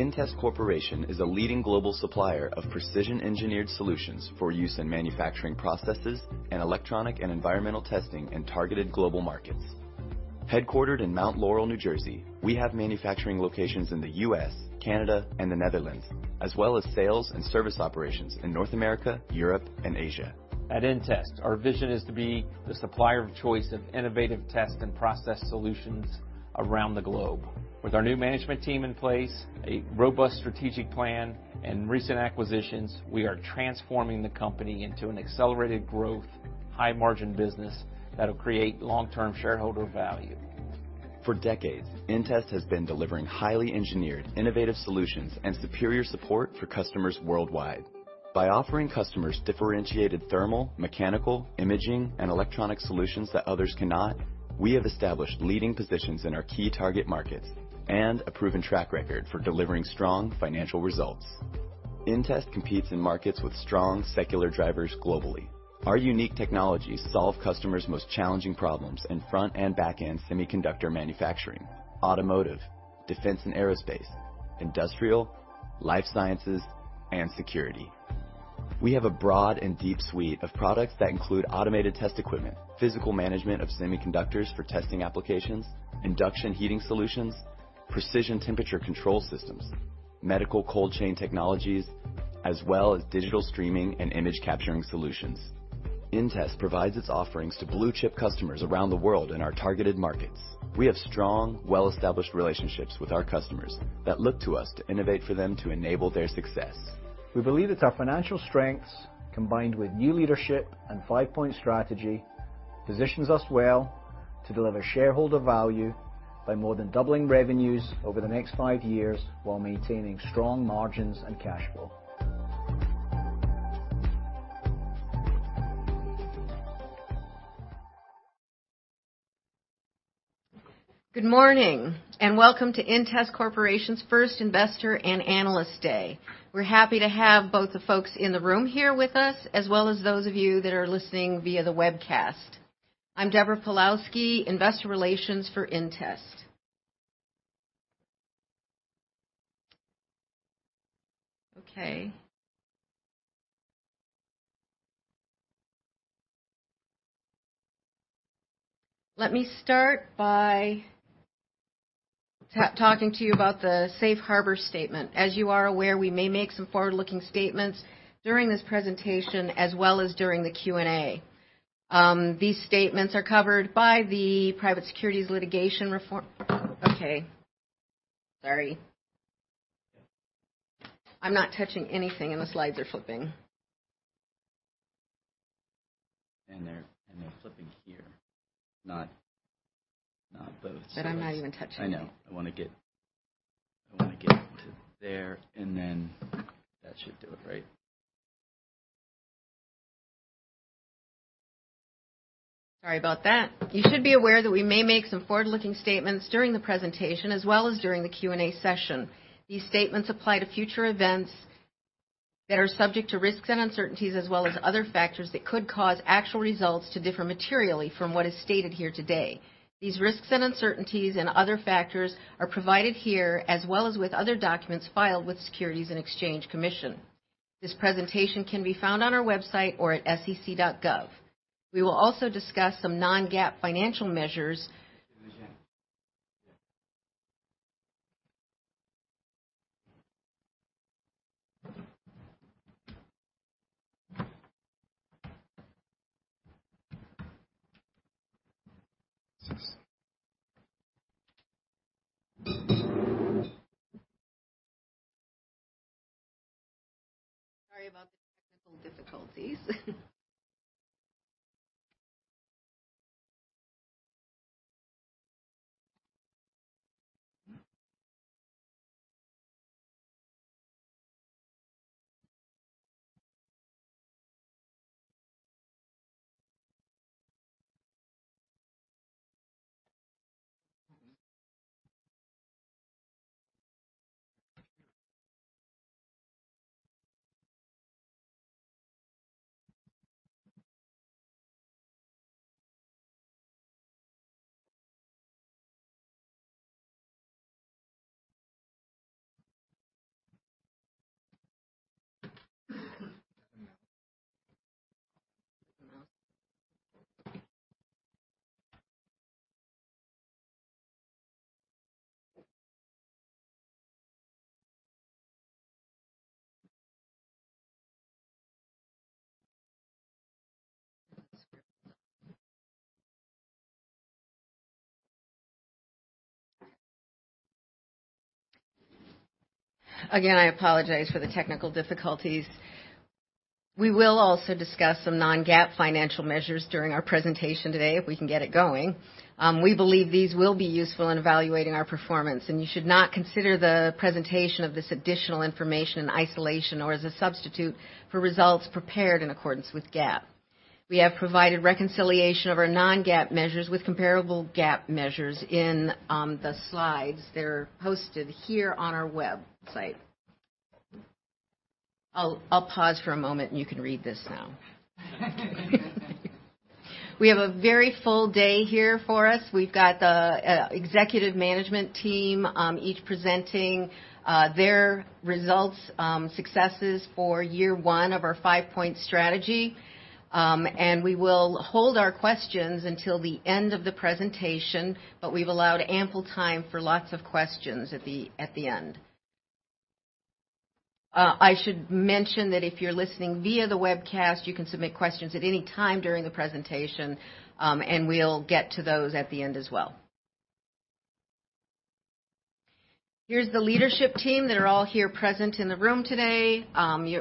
inTEST Corporation is a leading global supplier of precision-engineered solutions for use in manufacturing processes and electronic and environmental testing in targeted global markets. Headquartered in Mount Laurel, New Jersey, we have manufacturing locations in the U.S., Canada, and the Netherlands, as well as sales and service operations in North America, Europe, and Asia. At inTEST, our vision is to be the supplier of choice of innovative test and process solutions around the globe. With our new management team in place, a robust strategic plan, and recent acquisitions, we are transforming the company into an accelerated growth, high-margin business that'll create long-term shareholder value. For decades, inTEST has been delivering highly engineered, innovative solutions and superior support for customers worldwide. By offering customers differentiated thermal, mechanical, imaging, and electronic solutions that others cannot, we have established leading positions in our key target markets and a proven track record for delivering strong financial results. inTEST competes in markets with strong secular drivers globally. Our unique technologies solve customers' most challenging problems in front and back-end semiconductor manufacturing, automotive, defense and aerospace, industrial, life sciences, and security. We have a broad and deep suite of products that include automated test equipment, physical management of semiconductors for testing applications, induction heating solutions, precision temperature control systems, medical cold chain technologies, as well as digital streaming and image capturing solutions. inTEST provides its offerings to blue-chip customers around the world in our targeted markets. We have strong, well-established relationships with our customers that look to us to innovate for them to enable their success. We believe that our financial strengths, combined with new leadership and five-point strategy, positions us well to deliver shareholder value by more than doubling revenues over the next five years while maintaining strong margins and cash flow. Good morning, and welcome to inTEST Corporation's first Investor and Analyst Day. We're happy to have both the folks in the room here with us, as well as those of you that are listening via the webcast. I'm Deborah Pawlowski, Investor Relations for inTEST. Let me start by talking to you about the safe harbor statement. As you are aware, we may make some forward-looking statements during this presentation as well as during the Q&A. These statements are covered by the Private Securities Litigation Reform Act of 1995. Yeah. I'm not touching anything, and the slides are flipping. They're flipping here, not both. I'm not even touching it. I know. I wanna get to there, and then that should do it, right? Sorry about that. You should be aware that we may make some forward-looking statements during the presentation as well as during the Q&A session. These statements apply to future events that are subject to risks and uncertainties as well as other factors that could cause actual results to differ materially from what is stated here today. These risks and uncertainties and other factors are provided here as well as with other documents filed with Securities and Exchange Commission. This presentation can be found on our website or at sec.gov. We will also discuss some non-GAAP financial measures. In the end. Yeah. Sorry about the technical difficulties. There we go. Again, I apologize for the technical difficulties. We will also discuss some non-GAAP financial measures during our presentation today, if we can get it going. We believe these will be useful in evaluating our performance, and you should not consider the presentation of this additional information in isolation or as a substitute for results prepared in accordance with GAAP. We have provided reconciliation of our non-GAAP measures with comparable GAAP measures in the slides that are hosted here on our website. I'll pause for a moment, and you can read this now. We have a very full day here for us. We've got the executive management team each presenting their results, successes for year one of our five-point strategy. We will hold our questions until the end of the presentation, but we've allowed ample time for lots of questions at the end. I should mention that if you're listening via the webcast, you can submit questions at any time during the presentation, and we'll get to those at the end as well. Here's the leadership team that are all here present in the room today.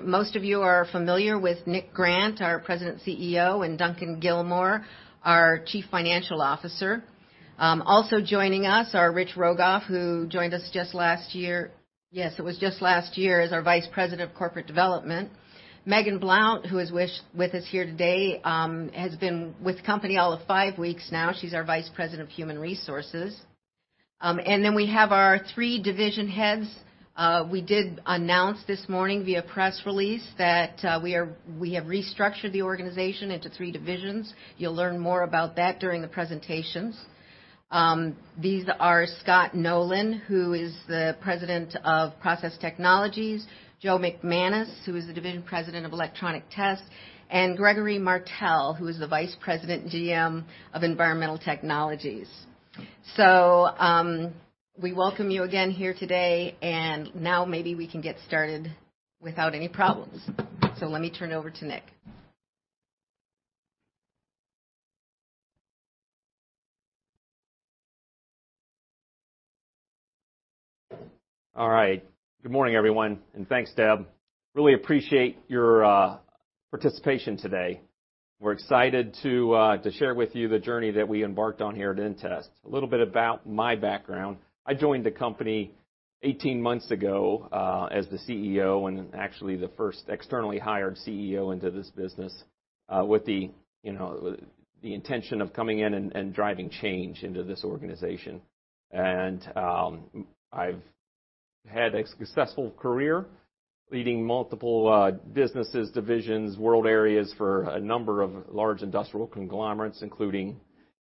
Most of you are familiar with Nick Grant, our President CEO, and Duncan Gilmour, our Chief Financial Officer. Also joining us are Rich Rogoff, who joined us just last year, yes, it was just last year, as our Vice President of Corporate Development. Megan Blount, who is with us here today, has been with the company all of five weeks now. She's our Vice President of Human Resources. We have our three division heads. We did announce this morning via press release that we have restructured the organization into three divisions. You'll learn more about that during the presentations. These are Scott Nolen, who is the President of Process Technologies, Joe McManus, who is the Division President of Electronic Test, and Gregory Martel, who is the Vice President GM of Environmental Technologies. We welcome you again here today, and now maybe we can get started without any problems. Let me turn it over to Nick. All right. Good morning, everyone, and thanks, Deb. Really appreciate your participation today. We're excited to share with you the journey that we embarked on here at inTEST. A little bit about my background. I joined the company eighteen months ago as the CEO and actually the first externally hired CEO into this business. With the intention of coming in and driving change into this organization. I've had a successful career leading multiple businesses, divisions, world areas for a number of large industrial conglomerates, including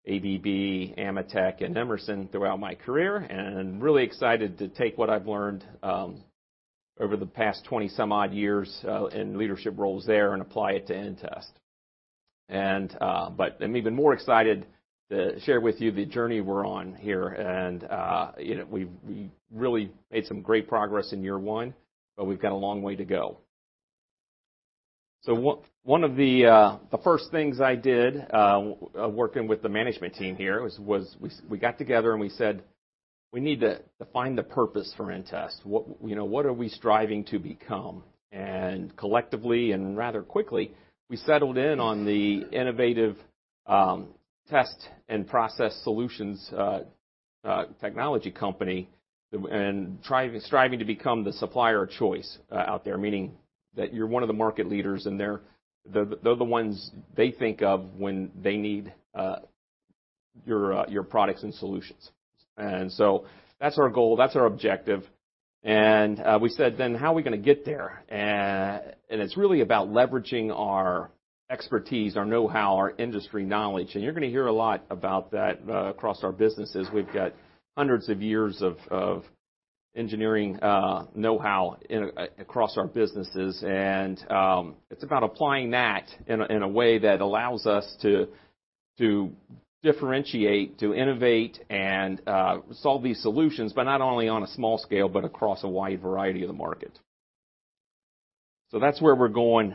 ABB, AMETEK, and Emerson throughout my career, and really excited to take what I've learned over the past 20-some-odd years in leadership roles there and apply it to inTEST. I'm even more excited to share with you the journey we're on here, and we've really made some great progress in year one, but we've got a long way to go. One of the first things I did, working with the management team here, was we got together and we said, "We need to find the purpose for inTEST. What, you know, what are we striving to become?" Collectively and rather quickly, we settled in on the innovative test and process solutions technology company and striving to become the supplier of choice out there, meaning that you're one of the market leaders and they're the ones they think of when they need your products and solutions. That's our goal, that's our objective. We said, how are we gonna get there? It's really about leveraging our expertise, our know-how, our industry knowledge. You're gonna hear a lot about that across our businesses. We've got hundreds of years of engineering know-how across our businesses. It's about applying that in a way that allows us to differentiate, to innovate, and solve these solutions, but not only on a small scale, but across a wide variety of the market. That's where we're going.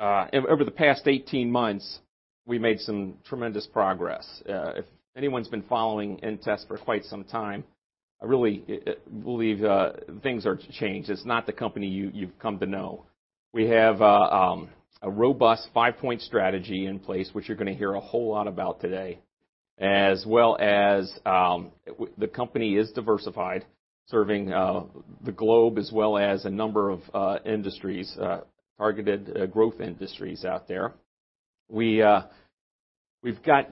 Over the past 18 months, we made some tremendous progress. If anyone's been following inTEST for quite some time, I really believe things are changed. It's not the company you've come to know. We have a robust five-point strategy in place, which you're gonna hear a whole lot about today, as well as the company is diversified, serving the globe as well as a number of industries, targeted growth industries out there. We've got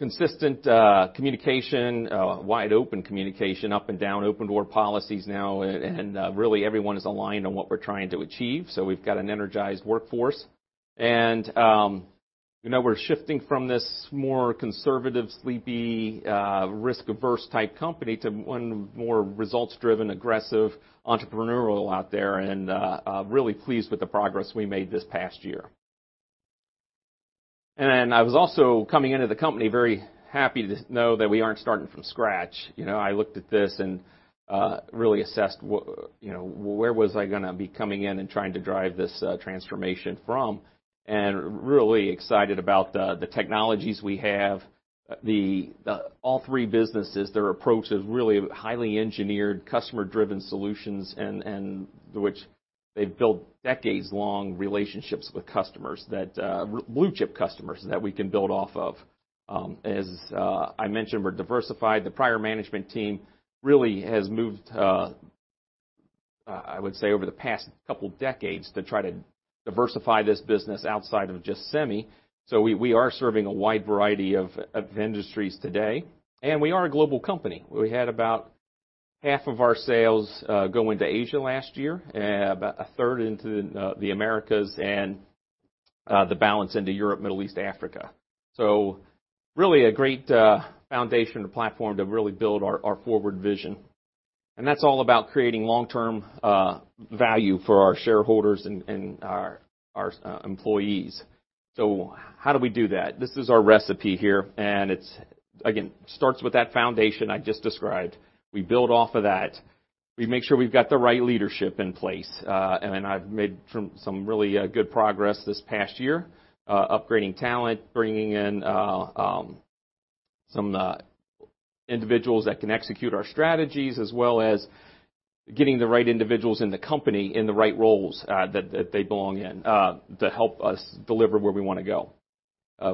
consistent communication, wide open communication up and down, open door policies now, and really everyone is aligned on what we're trying to achieve, so we've got an energized workforce. You know, we're shifting from this more conservative, sleepy, risk-averse type company to one more results-driven, aggressive entrepreneurial out there, and really pleased with the progress we made this past year. I was also coming into the company very happy to know that we aren't starting from scratch. You know, I looked at this and really assessed, you know, where I was gonna be coming in and trying to drive this transformation from. Really excited about the technologies we have. All three businesses, their approach is really highly engineered, customer-driven solutions and which they've built decades-long relationships with blue-chip customers that we can build off of. As I mentioned, we're diversified. The prior management team really has moved, I would say, over the past couple decades to try to diversify this business outside of just semi. We are serving a wide variety of industries today. We are a global company. We had about half of our sales go into Asia last year, about a third into the Americas, and the balance into Europe, Middle East, Africa. Really a great foundation or platform to really build our forward vision. That's all about creating long-term value for our shareholders and our employees. How do we do that? This is our recipe here. It again starts with that foundation I just described. We build off of that. We make sure we've got the right leadership in place. I've made some really good progress this past year, upgrading talent, bringing in some individuals that can execute our strategies, as well as getting the right individuals in the company in the right roles that they belong in, to help us deliver where we wanna go.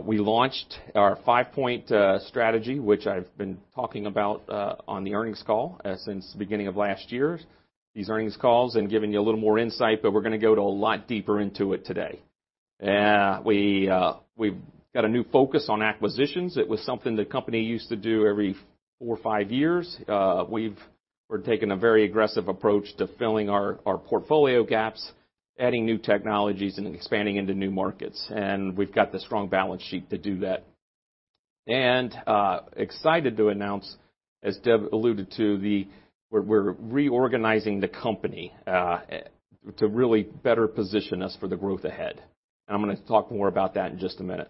We launched our five-point strategy, which I've been talking about on the earnings call since the beginning of last year, these earnings calls, and giving you a little more insight, but we're gonna go a lot deeper into it today. We've got a new focus on acquisitions. It was something the company used to do every four or five years. We're taking a very aggressive approach to filling our portfolio gaps, adding new technologies, and expanding into new markets. We've got the strong balance sheet to do that. I'm excited to announce, as Deb alluded to, we're reorganizing the company to really better position us for the growth ahead. I'm gonna talk more about that in just a minute.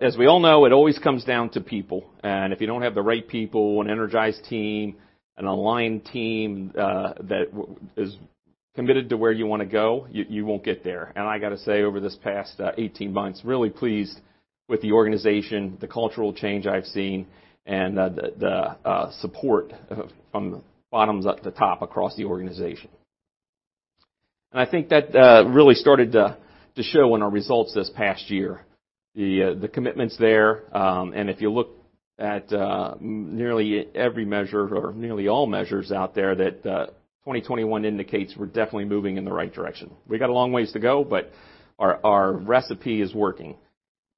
As we all know, it always comes down to people, and if you don't have the right people, an energized team, an aligned team, that is committed to where you wanna go, you won't get there. I gotta say, over this past eighteen months, I'm really pleased with the organization, the cultural change I've seen, and the support from the bottom up to the top across the organization. I think that really started to show in our results this past year. The commitment's there. If you look at nearly every measure or nearly all measures out there that 2021 indicates we're definitely moving in the right direction. We've got a long ways to go, but our recipe is working.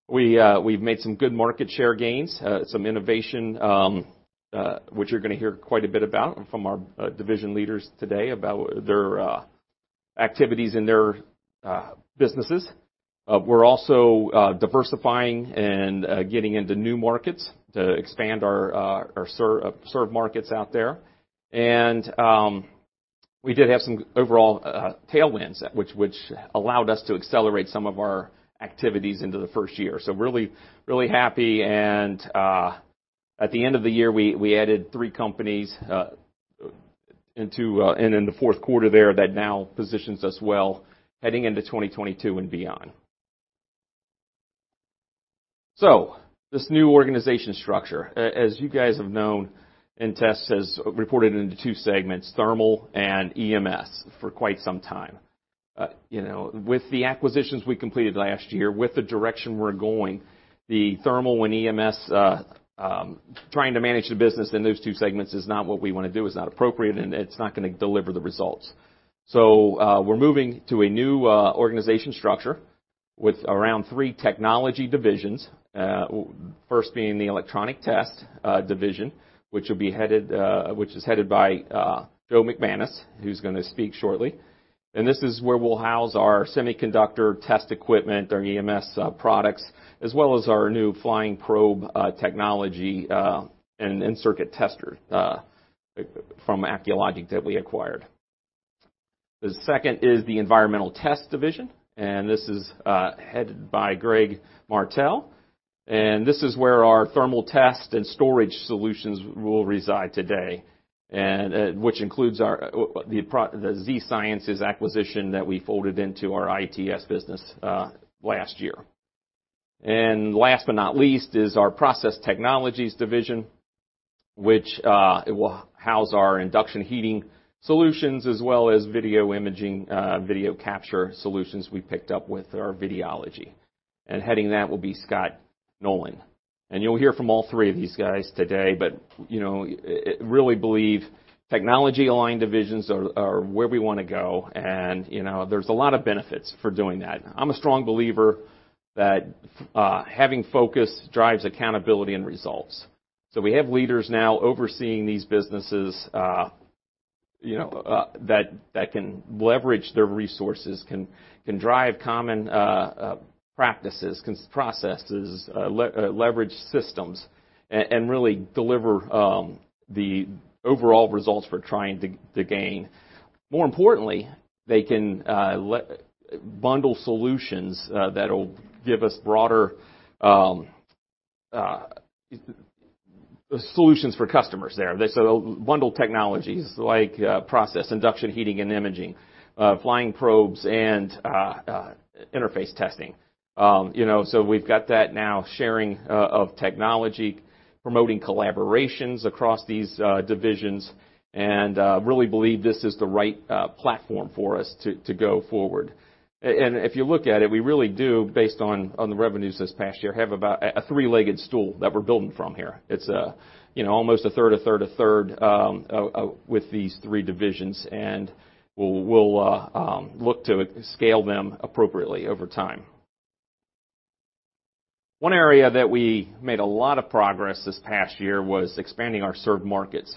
We've made some good market share gains, some innovation, which you're gonna hear quite a bit about from our division leaders today about their activities in their businesses. We're also diversifying and getting into new markets to expand our served markets out there. We did have some overall tailwinds which allowed us to accelerate some of our activities into the first year. Really happy, and at the end of the year, we added three companies, and in the fourth quarter that now positions us well heading into 2022 and beyond. This new organization structure. As you guys have known, inTEST has reported into two segments, Thermal and EMS, for quite some time. You know, with the acquisitions we completed last year, with the direction we're going, the Thermal and EMS trying to manage the business in those two segments is not what we wanna do. It's not appropriate, and it's not gonna deliver the results. We're moving to a new organization structure with around three technology divisions. First being the Electronic Test Division, which is headed by Joe McManus, who's gonna speak shortly. This is where we'll house our semiconductor test equipment, our EMS products, as well as our new flying probe technology and in-circuit tester from Acculogic that we acquired. The second is the Environmental Technologies Division, which is headed by Greg Martel. This is where our thermal test and storage solutions will reside today, which includes the Z-Sciences acquisition that we folded into our iTS business last year. Last but not least is our Process Technologies division, which it will house our induction heating solutions as well as video imaging, video capture solutions we picked up with our Videology. Heading that will be Scott Nolen. You'll hear from all three of these guys today, but, you know, really believe technology-aligned divisions are where we wanna go. You know, there's a lot of benefits for doing that. I'm a strong believer that, having focus drives accountability and results. We have leaders now overseeing these businesses, you know, that can leverage their resources, can drive common processes, leverage systems, and really deliver the overall results we're trying to gain. More importantly, they can bundle solutions that'll give us broader solutions for customers there. They sort of bundle technologies like process induction heating and imaging, flying probes and interface testing. You know, we've got that now sharing of technology, promoting collaborations across these divisions, and really believe this is the right platform for us to go forward. If you look at it, we really do based on the revenues this past year have about a three-legged stool that we're building from here. It's you know, almost a third with these three divisions, and we'll look to scale them appropriately over time. One area that we made a lot of progress this past year was expanding our served markets,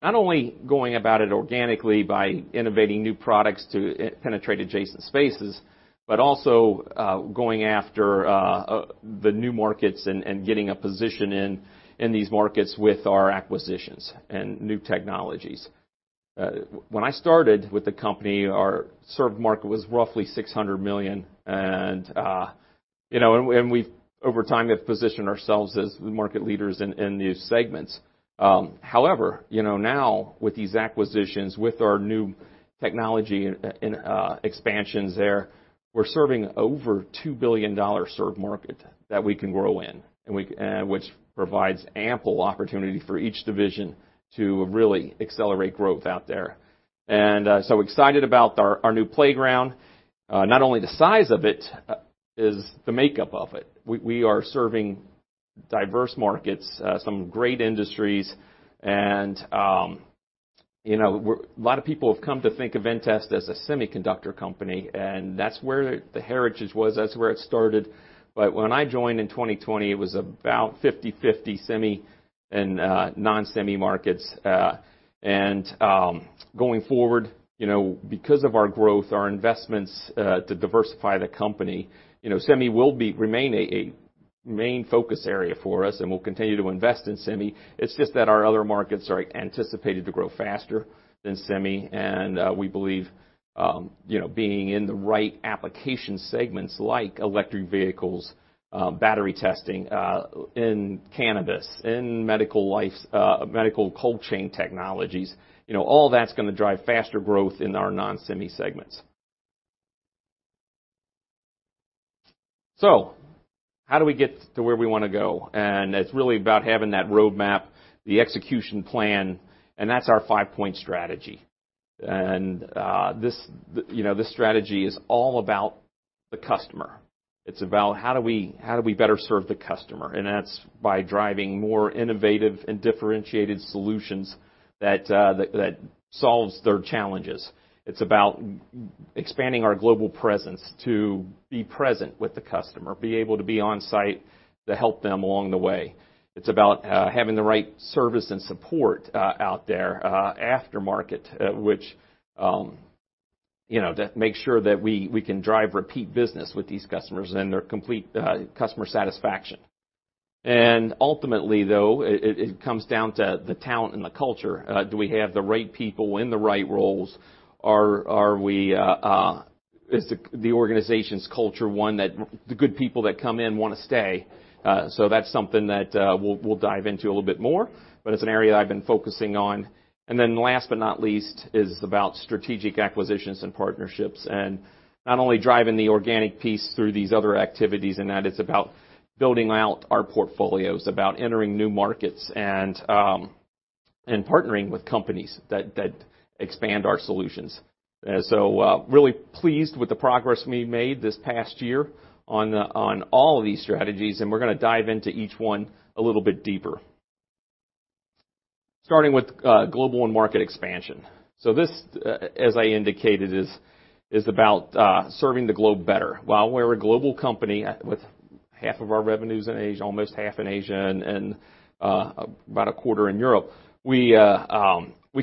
not only going about it organically by innovating new products to penetrate adjacent spaces, but also going after the new markets and getting a position in these markets with our acquisitions and new technologies. When I started with the company, our served market was roughly $600 million and, you know, we've over time positioned ourselves as the market leaders in these segments. However, you know, now with these acquisitions, with our new technology and expansions there, we're serving over $2 billion served market that we can grow in, which provides ample opportunity for each division to really accelerate growth out there. I'm so excited about our new playground. Not only the size of it, but the makeup of it. We are serving diverse markets, some great industries, and you know, a lot of people have come to think of inTEST as a semiconductor company, and that's where the heritage was, that's where it started. When I joined in 2020, it was about 50-50 semi and non-semi markets. Going forward, you know, because of our growth, our investments to diversify the company, you know, semi will remain a main focus area for us, and we'll continue to invest in semi. It's just that our other markets are anticipated to grow faster than semi. We believe, you know, being in the right application segments like electric vehicles, battery testing, in cannabis, in medical life sciences, medical cold chain technologies, you know, all that's gonna drive faster growth in our non-semi segments. How do we get to where we wanna go? It's really about having that roadmap, the execution plan, and that's our five-point strategy. This, you know, this strategy is all about the customer. It's about how do we better serve the customer? That's by driving more innovative and differentiated solutions that solves their challenges. It's about expanding our global presence to be present with the customer, be able to be on site to help them along the way. It's about having the right service and support out there aftermarket, which you know to make sure that we can drive repeat business with these customers and their complete customer satisfaction. Ultimately, though, it comes down to the talent and the culture. Do we have the right people in the right roles? Is the organization's culture one that the good people that come in wanna stay? That's something that we'll dive into a little bit more, but it's an area I've been focusing on. Last but not least is about strategic acquisitions and partnerships, and not only driving the organic piece through these other activities, and that it's about building out our portfolios, about entering new markets and partnering with companies that expand our solutions. Really pleased with the progress we made this past year on all of these strategies, and we're gonna dive into each one a little bit deeper. Starting with global and market expansion. This, as I indicated, is about serving the globe better. While we're a global company with half of our revenues in Asia, almost half in Asia, and about a quarter in Europe, we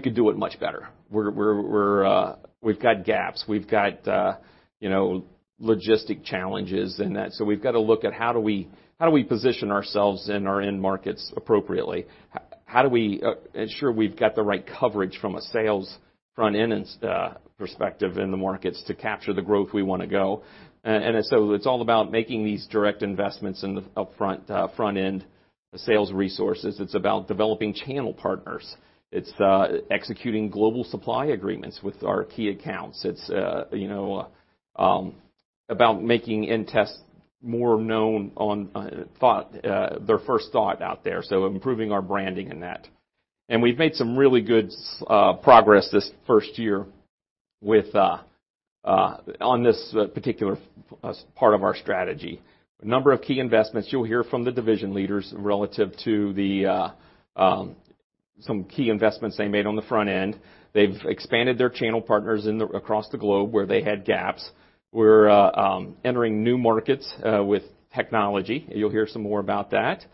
could do it much better. We've got gaps. We've got you know, logistic challenges in that. We've got to look at how do we position ourselves in our end markets appropriately? How do we ensure we've got the right coverage from a sales front-end perspective in the markets to capture the growth we wanna go? It's all about making these direct investments in the upfront front-end sales resources. It's about developing channel partners. It's executing global supply agreements with our key accounts. It's about making inTEST more known as their first thought out there, improving our branding in that. We've made some really good progress this first year on this particular part of our strategy. A number of key investments you'll hear from the division leaders relative to some key investments they made on the front end. They've expanded their channel partners across the globe where they had gaps. We're entering new markets with technology. You'll hear some more about that.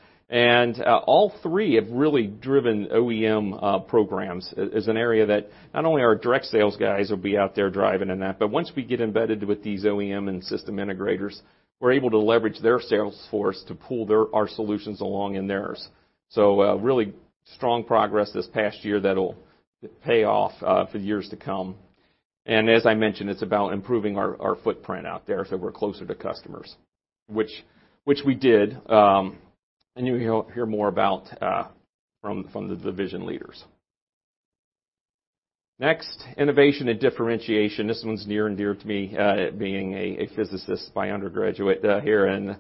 All three have really driven OEM programs, as an area that not only our direct sales guys will be out there driving in that, but once we get embedded with these OEM and system integrators, we're able to leverage their sales force to pull our solutions along in theirs. Really strong progress this past year that'll pay off for years to come. As I mentioned, it's about improving our footprint out there, so we're closer to customers, which we did, and you'll hear more about from the division leaders. Next, innovation and differentiation. This one's near and dear to me, being a physicist by undergraduate here and,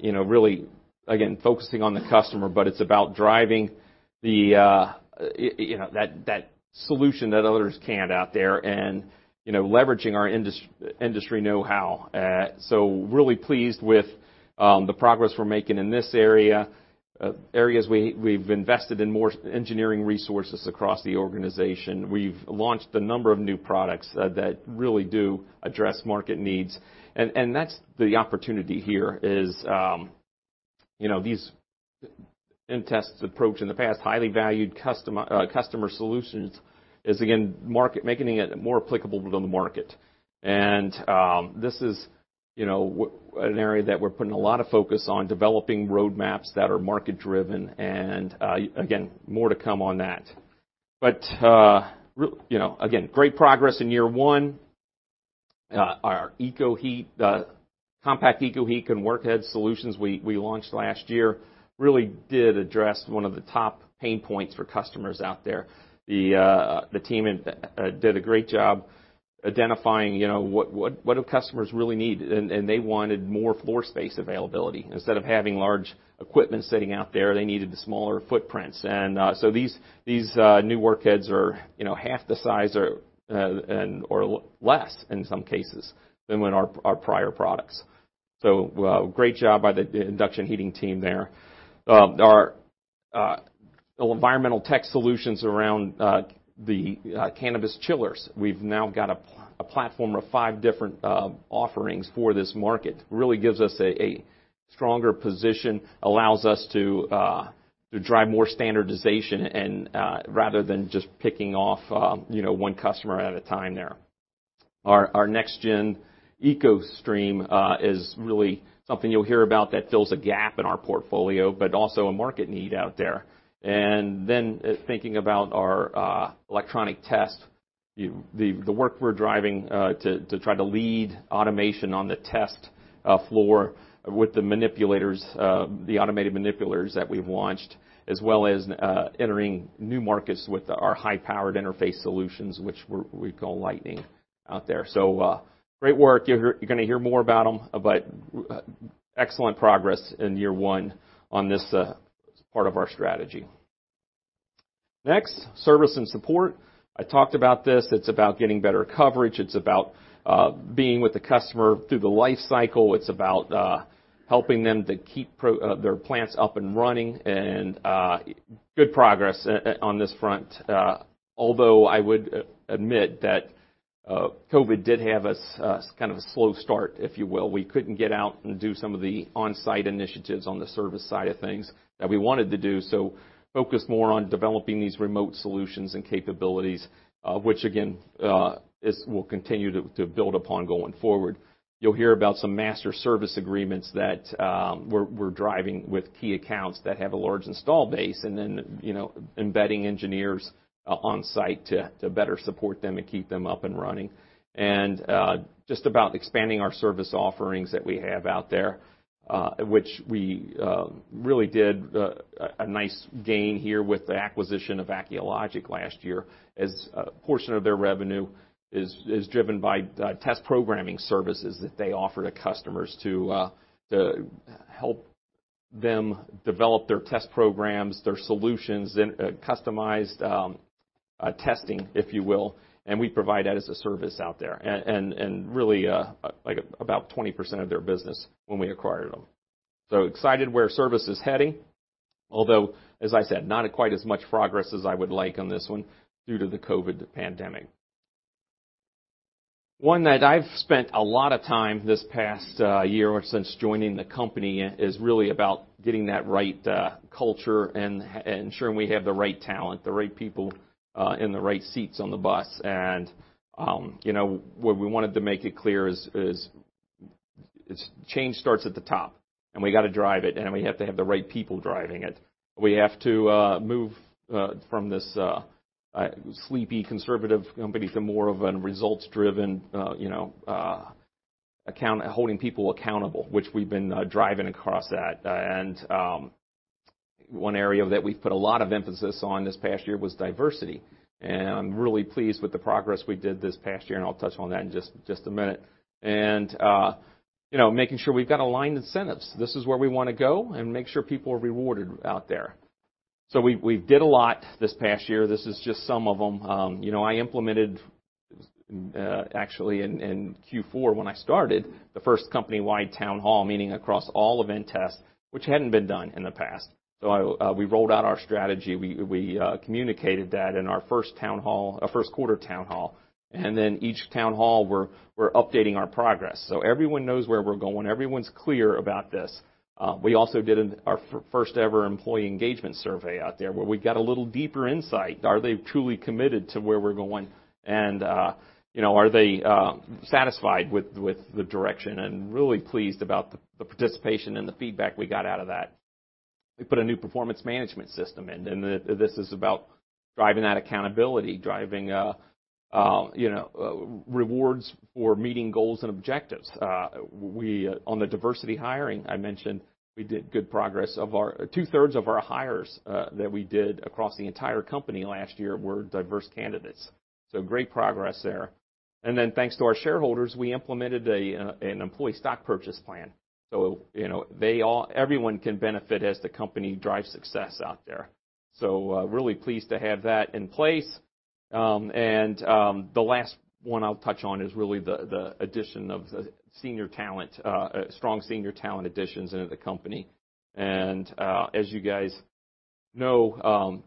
you know, really again, focusing on the customer, but it's about driving the you know, that solution that others can't out there and, you know, leveraging our industry know-how. So really pleased with the progress we're making in this area, areas we've invested in more engineering resources across the organization. We've launched a number of new products that really do address market needs. That's the opportunity here is you know these inTEST approach in the past highly valued customer solutions is again making it more applicable within the market. This is you know an area that we're putting a lot of focus on developing roadmaps that are market-driven and again more to come on that. You know again great progress in year one. Our EKOHEAT Compact EKOHEAT and workhead solutions we launched last year really did address one of the top pain points for customers out there. The team did a great job identifying you know what do customers really need and they wanted more floor space availability. Instead of having large equipment sitting out there they needed the smaller footprints. These new workheads are, you know, half the size, or less in some cases than our prior products. Great job by the induction heating team there. Our environmental tech solutions around the cannabis chillers. We've now got a platform of five different offerings for this market. Really gives us a stronger position, allows us to drive more standardization and rather than just picking off, you know, one customer at a time there. Our next gen EcoStream is really something you'll hear about that fills a gap in our portfolio, but also a market need out there. Thinking about our Electronic Test, the work we're driving to try to lead automation on the test floor with the manipulators, the automated manipulators that we've launched, as well as entering new markets with our high-powered interface solutions, which we call Lightning out there. Great work. You're gonna hear more about them, but excellent progress in year one on this part of our strategy. Next, service and support. I talked about this. It's about getting better coverage. It's about being with the customer through the life cycle. It's about helping them to keep their plants up and running, and good progress on this front. Although I would admit that COVID did have us kind of a slow start, if you will. We couldn't get out and do some of the on-site initiatives on the service side of things that we wanted to do, so focused more on developing these remote solutions and capabilities, which again will continue to build upon going forward. You'll hear about some master service agreements that we're driving with key accounts that have a large install base, and then, you know, embedding engineers on-site to better support them and keep them up and running. Just about expanding our service offerings that we have out there, which we really did a nice gain here with the acquisition of Acculogic last year, as a portion of their revenue is driven by test programming services that they offer to customers to help them develop their test programs, their solutions, and customized testing, if you will, and we provide that as a service out there. Really, like about 20% of their business when we acquired them. Excited where service is heading, although, as I said, not quite as much progress as I would like on this one due to the COVID pandemic. One that I've spent a lot of time this past year or since joining the company is really about getting that right culture and ensuring we have the right talent, the right people in the right seats on the bus. What we wanted to make it clear is change starts at the top, and we gotta drive it, and we have to have the right people driving it. We have to move from this sleepy conservative company to more of an results-driven, you know, holding people accountable, which we've been driving across that. One area that we've put a lot of emphasis on this past year was diversity. I'm really pleased with the progress we did this past year, and I'll touch on that in just a minute. You know, making sure we've got aligned incentives. This is where we wanna go, and make sure people are rewarded out there. We did a lot this past year. This is just some of them. You know, I implemented, actually in Q4 when I started, the first company-wide town hall meeting across all of inTEST, which hadn't been done in the past. We rolled out our strategy. We communicated that in our first town hall, first quarter town hall, and then each town hall we're updating our progress. Everyone knows where we're going, everyone's clear about this. We also did our first-ever employee engagement survey out there, where we got a little deeper insight. Are they truly committed to where we're going? You know, are they satisfied with the direction? Really pleased about the participation and the feedback we got out of that. We put a new performance management system in. This is about driving that accountability, driving rewards for meeting goals and objectives. On the diversity hiring, I mentioned we did good progress. Two-thirds of our hires that we did across the entire company last year were diverse candidates. Great progress there. Then thanks to our shareholders, we implemented an employee stock purchase plan. Everyone can benefit as the company drives success out there. Really pleased to have that in place. The last one I'll touch on is really the addition of senior talent, strong senior talent additions into the company. As you guys know,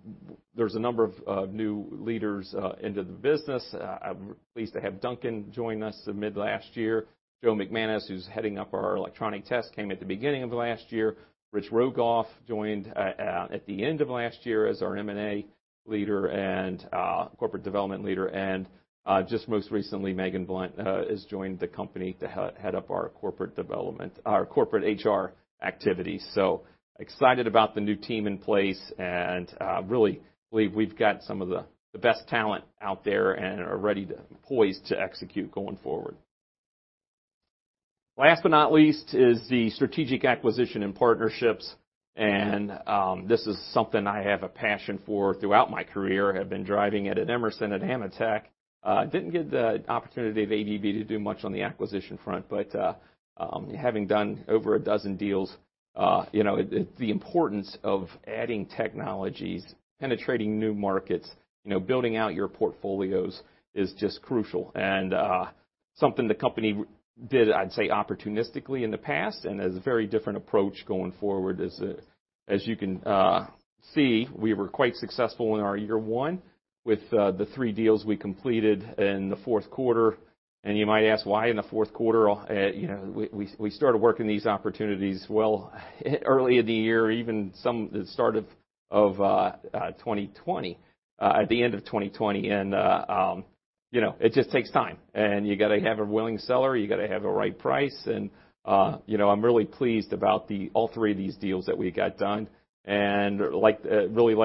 there's a number of new leaders into the business. I'm pleased to have Duncan join us mid last year. Joe McManus, who's heading up our Electronic Test, came at the beginning of last year. Rich Rogoff joined at the end of last year as our M&A leader and corporate development leader. Just most recently, Megan Blount has joined the company to head up our corporate development, our corporate HR activities. Excited about the new team in place, and really believe we've got some of the best talent out there and are ready, poised to execute going forward. Last but not least is the strategic acquisition and partnerships. This is something I have a passion for throughout my career, have been driving it at Emerson and AMETEK. Didn't get the opportunity at ABB to do much on the acquisition front, but, having done over a dozen deals, you know, the importance of adding technologies, penetrating new markets, you know, building out your portfolios is just crucial. Something the company did, I'd say, opportunistically in the past and has a very different approach going forward. As you can see, we were quite successful in our year one with the 3 deals we completed in the fourth quarter. You might ask, why in the fourth quarter? You know, we started working these opportunities well early in the year, even some at the start of 2020, at the end of 2020. You know, it just takes time. You gotta have a willing seller, you gotta have the right price. You know, I'm really pleased about all three of these deals that we got done, and like, really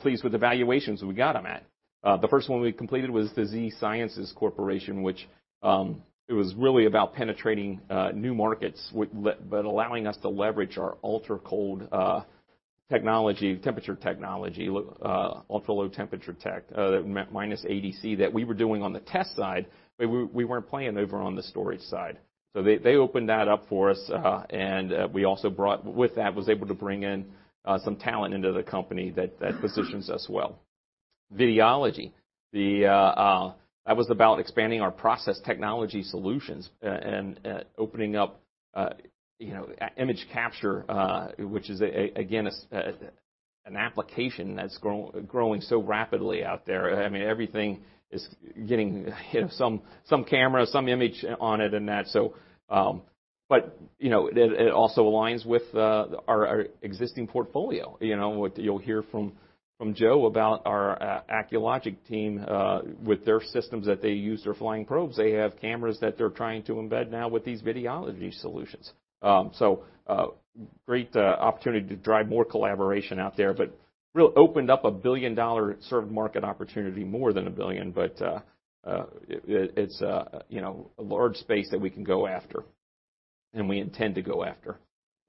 pleased with the valuations we got them at. The first one we completed was the Z-Sciences Corporation, which it was really about penetrating new markets but allowing us to leverage our ultra-cold technology, temperature technology, ultra-low temperature tech, minus 80 degrees C that we were doing on the test side, but we weren't playing over on the storage side. They opened that up for us and with that we were able to bring in some talent into the company that positions us well. Videology. That was about expanding our process technology solutions and opening up, you know, image capture, which is again an application that's growing so rapidly out there. I mean, everything is getting, you know, some camera, some image on it and that. But, you know, it also aligns with our existing portfolio, you know. What you'll hear from Joe about our Acculogic team with their systems that they use, their flying probes. They have cameras that they're trying to embed now with these Videology solutions. Great opportunity to drive more collaboration out there, but really opened up a billion-dollar served market opportunity, more than a billion. It's, you know, a large space that we can go after and we intend to go after.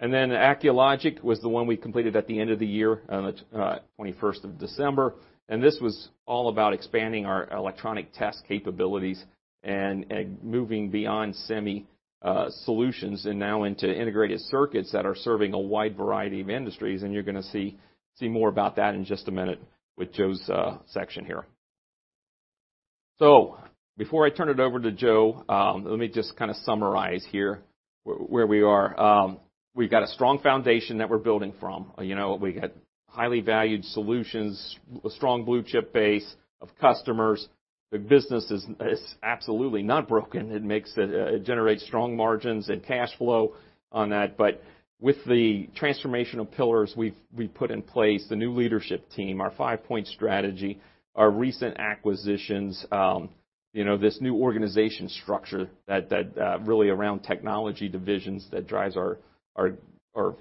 Then Acculogic was the one we completed at the end of the year, on the twenty-first of December. This was all about expanding our electronic test capabilities and moving beyond semi solutions and now into integrated circuits that are serving a wide variety of industries. You're gonna see more about that in just a minute with Joe's section here. Before I turn it over to Joe, let me just kind of summarize here where we are. We've got a strong foundation that we're building from. You know, we got highly valued solutions, a strong blue chip base of customers. The business is absolutely not broken. It generates strong margins and cash flow on that. With the transformational pillars we've put in place, the new leadership team, our five-point strategy, our recent acquisitions, you know, this new organization structure that really around technology divisions that drives our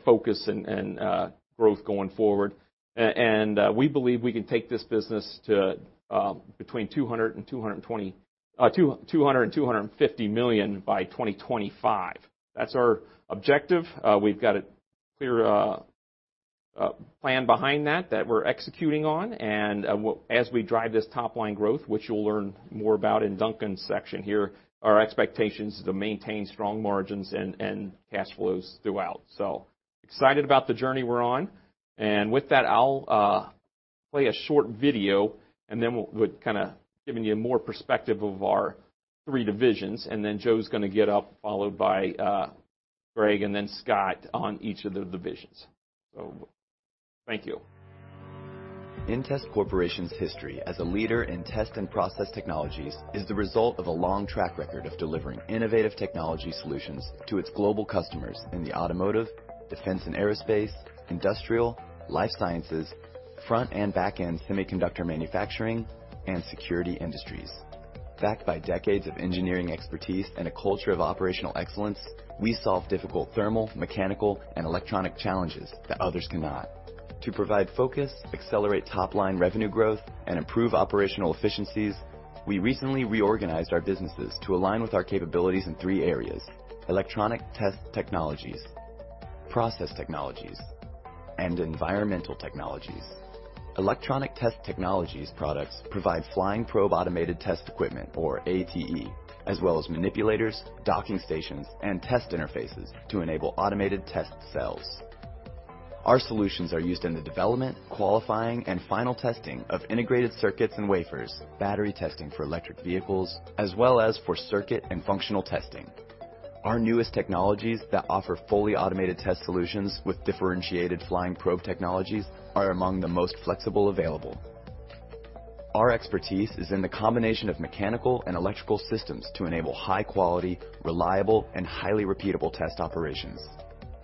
focus and growth going forward. We believe we can take this business to between $200 million and $250 million by 2025. That's our objective. We've got a clear plan behind that that we're executing on. As we drive this top-line growth, which you'll learn more about in Duncan's section here, our expectation is to maintain strong margins and cash flows throughout. Excited about the journey we're on. With that, I'll play a short video, and then we'll kind of giving you more perspective of our three divisions. Then Joe's gonna get up, followed by Greg, and then Scott on each of the divisions. Thank you. inTEST Corporation's history as a leader in test and process technologies is the result of a long track record of delivering innovative technology solutions to its global customers in the automotive, defense and aerospace, industrial, life sciences, front and back-end semiconductor manufacturing, and security industries. Backed by decades of engineering expertise and a culture of operational excellence, we solve difficult thermal, mechanical, and electronic challenges that others cannot. To provide focus, accelerate top-line revenue growth, and improve operational efficiencies, we recently reorganized our businesses to align with our capabilities in three areas: electronic test technologies, process technologies, and environmental technologies. Electronic test technologies products provide flying probe automated test equipment or ATE, as well as manipulators, docking stations, and test interfaces to enable automated test cells. Our solutions are used in the development, qualifying, and final testing of integrated circuits and wafers, battery testing for electric vehicles, as well as for circuit and functional testing. Our newest technologies that offer fully automated test solutions with differentiated flying probe technologies are among the most flexible available. Our expertise is in the combination of mechanical and electrical systems to enable high quality, reliable, and highly repeatable test operations.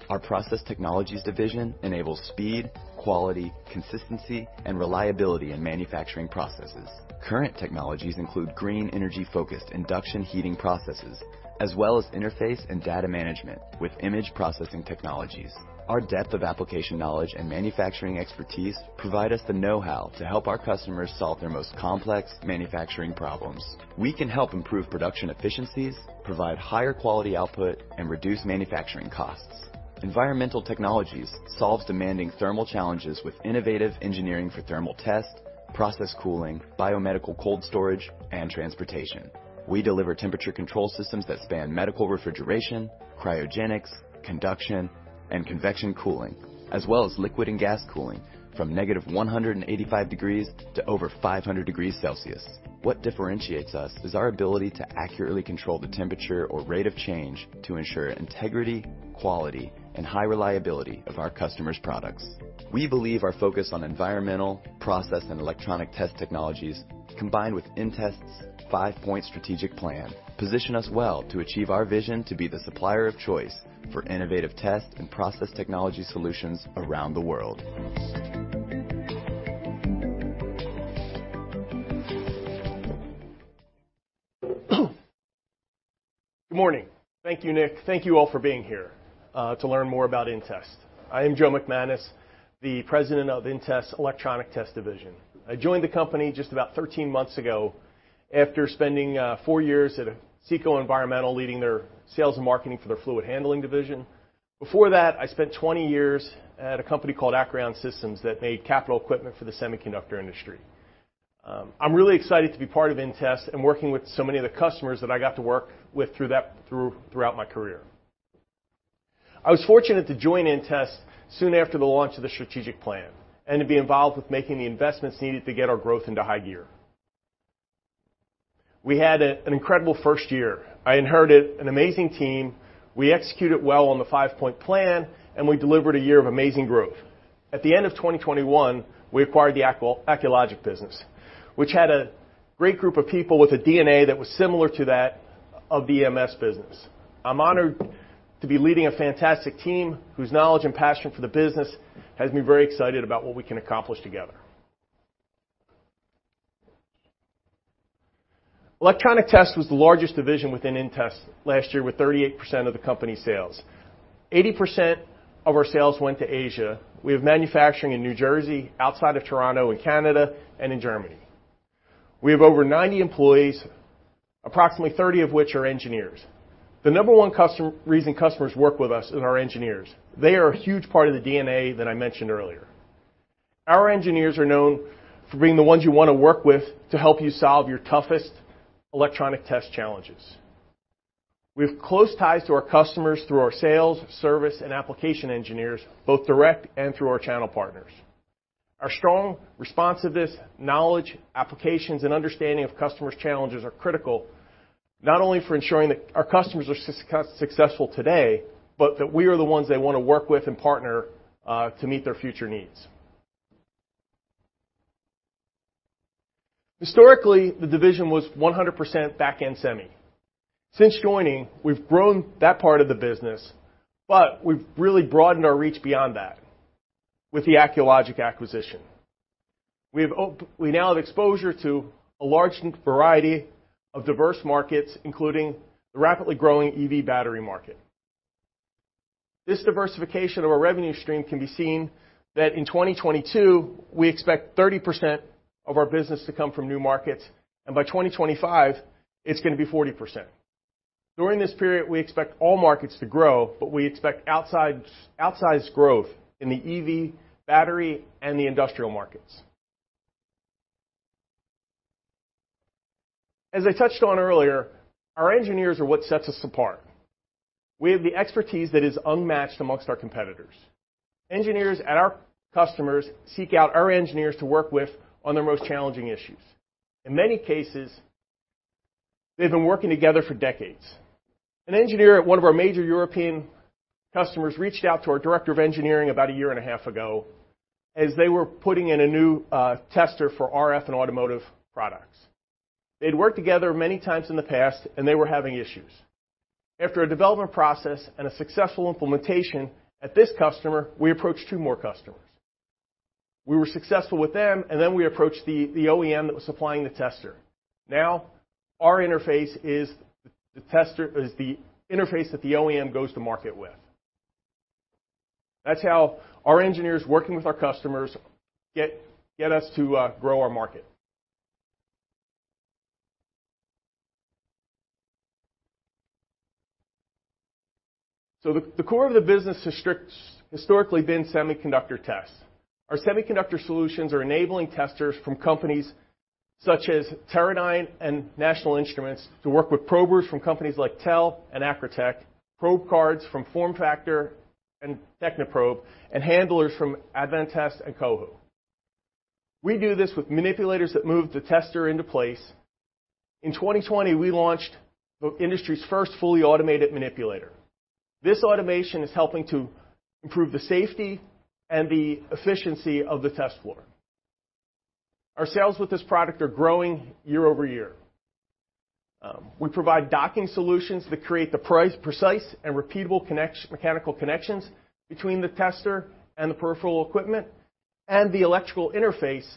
Our process technologies division enables speed, quality, consistency, and reliability in manufacturing processes. Current technologies include green energy-focused induction heating processes, as well as interface and data management with image processing technologies. Our depth of application knowledge and manufacturing expertise provide us the know-how to help our customers solve their most complex manufacturing problems. We can help improve production efficiencies, provide higher quality output, and reduce manufacturing costs. Environmental Technologies solves demanding thermal challenges with innovative engineering for thermal test, process cooling, biomedical cold storage, and transportation. We deliver temperature control systems that span medical refrigeration, cryogenics, conduction, and convection cooling, as well as liquid and gas cooling from -185 degrees to over 500 degrees Celsius. What differentiates us is our ability to accurately control the temperature or rate of change to ensure integrity, quality, and high reliability of our customers' products. We believe our focus on environmental, process, and electronic test technologies, combined with inTEST's five-point strategic plan, position us well to achieve our vision to be the supplier of choice for innovative test and process technology solutions around the world. Good morning. Thank you, Nick. Thank you all for being here to learn more about inTEST. I am Joe McManus, the President of inTEST Electronic Test Division. I joined the company just about 13 months ago after spending four years at CECO Environmental, leading their sales and marketing for their fluid handling division. Before that, I spent 20 years at a company called Akrion Systems that made capital equipment for the semiconductor industry. I'm really excited to be part of inTEST and working with so many of the customers that I got to work with throughout my career. I was fortunate to join inTEST soon after the launch of the strategic plan and to be involved with making the investments needed to get our growth into high gear. We had an incredible first year. I inherited an amazing team. We executed well on the five-point plan, and we delivered a year of amazing growth. At the end of 2021, we acquired the Acculogic business, which had a great group of people with a DNA that was similar to that of the EMS business. I'm honored to be leading a fantastic team whose knowledge and passion for the business has me very excited about what we can accomplish together. Electronic test was the largest division within inTEST last year, with 38% of the company's sales. 80% of our sales went to Asia. We have manufacturing in New Jersey, outside of Toronto in Canada, and in Germany. We have over 90 employees, approximately 30 of which are engineers. The number one reason customers work with us is our engineers. They are a huge part of the DNA that I mentioned earlier. Our engineers are known for being the ones you wanna work with to help you solve your toughest electronic test challenges. We have close ties to our customers through our sales, service, and application engineers, both direct and through our channel partners. Our strong responsiveness, knowledge, applications, and understanding of customers' challenges are critical, not only for ensuring that our customers are successful today, but that we are the ones they wanna work with and partner to meet their future needs. Historically, the division was 100% back-end semi. Since joining, we've grown that part of the business, but we've really broadened our reach beyond that with the Acculogic acquisition. We now have exposure to a large variety of diverse markets, including the rapidly growing EV battery market. This diversification of our revenue stream can be seen in 2022 we expect 30% of our business to come from new markets, and by 2025 it's gonna be 40%. During this period, we expect all markets to grow, but we expect outsized growth in the EV battery and the industrial markets. As I touched on earlier, our engineers are what sets us apart. We have the expertise that is unmatched amongst our competitors. Engineers at our customers seek out our engineers to work with on their most challenging issues. In many cases, they've been working together for decades. An engineer at one of our major European customers reached out to our director of engineering about a year and a half ago as they were putting in a new tester for RF and automotive products. They'd worked together many times in the past, and they were having issues. After a development process and a successful implementation at this customer, we approached two more customers. We were successful with them, and then we approached the OEM that was supplying the tester. Now our interface is the interface that the OEM goes to market with. That's how our engineers working with our customers get us to grow our market. The core of the business has historically been semiconductor tests. Our semiconductor solutions are enabling testers from companies such as Teradyne and National Instruments to work with probers from companies like TEL and Accretech, probe cards from FormFactor and Technoprobe, and handlers from Advantest and Cohu. We do this with manipulators that move the tester into place. In 2020, we launched the industry's first fully automated manipulator. This automation is helping to improve the safety and the efficiency of the test floor. Our sales with this product are growing year over year. We provide docking solutions that create the precise and repeatable mechanical connections between the tester and the peripheral equipment and the electrical interface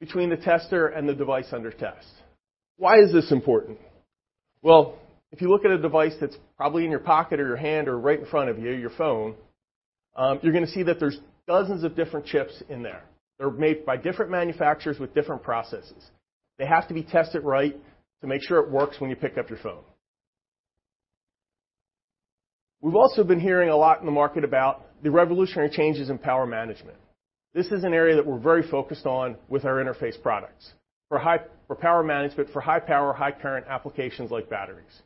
between the tester and the device under test. Why is this important? Well, if you look at a device that's probably in your pocket or your hand or right in front of you, your phone, you're gonna see that there's dozens of different chips in there. They're made by different manufacturers with different processes. They have to be tested right to make sure it works when you pick up your phone. We've also been hearing a lot in the market about the revolutionary changes in power management. This is an area that we're very focused on with our interface products. For power management, for high power, high current applications like batteries.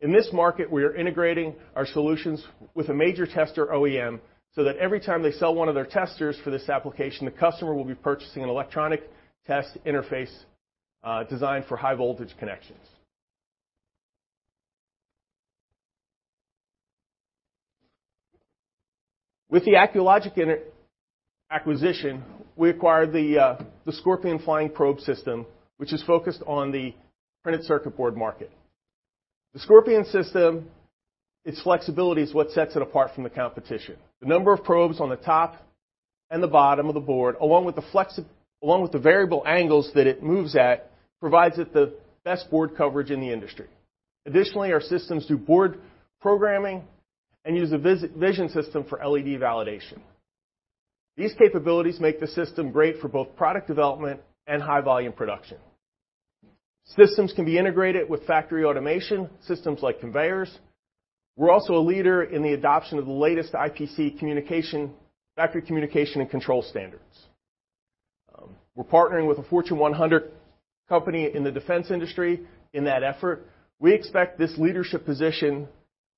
In this market, we are integrating our solutions with a major tester OEM, so that every time they sell one of their testers for this application, the customer will be purchasing an electronic test interface designed for high voltage connections. With the Acculogic acquisition, we acquired the SCORPION Flying Probe System, which is focused on the printed circuit board market. The SCORPION system, its flexibility is what sets it apart from the competition. The number of probes on the top and the bottom of the board, along with the variable angles that it moves at, provides it the best board coverage in the industry. Additionally, our systems do board programming and use a vision system for LED validation. These capabilities make the system great for both product development and high volume production. Systems can be integrated with factory automation systems like conveyors. We're also a leader in the adoption of the latest IPC communication, factory communication, and control standards. We're partnering with a Fortune 100 company in the defense industry in that effort. We expect this leadership position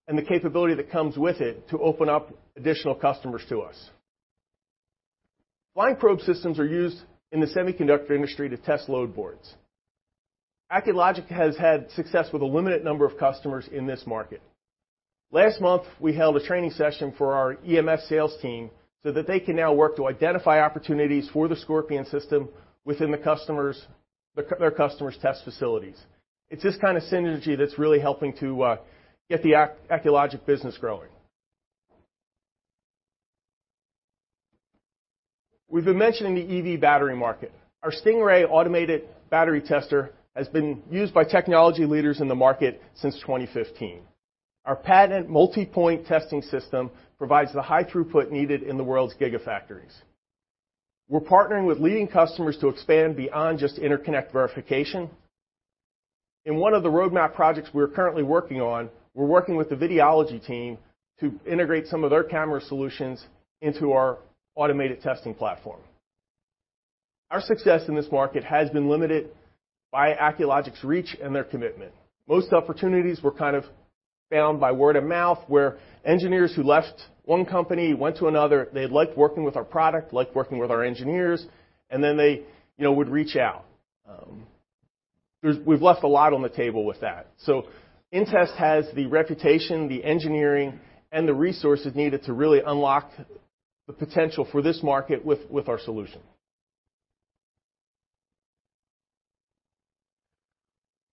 and the capability that comes with it to open up additional customers to us. Flying probe systems are used in the semiconductor industry to test load boards. Acculogic has had success with a limited number of customers in this market. Last month, we held a training session for our EMS sales team so that they can now work to identify opportunities for the SCORPION system within their customers' test facilities. It's this kind of synergy that's really helping to get the Acculogic business growing. We've been mentioning the EV battery market. Our Stingray automated battery tester has been used by technology leaders in the market since 2015. Our patented multi-point testing system provides the high throughput needed in the world's gigafactories. We're partnering with leading customers to expand beyond just interconnect verification. In one of the roadmap projects we're currently working on, we're working with the Videology team to integrate some of their camera solutions into our automated testing platform. Our success in this market has been limited by Acculogic's reach and their commitment. Most opportunities were kind of found by word of mouth, where engineers who left one company, went to another, they had liked working with our product, liked working with our engineers, and then they, you know, would reach out. We've left a lot on the table with that. inTEST has the reputation, the engineering, and the resources needed to really unlock the potential for this market with our solution.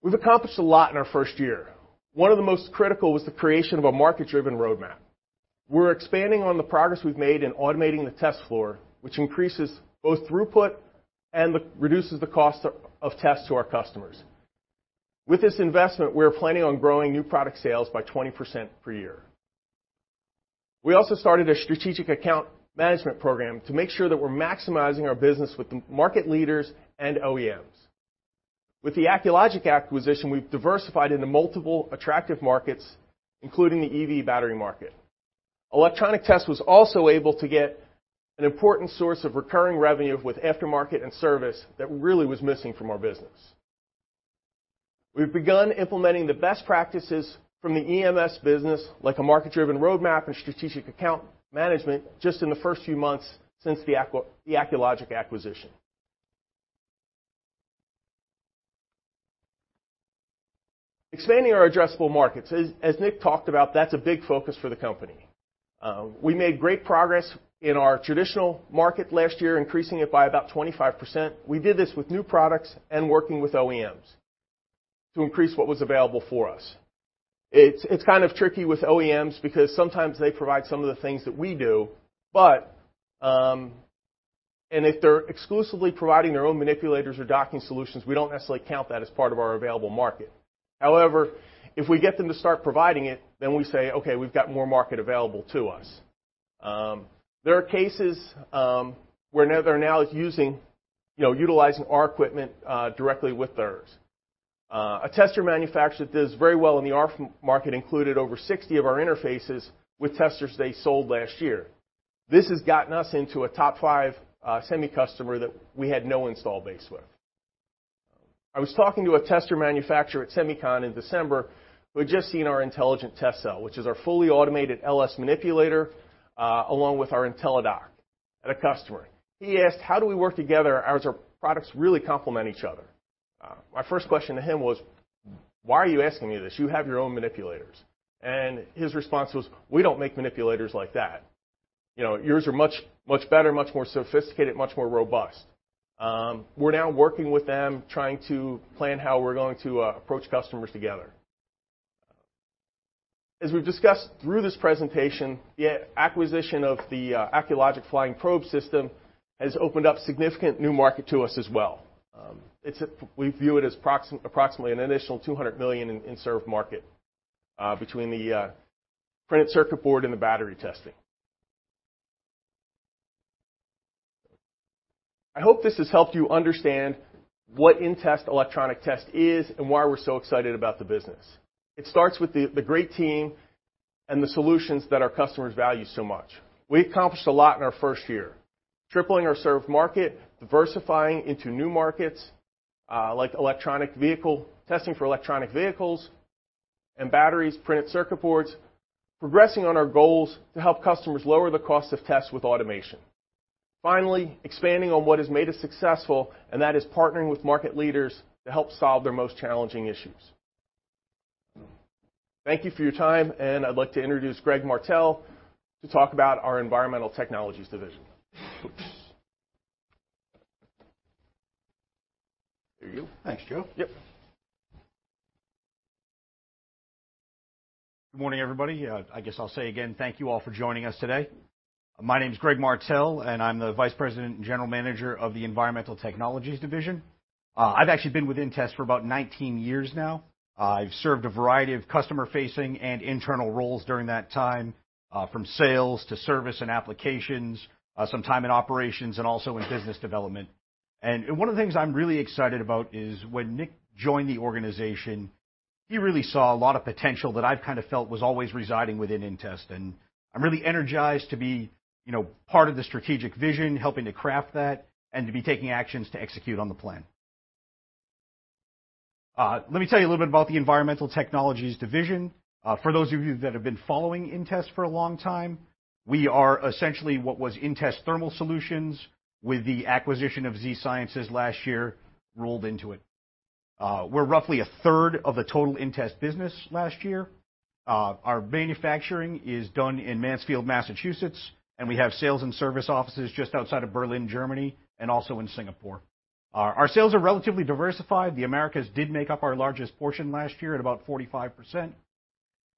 We've accomplished a lot in our first year. One of the most critical was the creation of a market-driven roadmap. We're expanding on the progress we've made in automating the test floor, which increases both throughput and reduces the cost of tests to our customers. With this investment, we are planning on growing new product sales by 20% per year. We also started a strategic account management program to make sure that we're maximizing our business with the market leaders and OEMs. With the Acculogic acquisition, we've diversified into multiple attractive markets, including the EV battery market. Electronic Test was also able to get an important source of recurring revenue with aftermarket and service that really was missing from our business. We've begun implementing the best practices from the EMS business, like a market-driven roadmap and strategic account management just in the first few months since the Acculogic acquisition. Expanding our addressable markets. As Nick talked about, that's a big focus for the company. We made great progress in our traditional market last year, increasing it by about 25%. We did this with new products and working with OEMs to increase what was available for us. It's kind of tricky with OEMs because sometimes they provide some of the things that we do, but if they're exclusively providing their own manipulators or docking solutions, we don't necessarily count that as part of our available market. However, if we get them to start providing it, then we say, "Okay, we've got more market available to us." There are cases where now they're using, you know, utilizing our equipment directly with theirs. A tester manufacturer that does very well in the RF market included over 60 of our interfaces with testers they sold last year. This has gotten us into a top five semi customer that we had no install base with. I was talking to a tester manufacturer at SEMICON in December who had just seen our intelligent test cell, which is our fully automated LS manipulator, along with our intelliDock at a customer. He asked, "How do we work together as our products really complement each other?" My first question to him was, "Why are you asking me this? You have your own manipulators." His response was, "We don't make manipulators like that. You know, yours are much better, much more sophisticated, much more robust." We're now working with them, trying to plan how we're going to approach customers together. As we've discussed through this presentation, the acquisition of the Acculogic flying probe system has opened up significant new market to us as well. We view it as approximately an additional $200 million in served market between the printed circuit board and the battery testing. I hope this has helped you understand what inTEST Electronic Test is and why we're so excited about the business. It starts with the great team and the solutions that our customers value so much. We accomplished a lot in our first year, tripling our served market, diversifying into new markets, like electric vehicle testing for electric vehicles and batteries, printed circuit boards, progressing on our goals to help customers lower the cost of tests with automation. Finally, expanding on what has made us successful, and that is partnering with market leaders to help solve their most challenging issues. Thank you for your time, and I'd like to introduce Greg Martel to talk about our Environmental Technologies division. There you go. Thanks, Joe. Yep. Good morning, everybody. I guess I'll say again thank you all for joining us today. My name's Greg Martel, and I'm the Vice President and General Manager of the Environmental Technologies division. I've actually been with inTEST for about 19 years now. I've served a variety of customer-facing and internal roles during that time, from sales to service and applications, some time in operations and also in business development. One of the things I'm really excited about is when Nick joined the organization. He really saw a lot of potential that I've kind of felt was always residing within inTEST, and I'm really energized to be, you know, part of the strategic vision, helping to craft that and to be taking actions to execute on the plan. Let me tell you a little bit about the Environmental Technologies division. For those of you that have been following inTEST for a long time, we are essentially what was inTEST Thermal Solutions with the acquisition of Z-Sciences last year rolled into it. We're roughly a third of the total inTEST business last year. Our manufacturing is done in Mansfield, Massachusetts, and we have sales and service offices just outside of Berlin, Germany, and also in Singapore. Our sales are relatively diversified. The Americas did make up our largest portion last year at about 45%.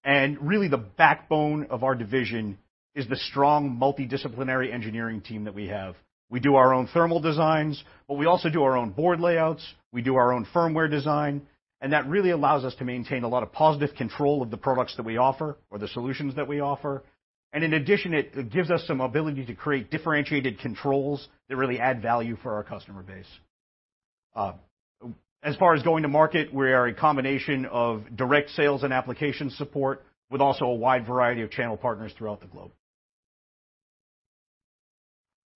Really the backbone of our division is the strong multidisciplinary engineering team that we have. We do our own thermal designs, but we also do our own board layouts, we do our own firmware design, and that really allows us to maintain a lot of positive control of the products that we offer or the solutions that we offer. In addition, it gives us some ability to create differentiated controls that really add value for our customer base. As far as going to market, we are a combination of direct sales and application support with also a wide variety of channel partners throughout the globe.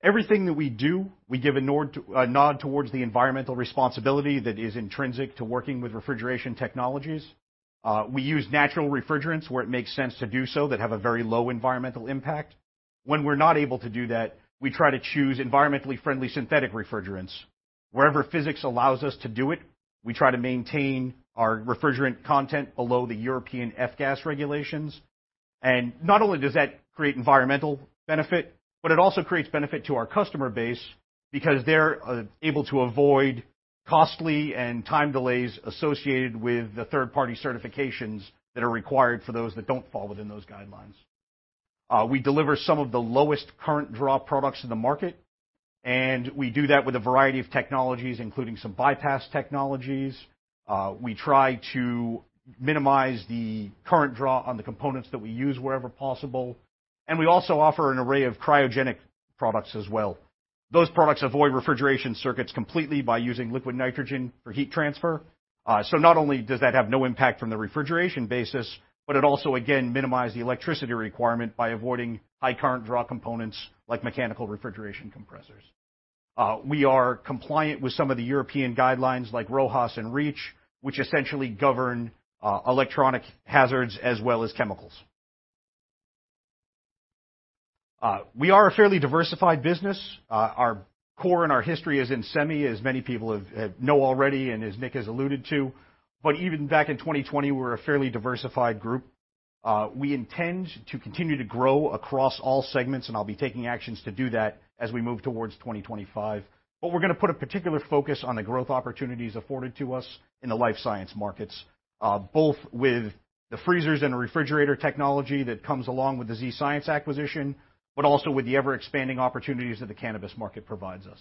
Everything that we do, we give a nod towards the environmental responsibility that is intrinsic to working with refrigeration technologies. We use natural refrigerants where it makes sense to do so that have a very low environmental impact. When we're not able to do that, we try to choose environmentally friendly synthetic refrigerants. Wherever physics allows us to do it, we try to maintain our refrigerant content below the European F-gas regulations. Not only does that create environmental benefit, but it also creates benefit to our customer base because they're able to avoid costly and time delays associated with the third-party certifications that are required for those that don't fall within those guidelines. We deliver some of the lowest current draw products in the market, and we do that with a variety of technologies, including some bypass technologies. We try to minimize the current draw on the components that we use wherever possible, and we also offer an array of cryogenic products as well. Those products avoid refrigeration circuits completely by using liquid nitrogen for heat transfer. Not only does that have no impact from the refrigeration basis, but it also again minimize the electricity requirement by avoiding high current draw components like mechanical refrigeration compressors. We are compliant with some of the European guidelines like RoHS and REACH, which essentially govern electronic hazards as well as chemicals. We are a fairly diversified business. Our core and our history is in semi, as many people have known already and as Nick has alluded to. Even back in 2020, we're a fairly diversified group. We intend to continue to grow across all segments, and I'll be taking actions to do that as we move towards 2025. We're gonna put a particular focus on the growth opportunities afforded to us in the life science markets, both with the freezers and the refrigerator technology that comes along with the Z-Sciences acquisition, but also with the ever-expanding opportunities that the cannabis market provides us.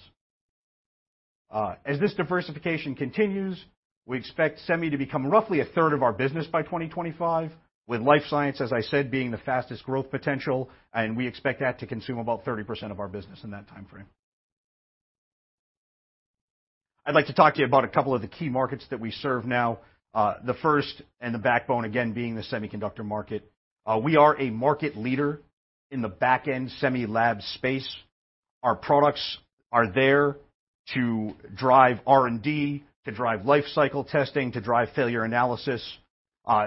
As this diversification continues, we expect semi to become roughly a third of our business by 2025, with life science, as I said, being the fastest growth potential, and we expect that to consume about 30% of our business in that time frame. I'd like to talk to you about a couple of the key markets that we serve now. The first and the backbone, again, being the semiconductor market. We are a market leader in the backend semi lab space. Our products are there to drive R&D, to drive life cycle testing, to drive failure analysis.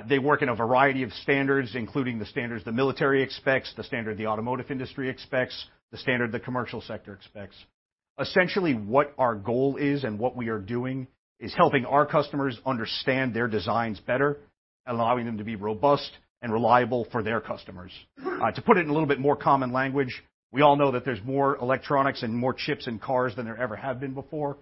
They work in a variety of standards, including the standards the military expects, the standard the automotive industry expects, the standard the commercial sector expects. Essentially, what our goal is and what we are doing is helping our customers understand their designs better, allowing them to be robust and reliable for their customers. To put it in a little bit more common language, we all know that there's more electronics and more chips in cars than there ever have been before.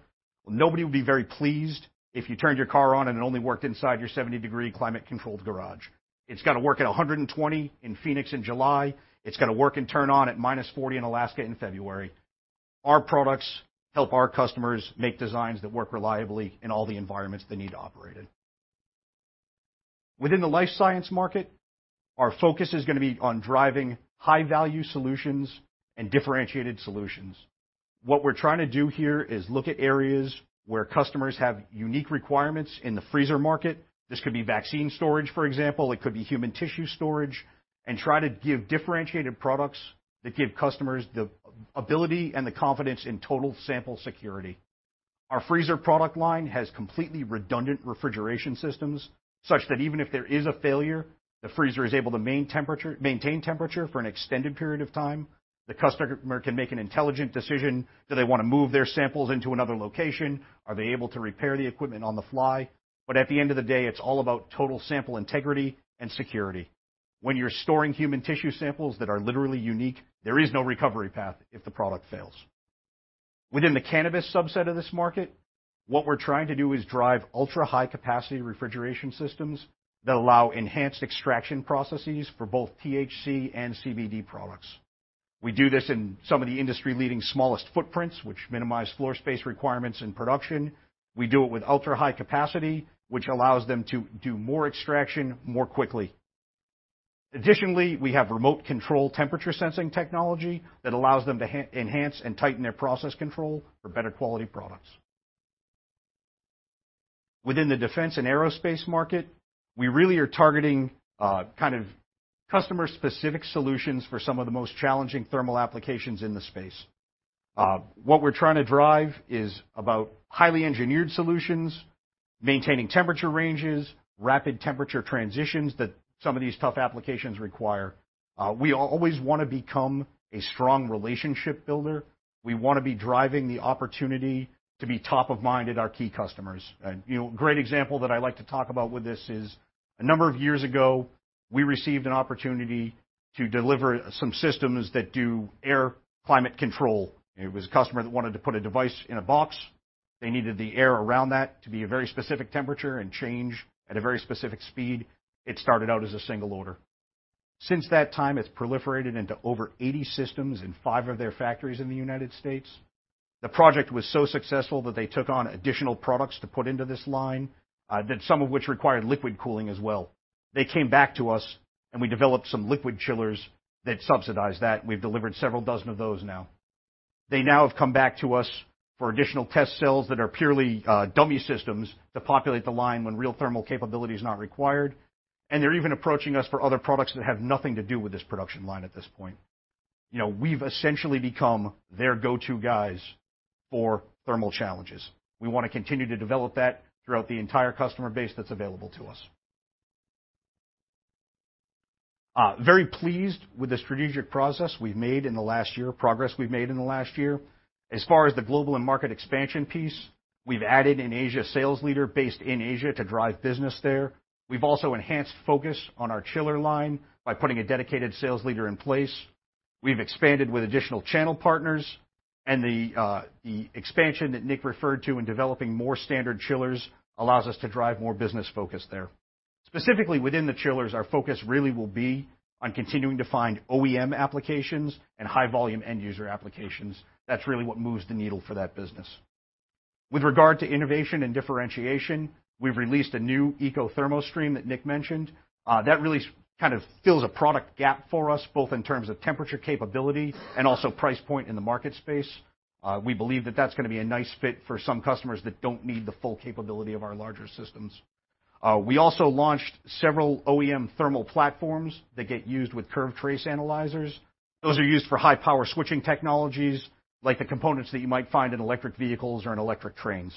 Nobody would be very pleased if you turned your car on, and it only worked inside your 70-degree climate-controlled garage. It's got to work at 120 in Phoenix in July. It's got to work and turn on at minus 40 in Alaska in February. Our products help our customers make designs that work reliably in all the environments they need to operate in. Within the life science market, our focus is gonna be on driving high-value solutions and differentiated solutions. What we're trying to do here is look at areas where customers have unique requirements in the freezer market. This could be vaccine storage, for example. It could be human tissue storage, and try to give differentiated products that give customers the ability and the confidence in total sample security. Our freezer product line has completely redundant refrigeration systems, such that even if there is a failure, the freezer is able to maintain temperature for an extended period of time. The customer can make an intelligent decision. Do they wanna move their samples into another location? Are they able to repair the equipment on the fly? At the end of the day, it's all about total sample integrity and security. When you're storing human tissue samples that are literally unique, there is no recovery path if the product fails. Within the cannabis subset of this market, what we're trying to do is drive ultra-high capacity refrigeration systems that allow enhanced extraction processes for both THC and CBD products. We do this in some of the industry-leading smallest footprints, which minimize floor space requirements in production. We do it with ultra-high capacity, which allows them to do more extraction more quickly. Additionally, we have remote control temperature sensing technology that allows them to enhance and tighten their process control for better quality products. Within the defense and aerospace market, we really are targeting kind of customer-specific solutions for some of the most challenging thermal applications in the space. What we're trying to drive is about highly engineered solutions, maintaining temperature ranges, rapid temperature transitions that some of these tough applications require. We always wanna become a strong relationship builder. We wanna be driving the opportunity to be top of mind at our key customers. You know, great example that I like to talk about with this is, a number of years ago, we received an opportunity to deliver some systems that do air climate control. It was a customer that wanted to put a device in a box. They needed the air around that to be a very specific temperature and change at a very specific speed. It started out as a single order. Since that time, it's proliferated into over 80 systems in five of their factories in the United States. The project was so successful that they took on additional products to put into this line, that some of which required liquid cooling as well. They came back to us, and we developed some liquid chillers that subsidized that. We've delivered several dozen of those now. They now have come back to us for additional test cells that are purely dummy systems to populate the line when real thermal capability is not required. They're even approaching us for other products that have nothing to do with this production line at this point. You know, we've essentially become their go-to guys for thermal challenges. We wanna continue to develop that throughout the entire customer base that's available to us. Very pleased with the progress we've made in the last year. As far as the global and market expansion piece, we've added an Asia sales leader based in Asia to drive business there. We've also enhanced focus on our chiller line by putting a dedicated sales leader in place. We've expanded with additional channel partners, and the expansion that Nick referred to in developing more standard chillers allows us to drive more business focus there. Specifically, within the chillers, our focus really will be on continuing to find OEM applications and high-volume end user applications. That's really what moves the needle for that business. With regard to innovation and differentiation, we've released a new ECO ThermoStream that Nick mentioned. That really kind of fills a product gap for us, both in terms of temperature capability and also price point in the market space. We believe that that's gonna be a nice fit for some customers that don't need the full capability of our larger systems. We also launched several OEM thermal platforms that get used with curve trace analyzers. Those are used for high-power switching technologies, like the components that you might find in electric vehicles or in electric trains.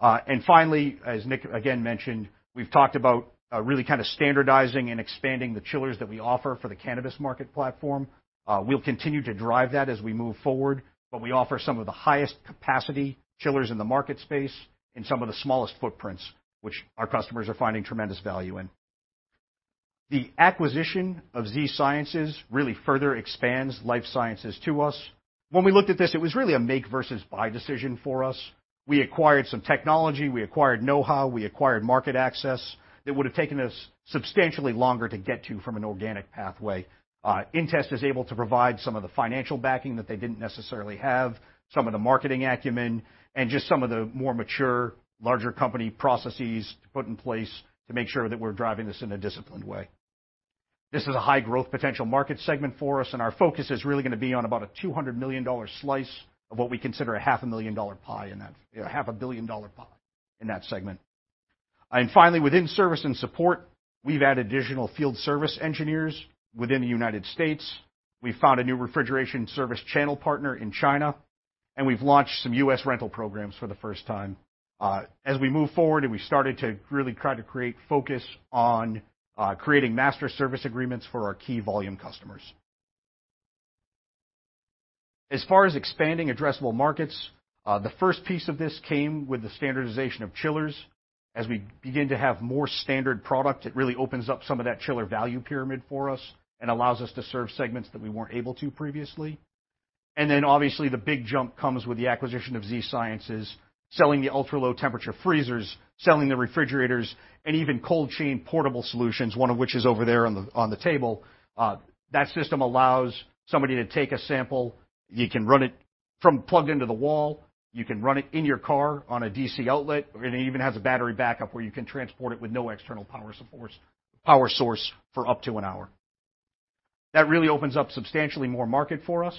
Finally, as Nick again mentioned, we've talked about really kind of standardizing and expanding the chillers that we offer for the cannabis market platform. We'll continue to drive that as we move forward, but we offer some of the highest capacity chillers in the market space in some of the smallest footprints, which our customers are finding tremendous value in. The acquisition of Z-Sciences really further expands life sciences to us. When we looked at this, it was really a make versus buy decision for us. We acquired some technology, we acquired know-how, we acquired market access that would have taken us substantially longer to get to from an organic pathway. inTEST is able to provide some of the financial backing that they didn't necessarily have, some of the marketing acumen, and just some of the more mature, larger company processes to put in place to make sure that we're driving this in a disciplined way. This is a high growth potential market segment for us, and our focus is really gonna be on about a $200 million slice of what we consider a half a billion dollar pie in that segment. Finally, within service and support, we've added additional field service engineers within the U.S. We found a new refrigeration service channel partner in China, and we've launched some U.S. rental programs for the first time, as we move forward, and we started to really try to create focus on creating master service agreements for our key volume customers. As far as expanding addressable markets, the first piece of this came with the standardization of chillers. As we begin to have more standard product, it really opens up some of that chiller value pyramid for us and allows us to serve segments that we weren't able to previously. Obviously, the big jump comes with the acquisition of Z-Sciences, selling the ultra-low temperature freezers, selling the refrigerators, and even cold chain portable solutions, one of which is over there on the table. That system allows somebody to take a sample. You can run it from plugged into the wall. You can run it in your car on a DC outlet. It even has a battery backup where you can transport it with no external power source for up to an hour. That really opens up substantially more market for us.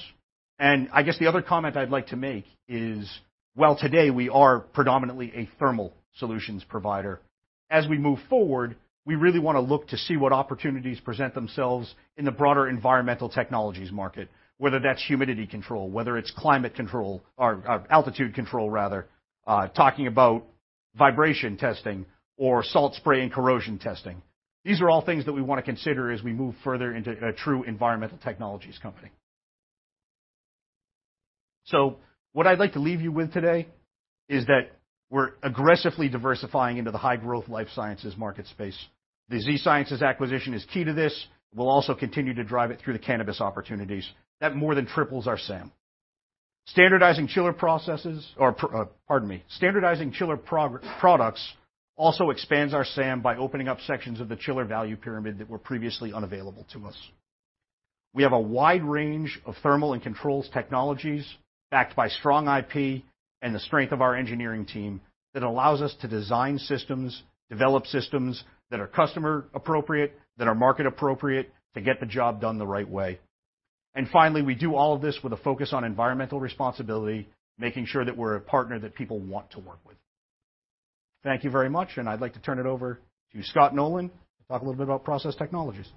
I guess the other comment I'd like to make is, while today we are predominantly a thermal solutions provider, as we move forward, we really wanna look to see what opportunities present themselves in the broader environmental technologies market, whether that's humidity control, whether it's climate control or altitude control rather, talking about vibration testing or salt spray and corrosion testing. These are all things that we wanna consider as we move further into a true environmental technologies company. What I'd like to leave you with today is that we're aggressively diversifying into the high-growth life sciences market space. The Z-Sciences acquisition is key to this. We'll also continue to drive it through the cannabis opportunities. That more than triples our SAM. Standardizing chiller products also expands our SAM by opening up sections of the chiller value pyramid that were previously unavailable to us. We have a wide range of thermal and controls technologies backed by strong IP and the strength of our engineering team that allows us to design systems, develop systems that are customer appropriate, that are market appropriate to get the job done the right way. Finally, we do all of this with a focus on environmental responsibility, making sure that we're a partner that people want to work with. Thank you very much, and I'd like to turn it over to Scott Nolen to talk a little bit about Process Technologies.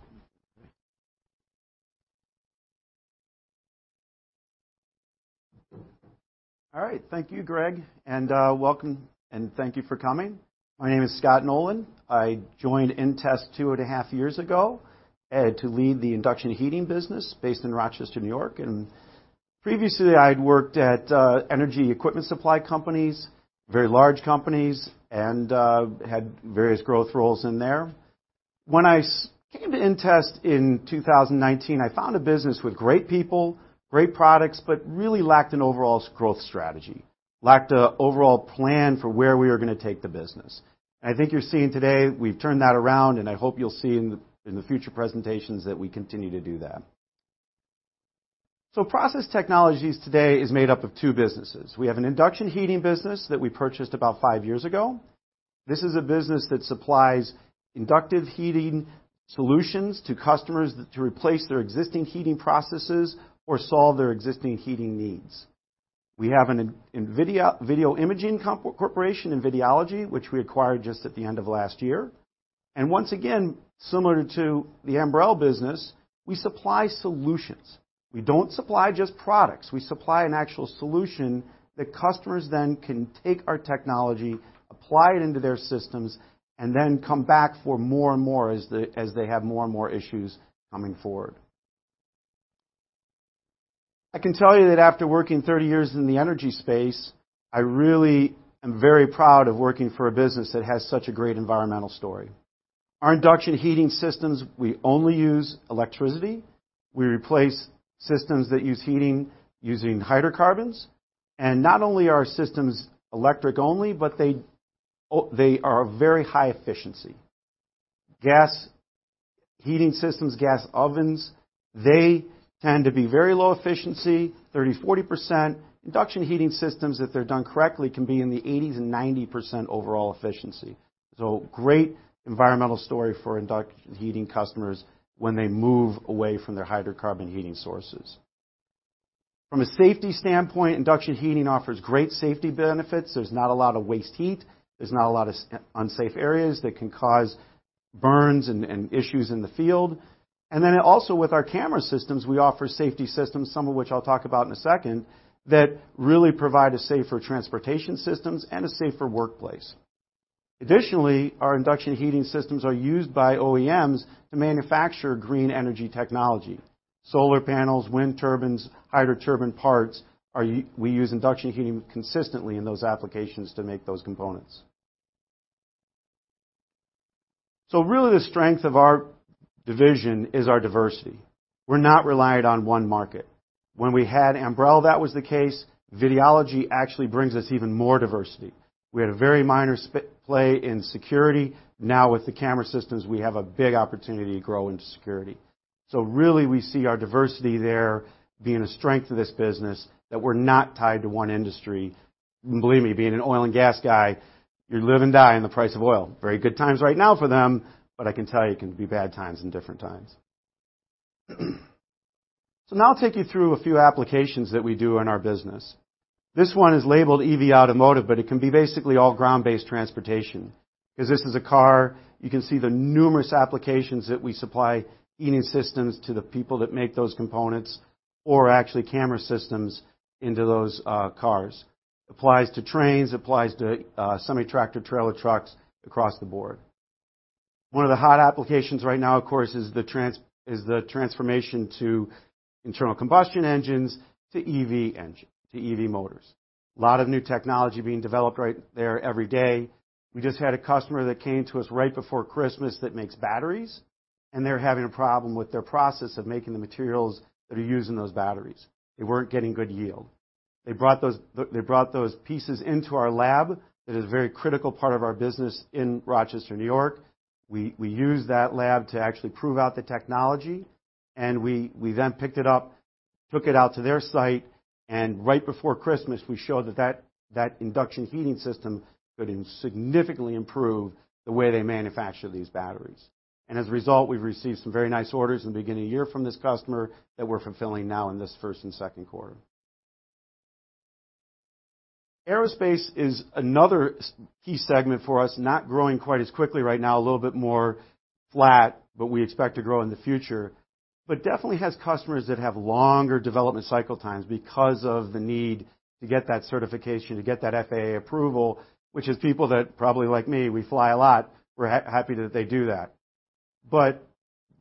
All right. Thank you, Greg, and welcome and thank you for coming. My name is Scott Nolen. I joined inTEST 2.5 years ago to lead the induction heating business based in Rochester, New York. Previously I'd worked at energy equipment supply companies, very large companies, and had various growth roles in there. When I came to inTEST in 2019, I found a business with great people, great products, but really lacked an overall growth strategy, lacked an overall plan for where we were gonna take the business. I think you're seeing today we've turned that around, and I hope you'll see in the future presentations that we continue to do that. Process Technologies today is made up of two businesses. We have an induction heating business that we purchased about five years ago. This is a business that supplies induction heating solutions to customers to replace their existing heating processes or solve their existing heating needs. We have Videology, which we acquired just at the end of last year. Once again, similar to the Ambrell business, we supply solutions. We don't supply just products. We supply an actual solution that customers then can take our technology, apply it into their systems, and then come back for more and more as they have more and more issues coming forward. I can tell you that after working 30 years in the energy space, I really am very proud of working for a business that has such a great environmental story. Our induction heating systems, we only use electricity. We replace systems that use heating using hydrocarbons. Not only are systems electric only, but they are very high efficiency. Gas heating systems, gas ovens, they tend to be very low efficiency, 30, 40%. Induction heating systems, if they're done correctly, can be in the 80%-90% overall efficiency. Great environmental story for induction heating customers when they move away from their hydrocarbon heating sources. From a safety standpoint, induction heating offers great safety benefits. There's not a lot of waste heat. There's not a lot of unsafe areas that can cause burns and issues in the field. Then also with our camera systems, we offer safety systems, some of which I'll talk about in a second, that really provide safer transportation systems and a safer workplace. Additionally, our induction heating systems are used by OEMs to manufacture green energy technology. Solar panels, wind turbines, hydro turbine parts, we use induction heating consistently in those applications to make those components. Really the strength of our division is our diversity. We're not reliant on one market. When we had Ambrell, that was the case. Videology actually brings us even more diversity. We had a very minor play in security. Now with the camera systems, we have a big opportunity to grow into security. Really we see our diversity there being a strength to this business that we're not tied to one industry. Believe me, being an oil and gas guy, you live and die in the price of oil. Very good times right now for them, but I can tell you it can be bad times and different times. Now I'll take you through a few applications that we do in our business. This one is labeled EV Automotive, but it can be basically all ground-based transportation. 'Cause this is a car, you can see the numerous applications that we supply heating systems to the people that make those components or actually camera systems into those cars. Applies to trains, applies to semi-tractor trailer trucks across the board. One of the hot applications right now, of course, is the transformation to internal combustion engines to EV engine, to EV motors. Lot of new technology being developed right there every day. We just had a customer that came to us right before Christmas that makes batteries, and they're having a problem with their process of making the materials that are used in those batteries. They weren't getting good yield. They brought those pieces into our lab. That is a very critical part of our business in Rochester, N.Y. We used that lab to actually prove out the technology, and we then picked it up, took it out to their site, and right before Christmas, we showed that induction heating system could significantly improve the way they manufacture these batteries. As a result, we've received some very nice orders in the beginning of the year from this customer that we're fulfilling now in this first and second quarter. Aerospace is another such key segment for us, not growing quite as quickly right now, a little bit more flat, but we expect to grow in the future, but definitely has customers that have longer development cycle times because of the need to get that certification, to get that FAA approval, which is something that people that probably like me, we fly a lot, we're happy that they do that.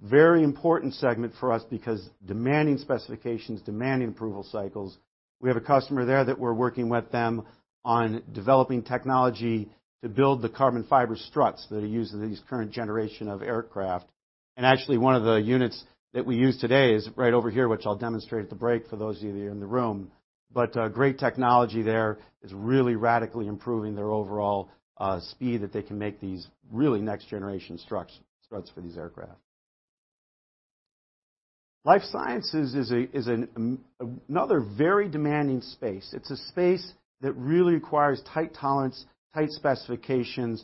Very important segment for us because demanding specifications, demanding approval cycles. We have a customer there that we're working with them on developing technology to build the carbon fiber struts that are used in these current generation of aircraft. Actually one of the units that we use today is right over here, which I'll demonstrate at the break for those of you in the room. Great technology there is really radically improving their overall speed that they can make these really next generation struts for these aircraft. Life sciences is another very demanding space. It's a space that really requires tight tolerance, tight specifications.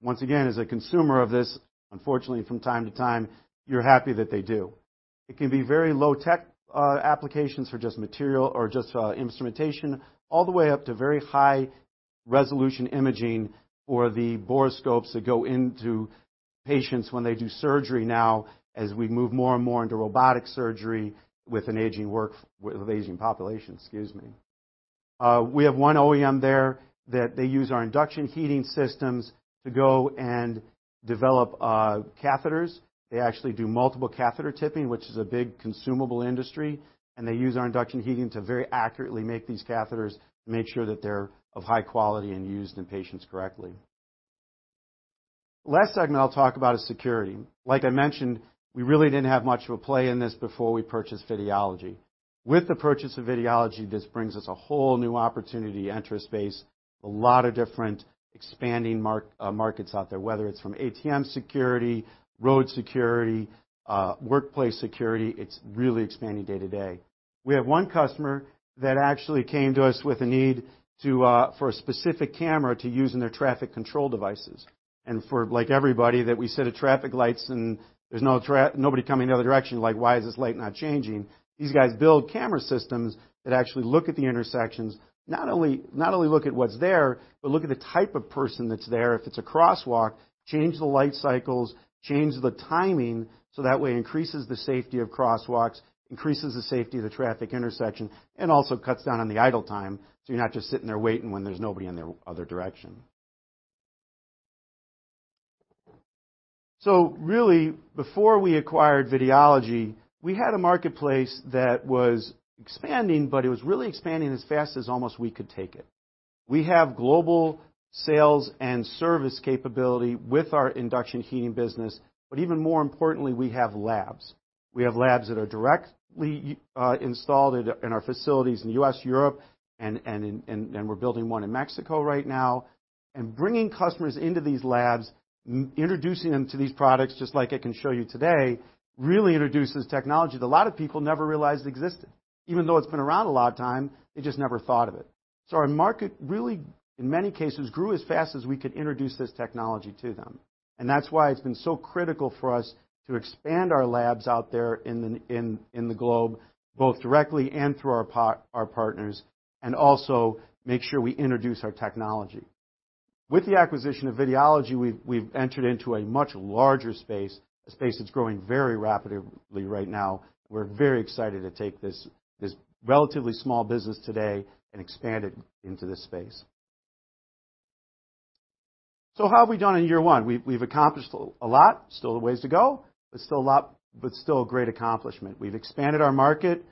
Once again, as a consumer of this, unfortunately from time to time, you're happy that they do. It can be very low-tech applications for just material or just instrumentation, all the way up to very high resolution imaging or the borescopes that go into patients when they do surgery now as we move more and more into robotic surgery with an aging population, excuse me. We have one OEM there that they use our induction heating systems to go and develop catheters. They actually do multiple catheter tipping, which is a big consumable industry, and they use our induction heating to very accurately make these catheters to make sure that they're of high quality and used in patients correctly. The last segment I'll talk about is security. Like I mentioned, we really didn't have much of a play in this before we purchased Videology. With the purchase of Videology, this brings us a whole new opportunity, interest base, a lot of different expanding markets out there, whether it's from ATM security, road security, workplace security. It's really expanding day to day. We have one customer that actually came to us with a need for a specific camera to use in their traffic control devices. For like everybody that we sit at traffic lights and there's no traffic, nobody coming the other direction, like, why is this light not changing? These guys build camera systems that actually look at the intersections, not only look at what's there, but look at the type of person that's there. If it's a crosswalk, change the light cycles, change the timing, so that way increases the safety of crosswalks, increases the safety of the traffic intersection, and also cuts down on the idle time, so you're not just sitting there waiting when there's nobody in the other direction. Really, before we acquired Videology, we had a marketplace that was expanding, but it was really expanding as fast as almost we could take it. We have global sales and service capability with our induction heating business, but even more importantly, we have labs. We have labs that are directly installed in our facilities in the U.S., Europe, and we're building one in Mexico right now. Bringing customers into these labs, introducing them to these products, just like I can show you today, really introduces technology that a lot of people never realized existed. Even though it's been around a long time, they just never thought of it. Our market really, in many cases, grew as fast as we could introduce this technology to them. That's why it's been so critical for us to expand our labs out there in the globe, both directly and through our partners, and also make sure we introduce our technology. With the acquisition of Videology, we've entered into a much larger space, a space that's growing very rapidly right now. We're very excited to take this relatively small business today and expand it into this space. How have we done in year one? We've accomplished a lot. Still a ways to go. There's still a lot, but still a great accomplishment. We've expanded our market.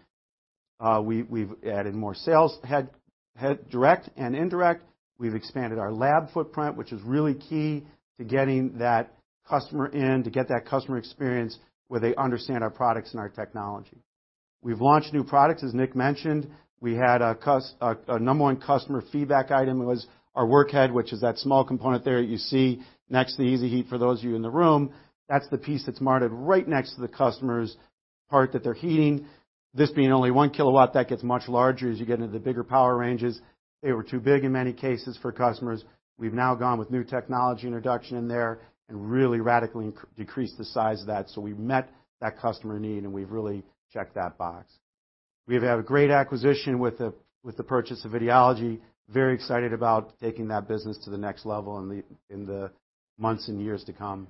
We've added more sales headcount direct and indirect. We've expanded our lab footprint, which is really key to getting that customer in to get that customer experience where they understand our products and our technology. We've launched new products, as Nick mentioned. We had a number one customer feedback item. It was our workhead, which is that small component there you see next to EASYHEAT for those of you in the room. That's the piece that's mounted right next to the customer's part that they're heating. This being only 1 kilowatt, that gets much larger as you get into the bigger power ranges. They were too big in many cases for customers. We've now gone with new technology introduction in there and really radically decreased the size of that. We've met that customer need, and we've really checked that box. We've had a great acquisition with the purchase of Videology. Very excited about taking that business to the next level in the months and years to come.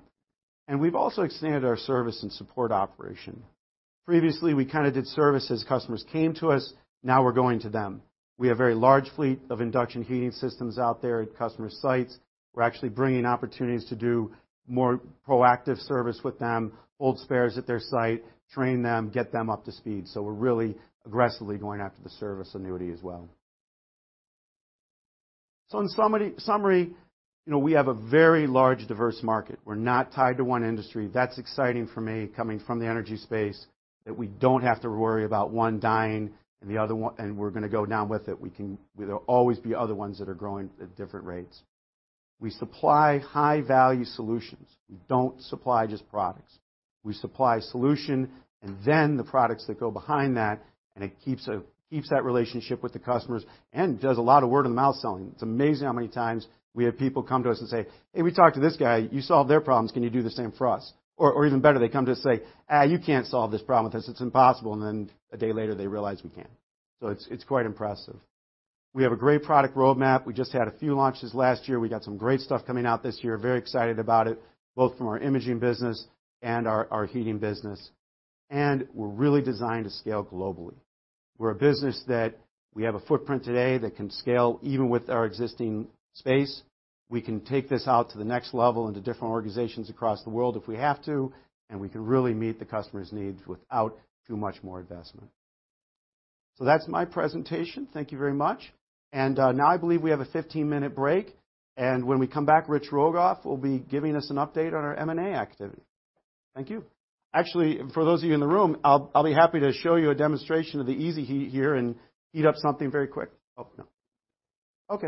We've also expanded our service and support operation. Previously, we kinda did service as customers came to us. Now we're going to them. We have a very large fleet of induction heating systems out there at customer sites. We're actually bringing opportunities to do more proactive service with them, hold spares at their site, train them, get them up to speed. We're really aggressively going after the service annuity as well. In summary, you know, we have a very large, diverse market. We're not tied to one industry. That's exciting for me, coming from the energy space, that we don't have to worry about one dying and the other one and we're gonna go down with it. We can. There'll always be other ones that are growing at different rates. We supply high-value solutions. We don't supply just products. We supply solution and then the products that go behind that, and it keeps that relationship with the customers and does a lot of word-of-mouth selling. It's amazing how many times we have people come to us and say, "Hey, we talked to this guy. You solved their problems. Can you do the same for us?" Or even better, they come to us and say, "you can't solve this problem with us. It's impossible." A day later, they realize we can. It's quite impressive. We have a great product roadmap. We just had a few launches last year. We got some great stuff coming out this year. Very excited about it, both from our imaging business and our heating business. We're really designed to scale globally. We're a business that we have a footprint today that can scale even with our existing space. We can take this out to the next level into different organizations across the world if we have to, and we can really meet the customer's needs without too much more investment. That's my presentation. Thank you very much. Now I believe we have a 15-minute break. When we come back, Rich Rogoff will be giving us an update on our M&A activity. Thank you. Actually, for those of you in the room, I'll be happy to show you a demonstration of the EASYHEAT here and heat up something very quick. Oh, no. Okay.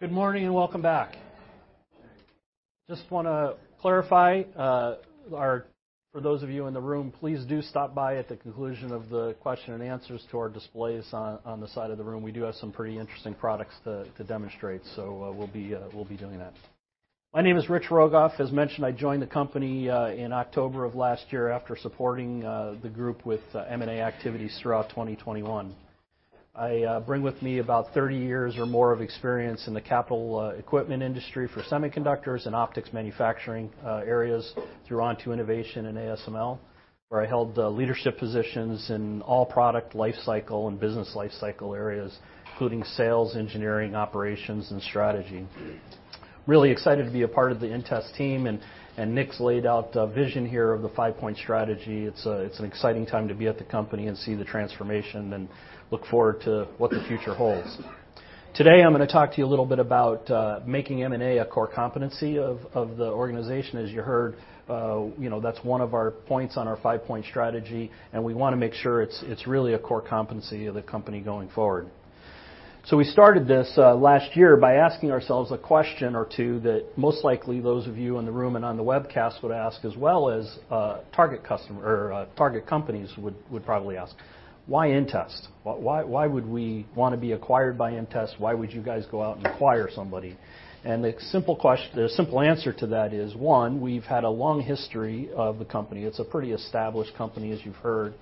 Good morning, and welcome back. Just wanna clarify for those of you in the room, please do stop by at the conclusion of the question and answers to our displays on the side of the room. We do have some pretty interesting products to demonstrate, so we'll be doing that. My name is Rich Rogoff. As mentioned, I joined the company in October of last year after supporting the group with M&A activities throughout 2021. I bring with me about 30 years or more of experience in the capital equipment industry for semiconductors and optics manufacturing areas through Onto Innovation and ASML, where I held leadership positions in all product life cycle and business life cycle areas, including sales, engineering, operations, and strategy. Really excited to be a part of the inTEST team, and Nick's laid out the vision here of the five-point strategy. It's an exciting time to be at the company and see the transformation and look forward to what the future holds. Today, I'm gonna talk to you a little bit about making M&A a core competency of the organization. As you heard, you know, that's one of our points on our five-point strategy, and we wanna make sure it's really a core competency of the company going forward. We started this last year by asking ourselves a question or two that most likely those of you in the room and on the webcast would ask as well as target customer or target companies would probably ask. Why inTEST? Why would we wanna be acquired by inTEST? Why would you guys go out and acquire somebody? The simple answer to that is, one, we've had a long history of the company. It's a pretty established company, as you've heard.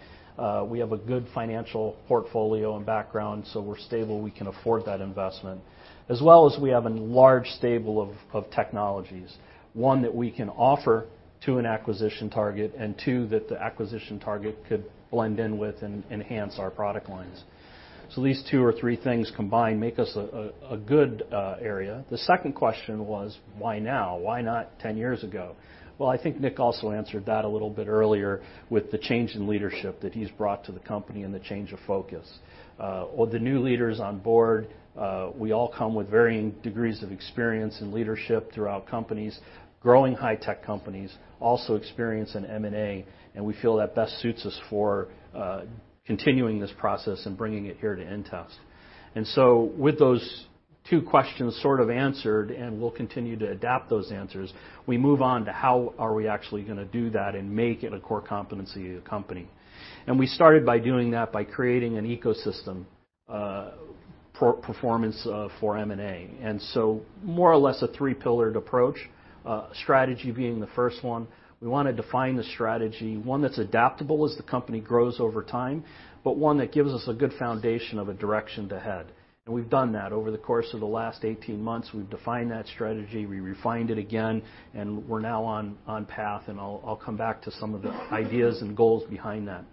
We have a good financial portfolio and background, so we're stable. We can afford that investment. As well as we have a large stable of technologies. One, that we can offer to an acquisition target, and two, that the acquisition target could blend in with and enhance our product lines. These two or three things combined make us a good area. The second question was why now? Why not ten years ago? Well, I think Nick also answered that a little bit earlier with the change in leadership that he's brought to the company and the change of focus. Or the new leaders on board, we all come with varying degrees of experience and leadership throughout companies, growing high-tech companies, also experience in M&A, and we feel that best suits us for continuing this process and bringing it here to inTEST. With those two questions sort of answered, and we'll continue to adapt those answers, we move on to how are we actually gonna do that and make it a core competency of the company. We started by doing that by creating an ecosystem for M&A. More or less a three-pillared approach. Strategy being the first one. We wanna define the strategy, one that's adaptable as the company grows over time, but one that gives us a good foundation of a direction to head. We've done that. Over the course of the last eighteen months, we've defined that strategy, we refined it again, and we're now on path, and I'll come back to some of the ideas and goals behind that.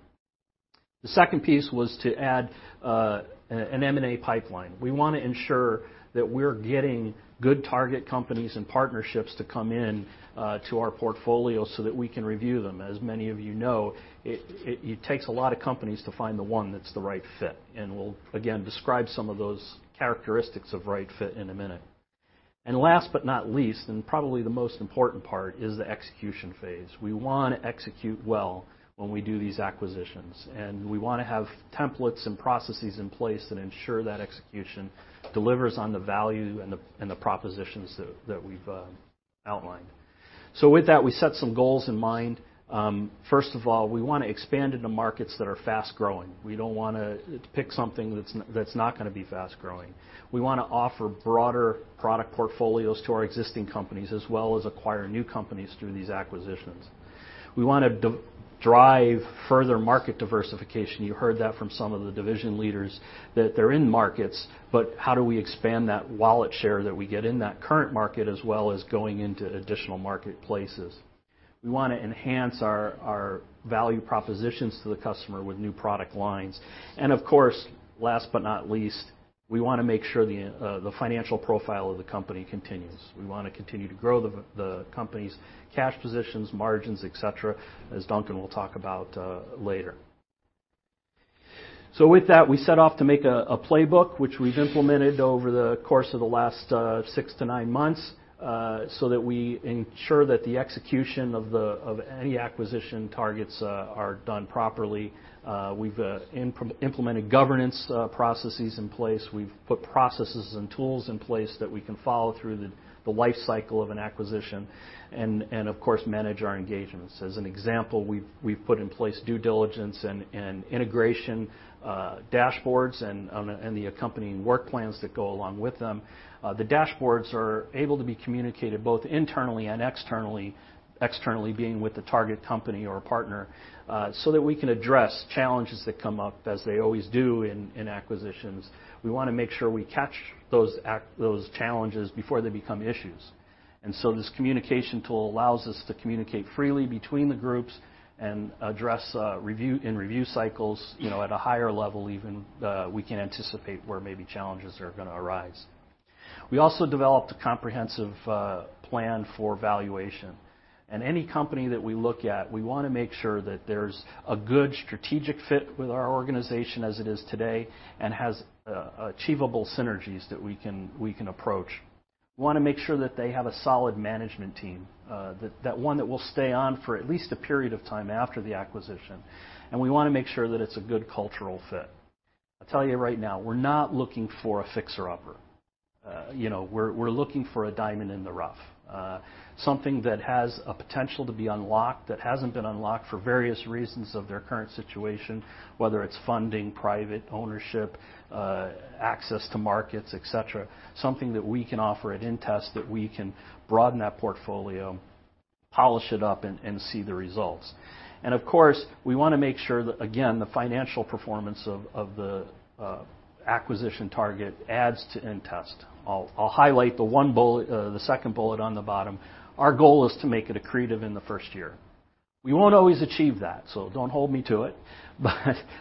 The second piece was to add an M&A pipeline. We wanna ensure that we're getting good target companies and partnerships to come in to our portfolio so that we can review them. As many of you know, it takes a lot of companies to find the one that's the right fit, and we'll again describe some of those characteristics of right fit in a minute. Last but not least, and probably the most important part, is the execution phase. We wanna execute well when we do these acquisitions. We wanna have templates and processes in place that ensure that execution delivers on the value and the propositions that we've outlined. With that, we set some goals in mind. First of all, we wanna expand into markets that are fast-growing. We don't wanna pick something that's not gonna be fast-growing. We wanna offer broader product portfolios to our existing companies as well as acquire new companies through these acquisitions. We wanna drive further market diversification. You heard that from some of the division leaders, that they're in markets, but how do we expand that wallet share that we get in that current market as well as going into additional marketplaces? We wanna enhance our value propositions to the customer with new product lines. Of course, last but not least, we wanna make sure the financial profile of the company continues. We wanna continue to grow the company's cash positions, margins, et cetera, as Duncan will talk about later. With that, we set off to make a playbook which we've implemented over the course of the last six to nine months so that we ensure that the execution of any acquisition targets are done properly. We've implemented governance processes in place. We've put processes and tools in place that we can follow through the life cycle of an acquisition and, of course, manage our engagements. As an example, we've put in place due diligence and integration dashboards and the accompanying work plans that go along with them. The dashboards are able to be communicated both internally and externally being with the target company or partner, so that we can address challenges that come up as they always do in acquisitions. We wanna make sure we catch those challenges before they become issues. This communication tool allows us to communicate freely between the groups and address review cycles, you know, at a higher level even. We can anticipate where maybe challenges are gonna arise. We also developed a comprehensive plan for valuation. Any company that we look at, we wanna make sure that there's a good strategic fit with our organization as it is today and has achievable synergies that we can approach. Wanna make sure that they have a solid management team, that one that will stay on for at least a period of time after the acquisition, and we wanna make sure that it's a good cultural fit. I'll tell you right now, we're not looking for a fixer-upper. You know, we're looking for a diamond in the rough. Something that has a potential to be unlocked that hasn't been unlocked for various reasons of their current situation, whether it's funding, private ownership, access to markets, et cetera. Something that we can offer at inTEST that we can broaden that portfolio, polish it up, and see the results. Of course, we wanna make sure that, again, the financial performance of the acquisition target adds to inTEST. I'll highlight the one bullet, the second bullet on the bottom. Our goal is to make it accretive in the first year. We won't always achieve that, so don't hold me to it.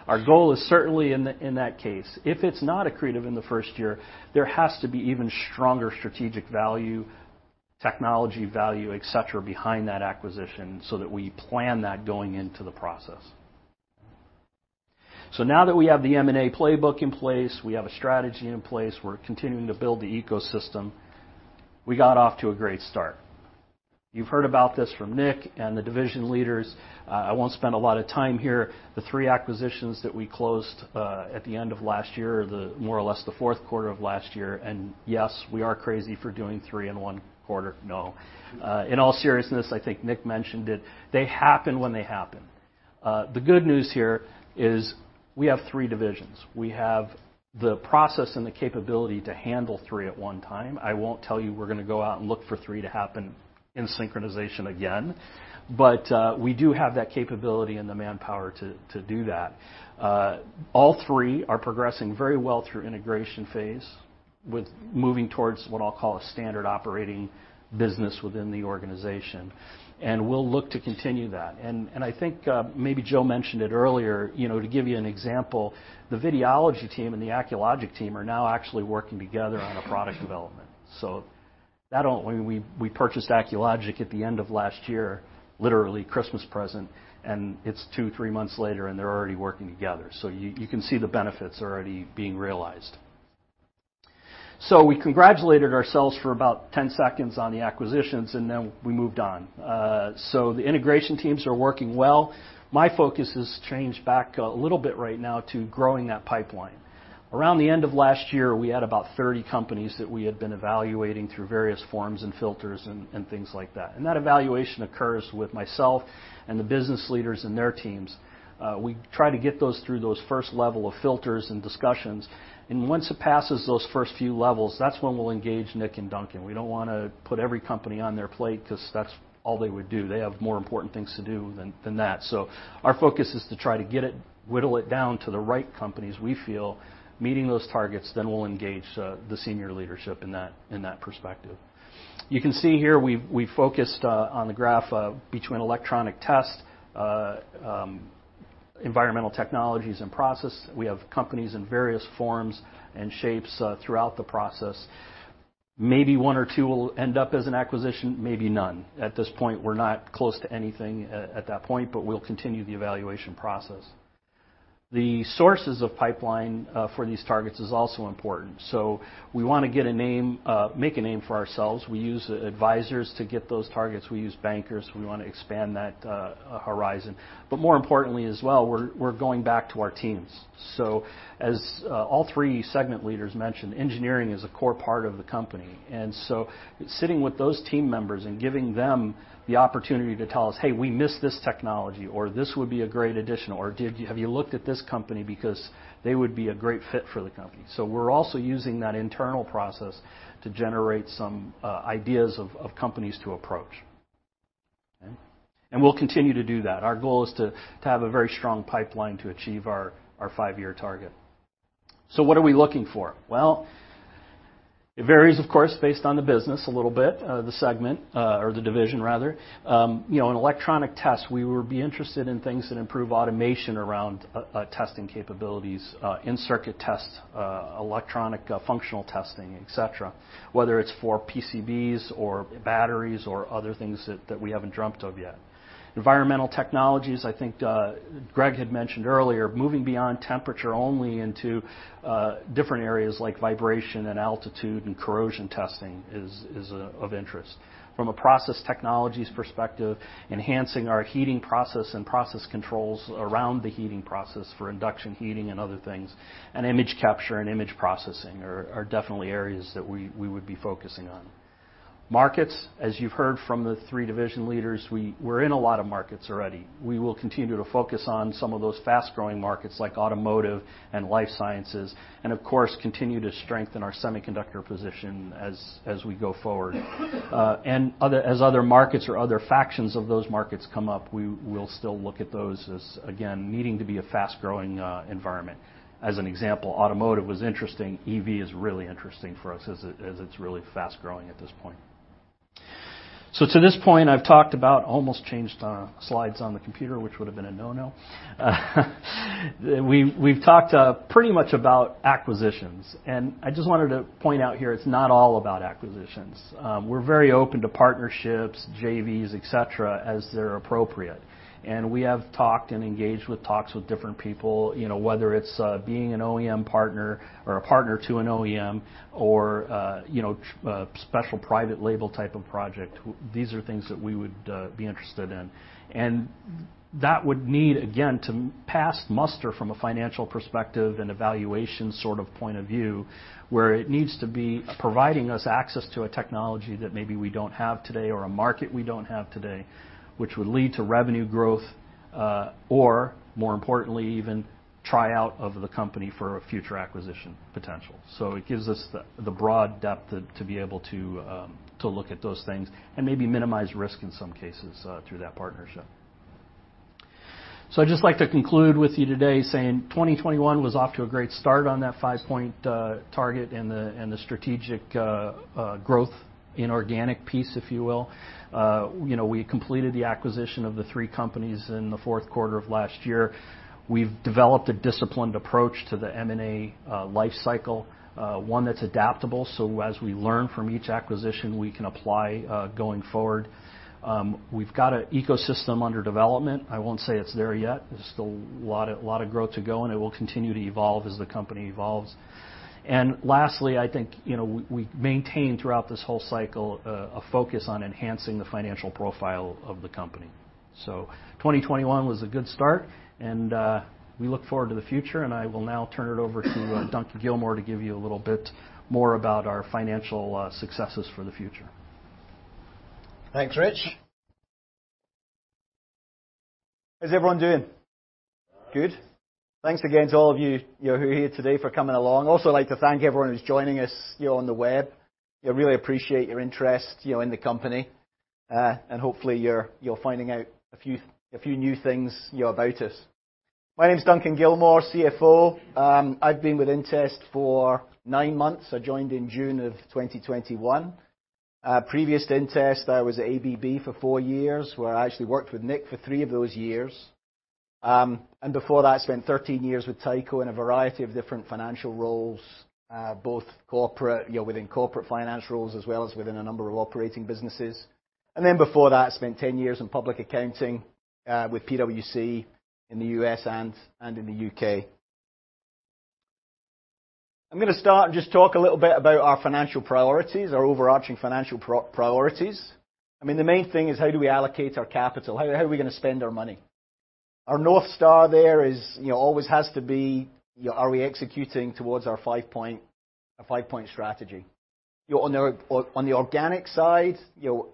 Our goal is certainly in that case. If it's not accretive in the first year, there has to be even stronger strategic value, technology value, et cetera, behind that acquisition so that we plan that going into the process. Now that we have the M&A playbook in place, we have a strategy in place, we're continuing to build the ecosystem, we got off to a great start. You've heard about this from Nick and the division leaders. I won't spend a lot of time here. The three acquisitions that we closed at the end of last year, or more or less the fourth quarter of last year, and yes, we are crazy for doing three in one quarter. No. In all seriousness, I think Nick mentioned it. They happen when they happen. The good news here is we have three divisions. We have the process and the capability to handle three at one time. I won't tell you we're gonna go out and look for three to happen in synchronization again, but we do have that capability and the manpower to do that. All three are progressing very well through integration phase, with moving towards what I'll call a standard operating business within the organization. We'll look to continue that. I think, maybe Joe mentioned it earlier, you know, to give you an example, the Videology team and the Acculogic team are now actually working together on a product development. We purchased Acculogic at the end of last year, literally Christmas present, and it's two, three months later, and they're already working together. You can see the benefits already being realized. We congratulated ourselves for about ten seconds on the acquisitions, and then we moved on. The integration teams are working well. My focus has changed back a little bit right now to growing that pipeline. Around the end of last year, we had about 30 companies that we had been evaluating through various forms and filters and things like that. That evaluation occurs with myself and the business leaders and their teams. We try to get those through those first level of filters and discussions, and once it passes those first few levels, that's when we'll engage Nick and Duncan. We don't wanna put every company on their plate 'cause that's all they would do. They have more important things to do than that. Our focus is to try to whittle it down to the right companies we feel meeting those targets, then we'll engage the senior leadership in that perspective. You can see here we've focused on the graph between Electronic Test, Environmental Technologies and Process. We have companies in various forms and shapes throughout the process. Maybe one or two will end up as an acquisition, maybe none. At this point, we're not close to anything at that point, but we'll continue the evaluation process. The sources of pipeline for these targets is also important. We wanna make a name for ourselves. We use advisors to get those targets. We use bankers. We wanna expand that horizon. But more importantly as well, we're going back to our teams. As all three segment leaders mentioned, engineering is a core part of the company. Sitting with those team members and giving them the opportunity to tell us, "Hey, we miss this technology," or, "This would be a great addition," or, "have you looked at this company because they would be a great fit for the company?" We're also using that internal process to generate some ideas of companies to approach. Okay. We'll continue to do that. Our goal is to have a very strong pipeline to achieve our five-year target. What are we looking for? Well, it varies, of course, based on the business a little bit, the segment, or the division rather. You know, in Electronic Test, we would be interested in things that improve automation around testing capabilities, in-circuit tests, electronic functional testing, et cetera, whether it's for PCBs or batteries or other things that we haven't dreamt of yet. Environmental Technologies, I think, Greg had mentioned earlier, moving beyond temperature only into different areas like vibration and altitude and corrosion testing is of interest. From a Process Technologies perspective, enhancing our heating process and process controls around the heating process for induction heating and other things, and image capture and image processing are definitely areas that we would be focusing on. Markets, as you've heard from the three division leaders, we're in a lot of markets already. We will continue to focus on some of those fast-growing markets like automotive and life sciences, and of course, continue to strengthen our semiconductor position as we go forward. Other markets or other factions of those markets come up, we will still look at those as again needing to be a fast-growing environment. As an example, automotive was interesting. EV is really interesting for us as it's really fast-growing at this point. To this point, I've talked about almost changed slides on the computer, which would have been a no-no. We've talked pretty much about acquisitions, and I just wanted to point out here it's not all about acquisitions. We're very open to partnerships, JVs, et cetera, as they're appropriate. We have talked and engaged with talks with different people, you know, whether it's being an OEM partner or a partner to an OEM or, you know, a special private label type of project. These are things that we would be interested in. That would need, again, to pass muster from a financial perspective and evaluation sort of point of view, where it needs to be providing us access to a technology that maybe we don't have today or a market we don't have today, which would lead to revenue growth or more importantly, even try out of the company for a future acquisition potential. It gives us the broad depth to be able to look at those things and maybe minimize risk in some cases through that partnership. I'd just like to conclude with you today saying 2021 was off to a great start on that five-point target and the strategic growth inorganic piece, if you will. You know, we completed the acquisition of the three companies in the fourth quarter of last year. We've developed a disciplined approach to the M&A life cycle, one that's adaptable, so as we learn from each acquisition, we can apply going forward. We've got an ecosystem under development. I won't say it's there yet. There's still a lot of growth to go, and it will continue to evolve as the company evolves. Lastly, I think, you know, we maintained throughout this whole cycle a focus on enhancing the financial profile of the company. 2021 was a good start, and we look forward to the future, and I will now turn it over to Duncan Gilmour to give you a little bit more about our financial successes for the future. Thanks, Rich. How's everyone doing? Good. Thanks again to all of you know, who are here today for coming along. Also like to thank everyone who's joining us, you know, on the web. I really appreciate your interest, you know, in the company. Hopefully you're finding out a few new things, you know, about us. My name is Duncan Gilmour, CFO. I've been with inTEST for nine months. I joined in June of 2021. Previous to inTEST, I was at ABB for four years, where I actually worked with Nick for three of those years. Before that, I spent 13 years with Tyco in a variety of different financial roles, both corporate, you know, within corporate financial roles as well as within a number of operating businesses. Before that, I spent ten years in public accounting with PwC in the U.S. and in the U.K. I'm gonna start and just talk a little bit about our financial priorities, our overarching financial priorities. I mean, the main thing is how do we allocate our capital? How are we gonna spend our money? Our North Star there is, you know, always has to be, you know, are we executing towards our five-point strategy? You know, on the organic side, you know,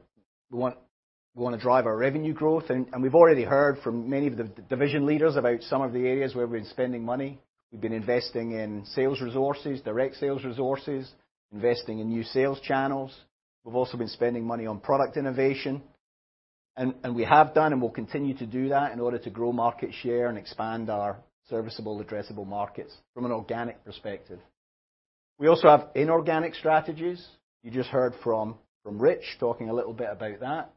we wanna drive our revenue growth, and we've already heard from many of the division leaders about some of the areas where we've been spending money. We've been investing in sales resources, direct sales resources, investing in new sales channels. We've also been spending money on product innovation. We have done and will continue to do that in order to grow market share and expand our serviceable addressable markets from an organic perspective. We also have inorganic strategies. You just heard from Rich talking a little bit about that.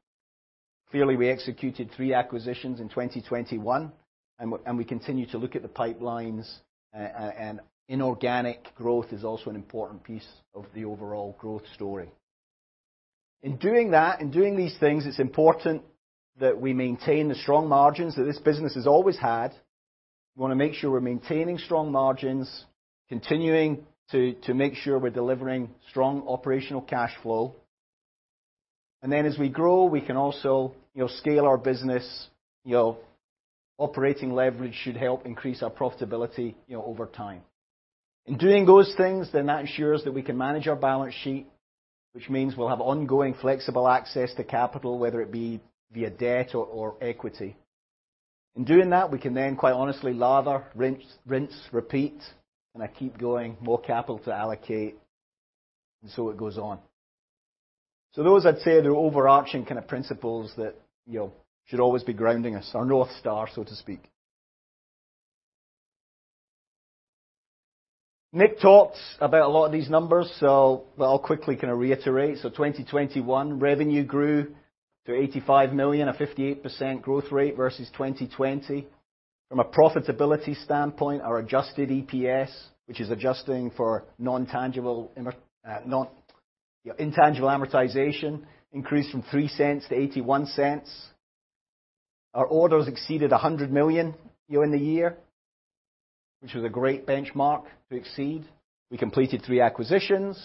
Clearly, we executed 3 acquisitions in 2021, and we continue to look at the pipelines. Inorganic growth is also an important piece of the overall growth story. In doing that, in doing these things, it's important that we maintain the strong margins that this business has always had. We wanna make sure we're maintaining strong margins, continuing to make sure we're delivering strong operational cash flow. Then as we grow, we can also, you know, scale our business. You know, operating leverage should help increase our profitability, you know, over time. In doing those things, then that ensures that we can manage our balance sheet, which means we'll have ongoing flexible access to capital, whether it be via debt or equity. In doing that, we can then quite honestly lather, rinse, repeat, and I keep going more capital to allocate, and so it goes on. Those, I'd say, are the overarching kind of principles that, you know, should always be grounding us. Our North Star, so to speak. Nick talked about a lot of these numbers, so I'll quickly kinda reiterate. 2021 revenue grew to $85 million, a 58% growth rate versus 2020. From a profitability standpoint, our adjusted EPS, which is adjusting for intangible amortization, increased from $0.03 to $0.81. Our orders exceeded $100 million, you know, in the year, which was a great benchmark to exceed. We completed 3 acquisitions.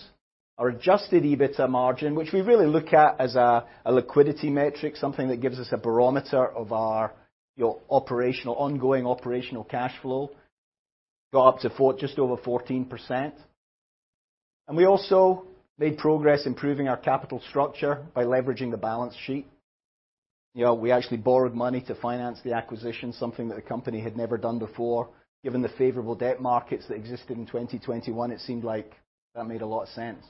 Our adjusted EBITDA margin, which we really look at as a liquidity metric, something that gives us a barometer of our ongoing operational cash flow, got up to just over 14%. We also made progress improving our capital structure by leveraging the balance sheet. You know, we actually borrowed money to finance the acquisition, something that the company had never done before. Given the favorable debt markets that existed in 2021, it seemed like that made a lot of sense.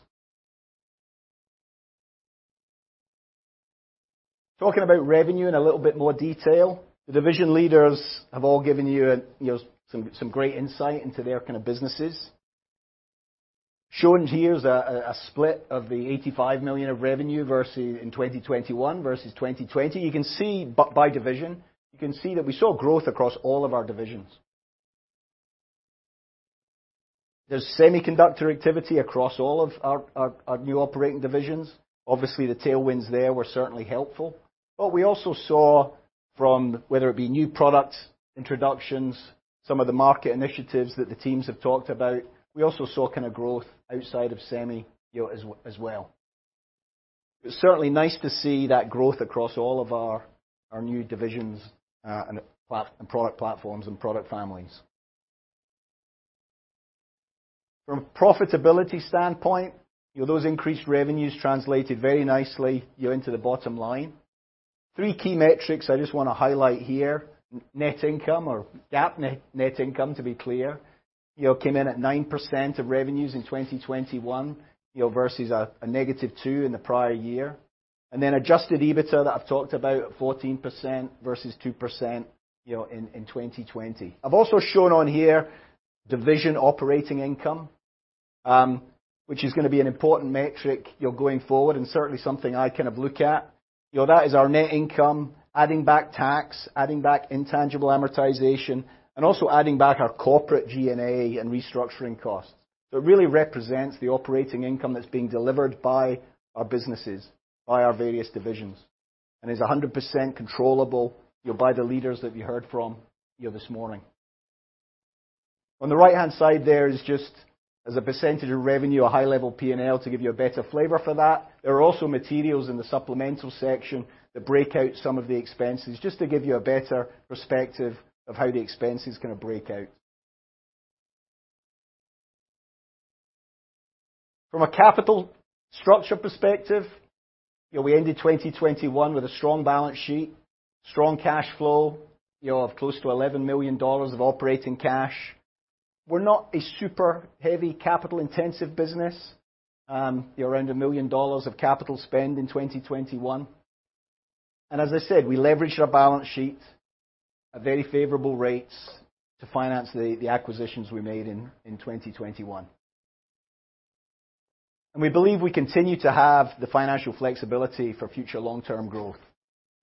Talking about revenue in a little bit more detail, the division leaders have all given you know, some great insight into their kind of businesses. Shown here is a split of the $85 million of revenue versus in 2021 versus 2020. You can see by division, you can see that we saw growth across all of our divisions. There's semiconductor activity across all of our new operating divisions. Obviously, the tailwinds there were certainly helpful. We also saw from whether it be new products, introductions, some of the market initiatives that the teams have talked about, we also saw kinda growth outside of semi, you know, as well. It's certainly nice to see that growth across all of our new divisions and product platforms and product families. From profitability standpoint, you know, those increased revenues translated very nicely, you know, into the bottom line. Three key metrics I just wanna highlight here. Net income or GAAP net income, to be clear, you know, came in at 9% of revenues in 2021, you know, versus a negative 2% in the prior year. Adjusted EBITDA that I've talked about, 14% versus 2%, you know, in 2020. I've also shown on here division operating income, which is gonna be an important metric, you know, going forward and certainly something I kind of look at. You know, that is our net income, adding back tax, adding back intangible amortization, and also adding back our corporate G&A and restructuring costs. It really represents the operating income that's being delivered by our businesses, by our various divisions, and is 100% controllable, you know, by the leaders that you heard from here this morning. On the right-hand side there is just as a percentage of revenue, a high level P&L to give you a better flavor for that. There are also materials in the supplemental section that break out some of the expenses, just to give you a better perspective of how the expense is gonna break out. From a capital structure perspective, you know, we ended 2021 with a strong balance sheet, strong cash flow, you know, of close to $11 million of operating cash. We're not a super heavy capital-intensive business. Around $1 million of capital spend in 2021. As I said, we leveraged our balance sheet at very favorable rates to finance the acquisitions we made in 2021. We believe we continue to have the financial flexibility for future long-term growth.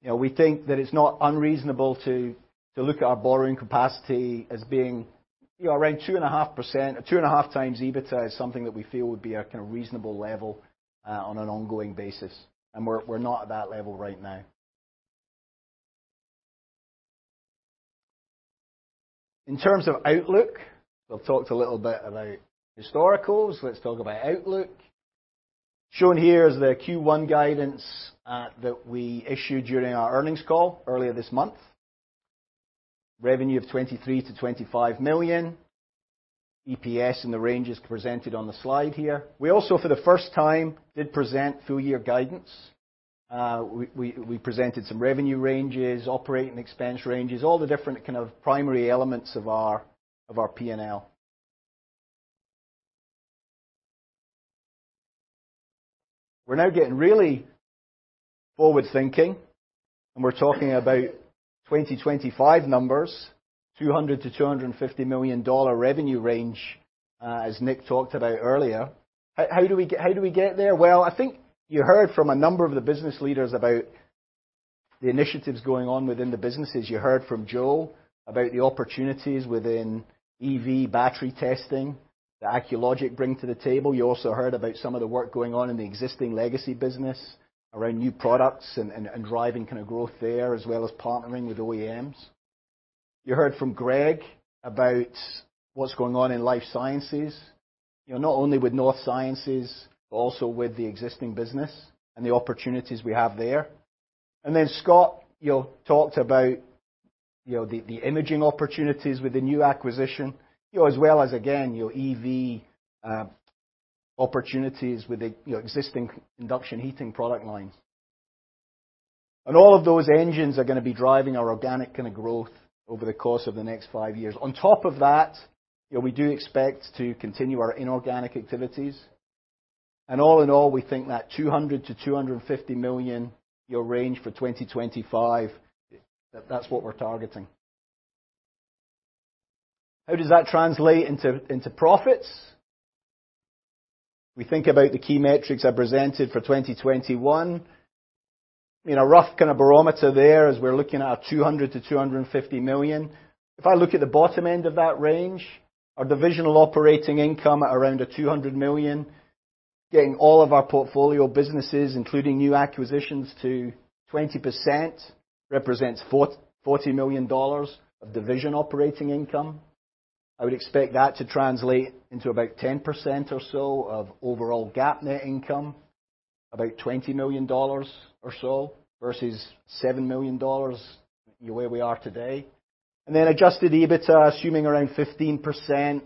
You know, we think that it's not unreasonable to look at our borrowing capacity as being, you know, around 2.5 times EBITDA is something that we feel would be a kinda reasonable level on an ongoing basis, and we're not at that level right now. In terms of outlook, we've talked a little bit about historicals. Let's talk about outlook. Shown here is the Q1 guidance that we issued during our earnings call earlier this month. Revenue of $23 million-$25 million. EPS in the ranges presented on the slide here. We also, for the first time, did present full year guidance. We presented some revenue ranges, operating expense ranges, all the different kind of primary elements of our P&L. We're now getting really forward-thinking, and we're talking about 2025 numbers, $200 million-$250 million revenue range, as Nick talked about earlier. How do we get there? Well, I think you heard from a number of the business leaders about the initiatives going on within the businesses. You heard from Joe about the opportunities within EV battery testing that Acculogic bring to the table. You also heard about some of the work going on in the existing legacy business around new products and driving kind of growth there, as well as partnering with OEMs. You heard from Greg about what's going on in life sciences, you know, not only with North Sciences, but also with the existing business and the opportunities we have there. Then, Scott, you know, talked about, you know, the imaging opportunities with the new acquisition, you know, as well as again, our EV opportunities with the, you know, existing induction heating product lines. All of those engines are gonna be driving our organic kinda growth over the course of the next five years. On top of that, you know, we do expect to continue our inorganic activities. All in all, we think that $200 million-$250 million, our range for 2025, that's what we're targeting. How does that translate into profits? We think about the key metrics I presented for 2021. In a rough kinda barometer there, as we're looking at $200 million-$250 million. If I look at the bottom end of that range, our divisional operating income at around $200 million, getting all of our portfolio businesses, including new acquisitions, to 20% represents $40 million of division operating income. I would expect that to translate into about 10% or so of overall GAAP net income, about $20 million or so, versus $7 million where we are today. Adjusted EBITDA, assuming around 15%,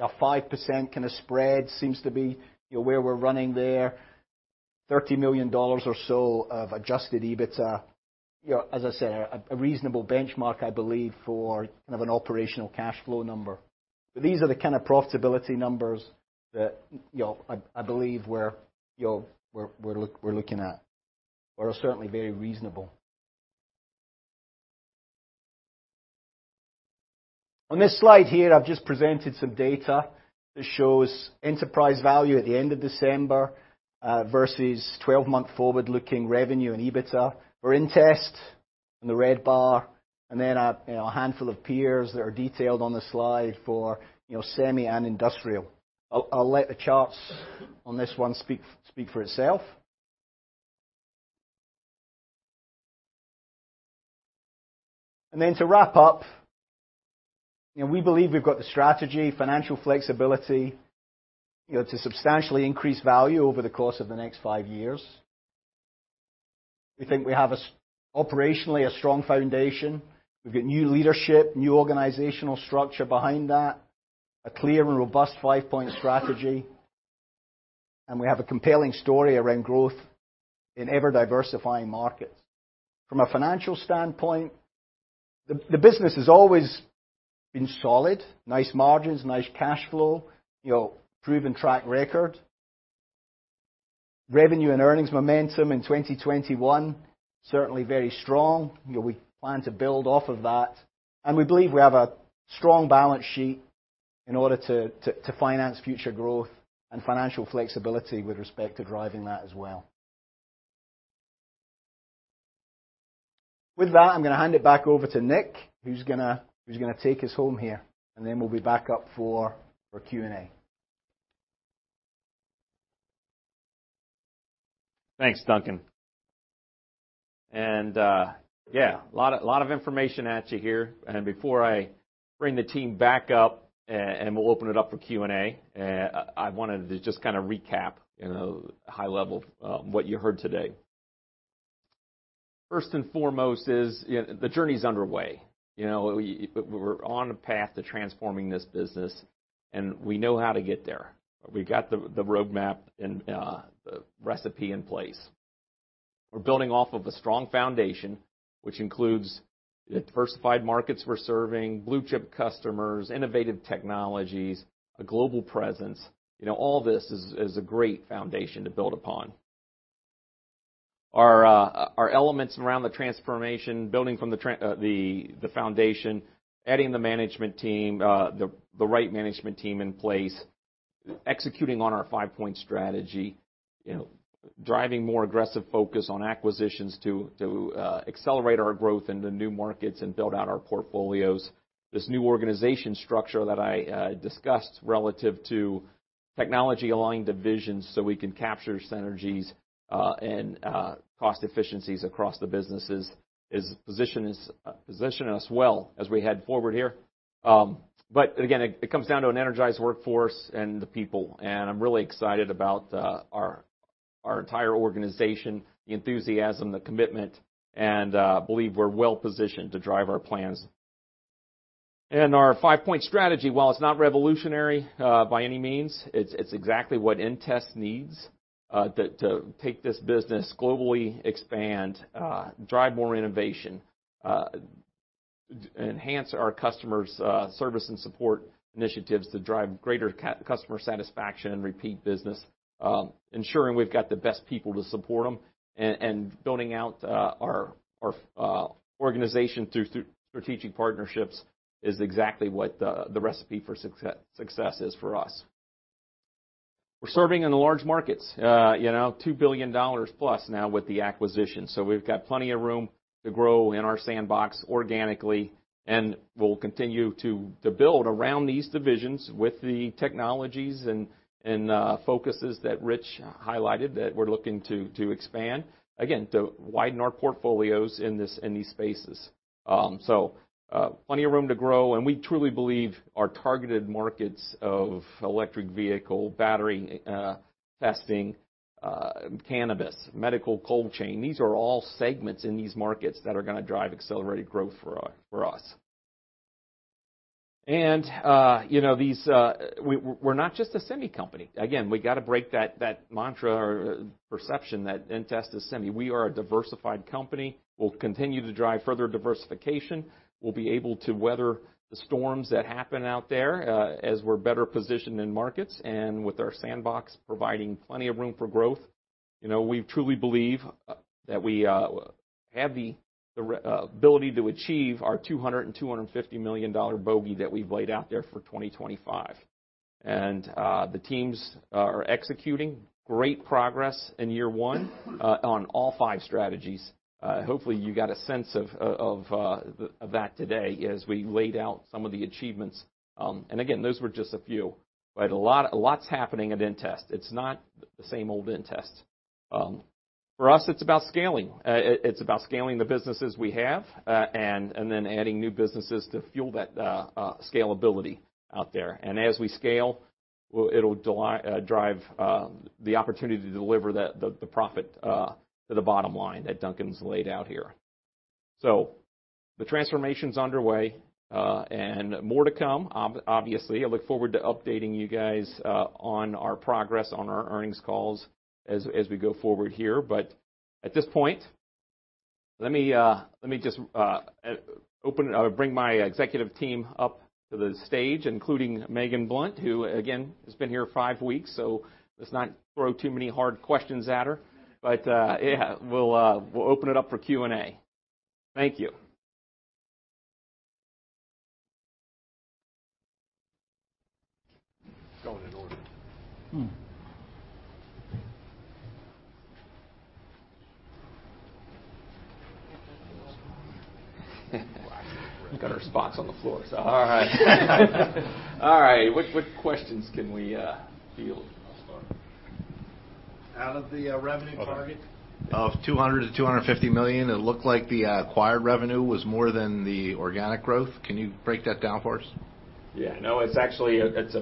a 5% kinda spread seems to be, you know, where we're running there. $30 million or so of adjusted EBITDA. You know, as I said, a reasonable benchmark, I believe, for kind of an operational cash flow number. These are the kind of profitability numbers that I believe we're looking at, or are certainly very reasonable. On this slide here, I've just presented some data that shows enterprise value at the end of December versus twelve-month forward-looking revenue and EBITDA for inTEST in the red bar, and then a handful of peers that are detailed on the slide for semi and industrial. I'll let the charts on this one speak for itself. To wrap up, we believe we've got the strategy, financial flexibility to substantially increase value over the course of the next five years. We think we have operationally a strong foundation. We've got new leadership, new organizational structure behind that. A clear and robust five-point strategy. We have a compelling story around growth in ever-diversifying markets. From a financial standpoint, the business has always been solid, nice margins, nice cash flow, you know, proven track record. Revenue and earnings momentum in 2021, certainly very strong. You know, we plan to build off of that. We believe we have a strong balance sheet in order to finance future growth and financial flexibility with respect to driving that as well. With that, I'm gonna hand it back over to Nick, who's gonna take us home here, and then we'll be back up for Q&A. Thanks, Duncan. Yeah, a lot of information at you here. Before I bring the team back up and we'll open it up for Q&A, I wanted to just kinda recap, you know, high level, what you heard today. First and foremost is, you know, the journey's underway. You know, we're on a path to transforming this business, and we know how to get there. We got the roadmap and the recipe in place. We're building off of a strong foundation, which includes the diversified markets we're serving, blue-chip customers, innovative technologies, a global presence. You know, all this is a great foundation to build upon. Our elements around the transformation, building from the foundation, adding the right management team in place. Executing on our five-point strategy, you know, driving more aggressive focus on acquisitions to accelerate our growth into new markets and build out our portfolios. This new organization structure that I discussed relative to technology-aligned divisions so we can capture synergies and cost efficiencies across the businesses is positioning us well as we head forward here. Again, it comes down to an energized workforce and the people, and I'm really excited about our entire organization, the enthusiasm, the commitment, and believe we're well positioned to drive our plans. Our five-point strategy, while it's not revolutionary by any means, it's exactly what inTEST needs to take this business globally, expand, drive more innovation, enhance our customers' service and support initiatives to drive greater customer satisfaction and repeat business, ensuring we've got the best people to support them, and building out our organization through strategic partnerships is exactly what the recipe for success is for us. We're serving in the large markets, you know, $2 billion plus now with the acquisition, so we've got plenty of room to grow in our sandbox organically, and we'll continue to build around these divisions with the technologies and focuses that Rich highlighted that we're looking to expand, again, to widen our portfolios in these spaces. Plenty of room to grow, and we truly believe our targeted markets of electric vehicle, battery testing, cannabis, medical cold chain, these are all segments in these markets that are gonna drive accelerated growth for us. You know, these. We're not just a semi company. Again, we gotta break that mantra or perception that inTEST is semi. We are a diversified company. We'll continue to drive further diversification. We'll be able to weather the storms that happen out there, as we're better positioned in markets and with our sandbox providing plenty of room for growth. You know, we truly believe that we have the ability to achieve our $250 million bogey that we've laid out there for 2025. The teams are executing great progress in year one on all five strategies. Hopefully you got a sense of that today as we laid out some of the achievements. Again, those were just a few. A lot's happening at inTEST. It's not the same old inTEST. For us, it's about scaling. It's about scaling the businesses we have and then adding new businesses to fuel that scalability out there. As we scale, it'll drive the opportunity to deliver the profit to the bottom line that Duncan's laid out here. The transformation's underway and more to come obviously. I look forward to updating you guys on our progress on our earnings calls as we go forward here. At this point, let me just bring my executive team up to the stage, including Megan Blouch, who again has been here five weeks, so let's not throw too many hard questions at her. Yeah, we'll open it up for Q&A. Thank you. Going in order. We've got a response on the floor, all right. All right, which questions can we field? I'll start. Out of the revenue target of $200 million-$250 million, it looked like the acquired revenue was more than the organic growth. Can you break that down for us? Yeah. No, it's actually it's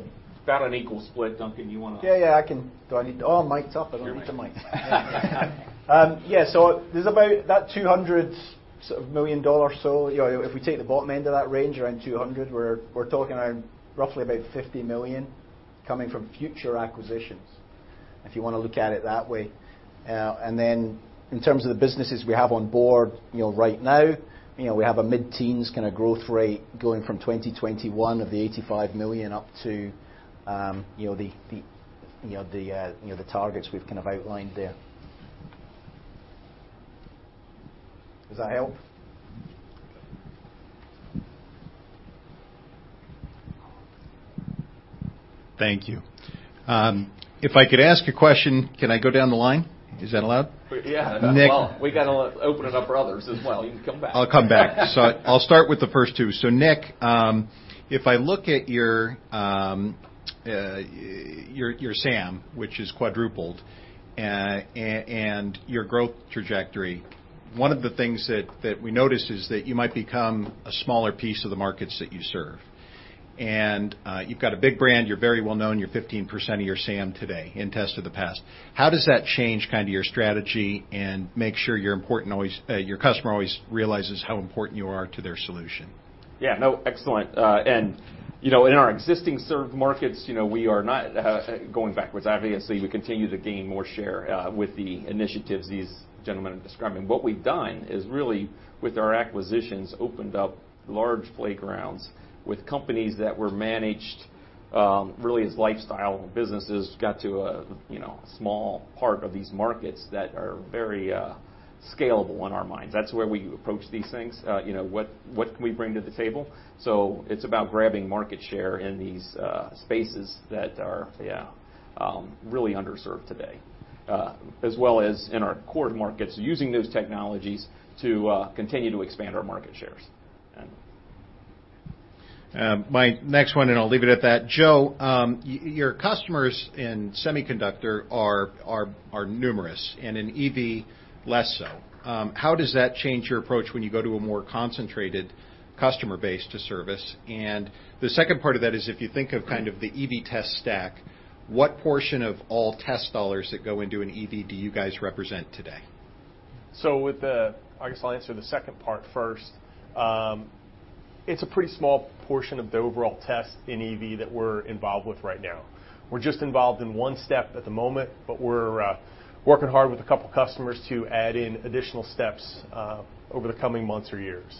about an equal split. Duncan, you wanna- Yeah, yeah, I can. Do I need? Oh, mic's up. I don't need the mic. Yeah. There's about that $200 million or so, you know, if we take the bottom end of that range, around $200, we're talking around roughly about $50 million coming from future acquisitions, if you wanna look at it that way. And then in terms of the businesses we have on board, you know, right now, you know, we have a mid-teens% kinda growth rate going from 2021 of the $85 million up to the targets we've kind of outlined there. Does that help? Thank you. If I could ask a question, can I go down the line? Is that allowed? Yeah. Nick- Well, we gotta open it up for others as well. You can come back. I'll come back. I'll start with the first two. Nick, if I look at your your SAM, which has quadrupled, and your growth trajectory, one of the things that we notice is that you might become a smaller piece of the markets that you serve. You've got a big brand, you're very well-known, you're 15% of your SAM today, inTEST of the past. How does that change kind of your strategy and make sure your importance always, your customer always realizes how important you are to their solution? Yeah. No, excellent. You know, in our existing served markets, you know, we are not going backwards. Obviously, we continue to gain more share with the initiatives these gentlemen are describing. What we've done is really, with our acquisitions, opened up large playgrounds with companies that were managed, really it's lifestyle businesses got to a, you know, small part of these markets that are very scalable in our minds. That's where we approach these things. You know, what can we bring to the table? It's about grabbing market share in these spaces that are really underserved today. As well as in our core markets, using those technologies to continue to expand our market shares. My next one, and I'll leave it at that. Joe, your customers in semiconductor are numerous, and in EV, less so. How does that change your approach when you go to a more concentrated customer base to service? The second part of that is if you think of kind of the EV test stack, what portion of all test dollars that go into an EV do you guys represent today? I guess I'll answer the second part first. It's a pretty small portion of the overall testing in EV that we're involved with right now. We're just involved in one step at the moment, but we're working hard with a couple customers to add in additional steps over the coming months or years.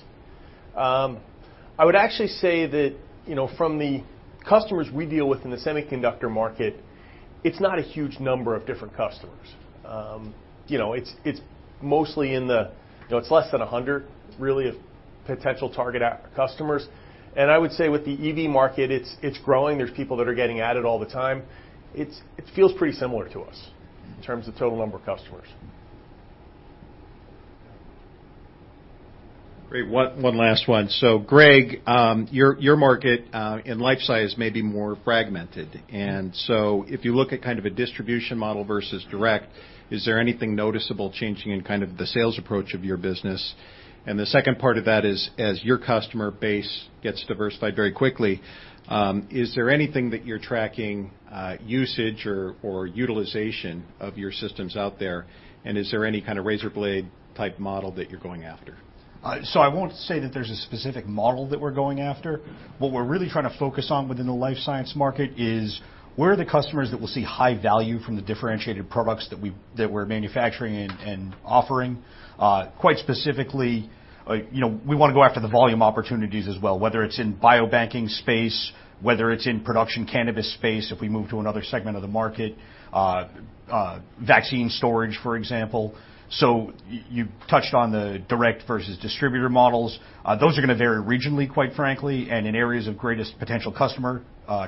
I would actually say that, you know, from the customers we deal with in the semiconductor market, it's not a huge number of different customers. You know, it's less than 100, really, of potential target customers. I would say with the EV market, it's growing. There's people that are getting at it all the time. It feels pretty similar to us in terms of total number of customers. Great. One last one. Greg, your market in life science may be more fragmented. If you look at kind of a distribution model versus direct, is there anything noticeable changing in kind of the sales approach of your business? The second part of that is, as your customer base gets diversified very quickly, is there anything that you're tracking, usage or utilization of your systems out there? Is there any kind of razor blade type model that you're going after? I won't say that there's a specific model that we're going after. What we're really trying to focus on within the life science market is, where are the customers that will see high value from the differentiated products that we're manufacturing and offering? Quite specifically, you know, we wanna go after the volume opportunities as well, whether it's in biobanking space, whether it's in production cannabis space, if we move to another segment of the market, vaccine storage, for example. You touched on the direct versus distributor models. Those are gonna vary regionally, quite frankly, and in areas of greatest potential customer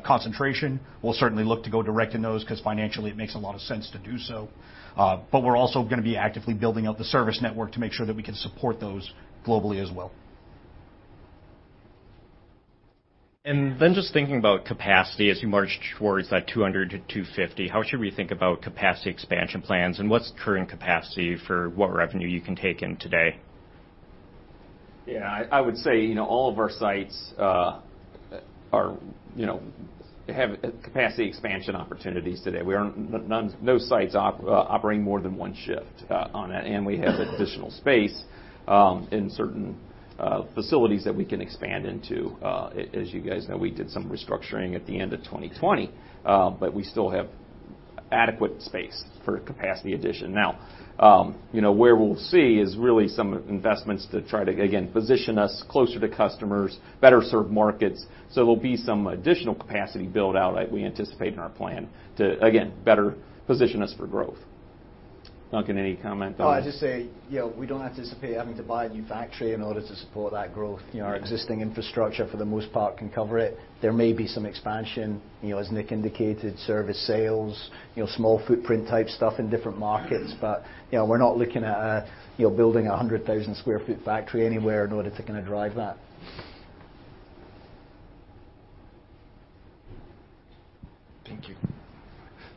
concentration. We'll certainly look to go direct in those 'cause financially it makes a lot of sense to do so. We're also gonna be actively building out the service network to make sure that we can support those globally as well. Just thinking about capacity as you march towards that $200-$250, how should we think about capacity expansion plans, and what's current capacity for what revenue you can take in today? Yeah. I would say you know all of our sites have capacity expansion opportunities today. No sites operating more than one shift on it, and we have additional space in certain facilities that we can expand into. As you guys know, we did some restructuring at the end of 2020, but we still have adequate space for capacity addition. Now you know where we'll see is really some investments to try to again position us closer to customers, better serve markets. There'll be some additional capacity build-out, we anticipate in our plan to, again, better position us for growth. Duncan, any comment on? I'll just say, you know, we don't anticipate having to buy a new factory in order to support that growth. You know, our existing infrastructure, for the most part, can cover it. There may be some expansion, you know, as Nick indicated, service sales, you know, small footprint type stuff in different markets. You know, we're not looking at, you know, building a 100,000 sq ft factory anywhere in order to kinda drive that. Thank you.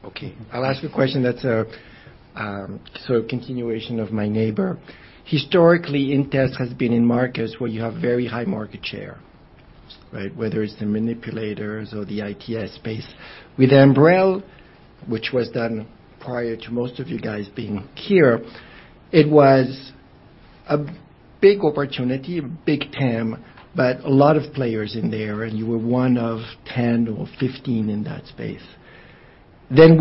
Okay. I'll ask a question that's sort of continuation of my neighbor. Historically, inTEST has been in markets where you have very high market share, right? Whether it's the manipulators or the iTS space. With Ambrell, which was done prior to most of you guys being here, it was a big opportunity, a big TAM, but a lot of players in there, and you were one of 10 or 15 in that space. Then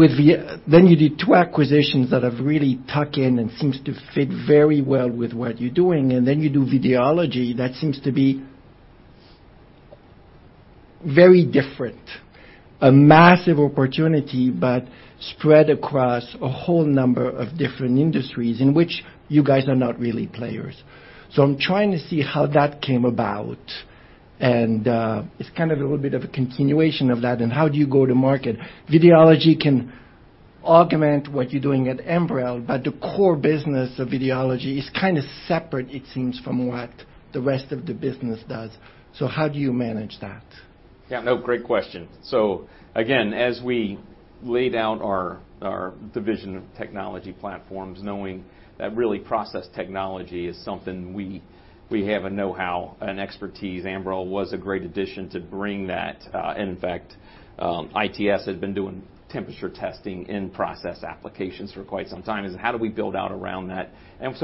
you did two acquisitions that have really tuck in and seems to fit very well with what you're doing, and then you do Videology. That seems to be very different. A massive opportunity, but spread across a whole number of different industries in which you guys are not really players. I'm trying to see how that came about, and it's kind of a little bit of a continuation of that, and how do you go to market? Videology can augment what you're doing at Ambrell, but the core business of Videology is kind of separate, it seems, from what the rest of the business does. How do you manage that? Yeah, no, great question. Again, as we lay down our division of technology platforms, knowing that really process technology is something we have a know-how and expertise, Ambrell was a great addition to bring that. In fact, ITS had been doing temperature testing in process applications for quite some time, so how do we build out around that?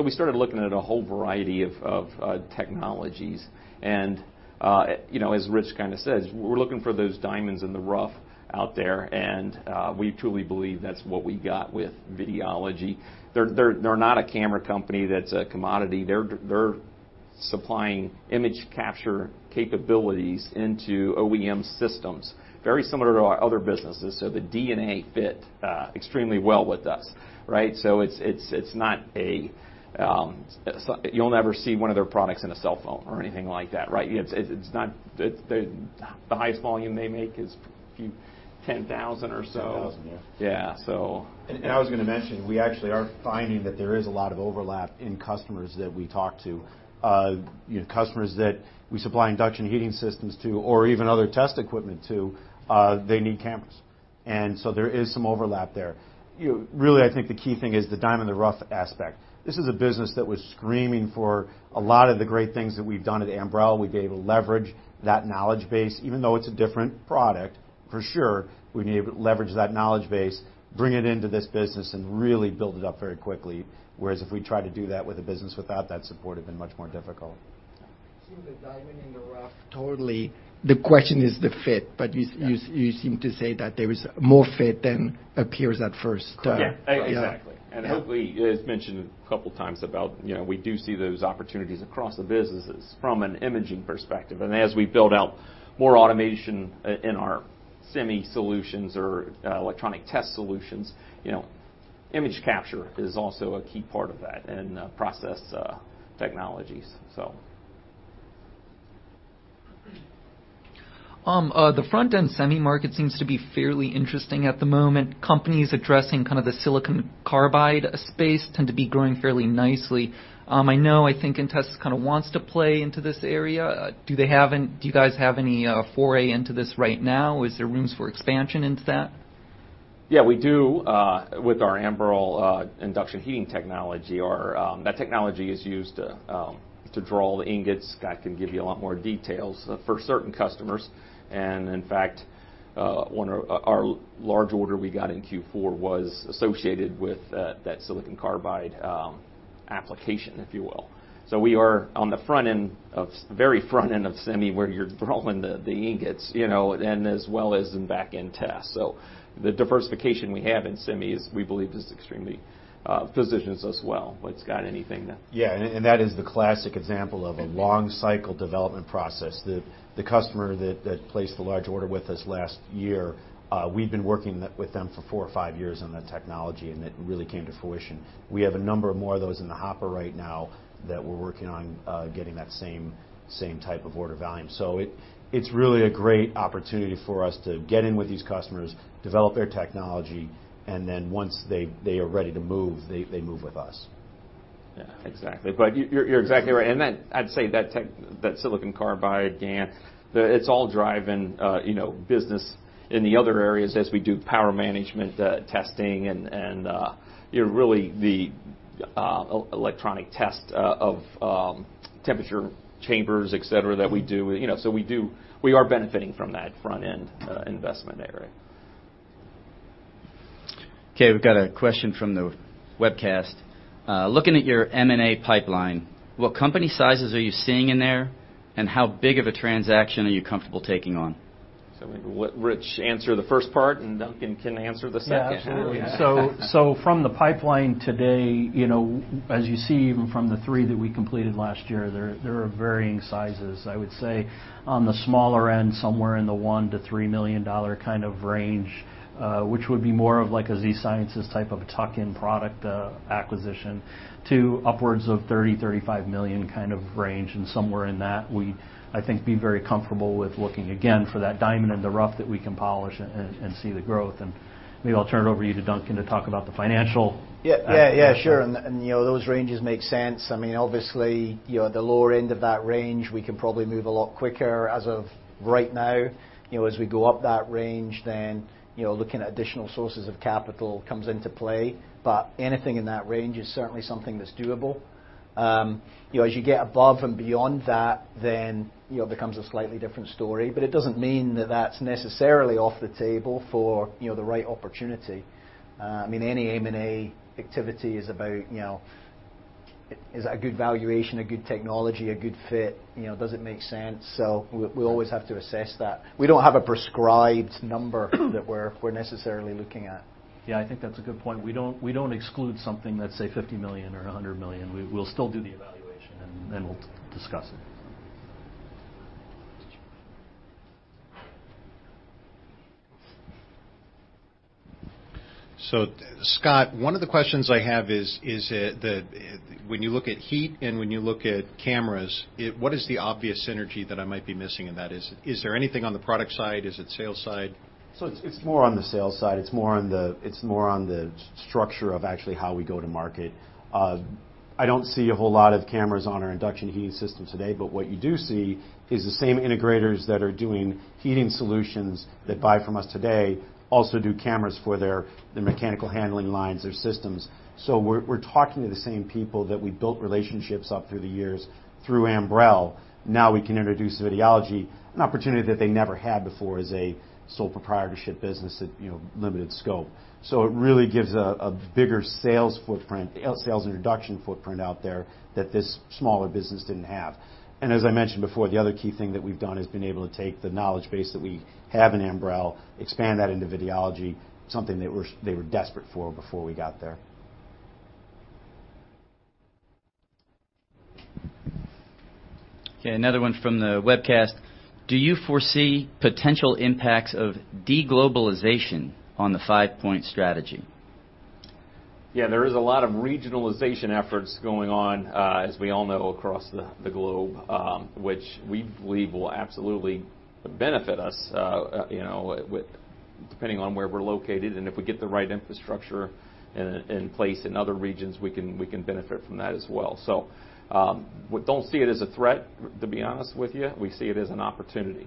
We started looking at a whole variety of technologies. You know, as Rich kinda says, we're looking for those diamonds in the rough out there, and we truly believe that's what we got with Videology. They're not a camera company that's a commodity. They're supplying image capture capabilities into OEM systems, very similar to our other businesses. The DNA fit extremely well with us, right? You'll never see one of their products in a cell phone or anything like that, right? The highest volume they make is 10,000 or so. 10,000, yeah. Yeah. I was gonna mention, we actually are finding that there is a lot of overlap in customers that we talk to. You know, customers that we supply induction heating systems to, or even other test equipment to, they need cameras. There is some overlap there. You know, really, I think the key thing is the diamond in the rough aspect. This is a business that was screaming for a lot of the great things that we've done at Ambrell. We'll be able to leverage that knowledge base, even though it's a different product, for sure, bring it into this business, and really build it up very quickly. Whereas if we try to do that with a business without that support, it would've been much more difficult. You said diamond in the rough, totally. The question is the fit, but you- Yeah. You seem to say that there is more fit than appears at first. Yeah. Exactly. Yeah. Hopefully, as mentioned a couple times about, you know, we do see those opportunities across the businesses from an imaging perspective. As we build out more automation in our semi solutions or electronic test solutions, you know, image capture is also a key part of that and process technologies, so. The front-end semi market seems to be fairly interesting at the moment. Companies addressing kind of the silicon carbide space tend to be growing fairly nicely. I know, I think, inTEST kinda wants to play into this area. Do you guys have any foray into this right now? Is there rooms for expansion into that? Yeah, we do with our Ambrell induction heating technology. That technology is used to draw the ingots. Scott can give you a lot more details for certain customers. In fact, one of our large order we got in Q4 was associated with that silicon carbide application, if you will. We are on the very front end of semi where you're drawing the ingots, you know, and as well as in back-end tests. The diversification we have in semi is, we believe, extremely positions us well. Scott, anything to- Yeah, that is the classic example of a long cycle development process. The customer that placed the large order with us last year, we've been working with them for four or five years on that technology, and it really came to fruition. We have a number of more of those in the hopper right now that we're working on getting that same type of order volume. It's really a great opportunity for us to get in with these customers, develop their technology, and then once they are ready to move, they move with us. Yeah. Exactly. But you're exactly right. Then I'd say that silicon carbide, GaN, it's all driving, you know, business in the other areas as we do power management testing and, you know, really the electronic test of temperature chambers, et cetera, that we do. You know, we are benefiting from that front-end investment area. Okay, we've got a question from the webcast. Looking at your M&A pipeline, what company sizes are you seeing in there, and how big of a transaction are you comfortable taking on? Let Rich answer the first part, and Duncan can answer the second. Yeah, absolutely. From the pipeline today, you know, as you see even from the three that we completed last year, there are varying sizes. I would say on the smaller end, somewhere in the $1-$3 million kind of range, which would be more of like a Z-Sciences type of tuck-in product acquisition to upwards of $30-$35 million kind of range, and somewhere in that we, I think, be very comfortable with looking again for that diamond in the rough that we can polish and see the growth. Maybe I'll turn it over you to Duncan to talk about the financial aspect of that. Yeah, yeah, sure. You know, those ranges make sense. I mean, obviously, you know, at the lower end of that range, we can probably move a lot quicker as of right now. You know, as we go up that range, then, you know, looking at additional sources of capital comes into play. Anything in that range is certainly something that's doable. You know, as you get above and beyond that, then, you know, it becomes a slightly different story. It doesn't mean that that's necessarily off the table for, you know, the right opportunity. I mean, any M&A activity is about, you know, is a good valuation, a good technology, a good fit, you know, does it make sense? We always have to assess that. We don't have a prescribed number that we're necessarily looking at. Yeah, I think that's a good point. We don't exclude something that's say $50 million or $100 million. We'll still do the evaluation and then we'll discuss it. Scott, one of the questions I have is it that when you look at heat and when you look at cameras, what is the obvious synergy that I might be missing in that? Is there anything on the product side? Is it sales side? It's more on the sales side. It's more on the structure of actually how we go to market. I don't see a whole lot of cameras on our induction heating system today, but what you do see is the same integrators that are doing heating solutions that buy from us today also do cameras for their mechanical handling lines, their systems. We're talking to the same people that we built relationships up through the years through Ambrell. Now we can introduce Videology, an opportunity that they never had before as a sole proprietorship business that, you know, limited scope. It really gives a bigger sales footprint, sales and production footprint out there that this smaller business didn't have. As I mentioned before, the other key thing that we've done has been able to take the knowledge base that we have in Ambrell, expand that into Videology, something that they were desperate for before we got there. Okay, another one from the webcast. Do you foresee potential impacts of de-globalization on the five-point strategy? Yeah. There is a lot of regionalization efforts going on, as we all know, across the globe, which we believe will absolutely benefit us, you know, with depending on where we're located, and if we get the right infrastructure in place in other regions, we can benefit from that as well. We don't see it as a threat, to be honest with you. We see it as an opportunity.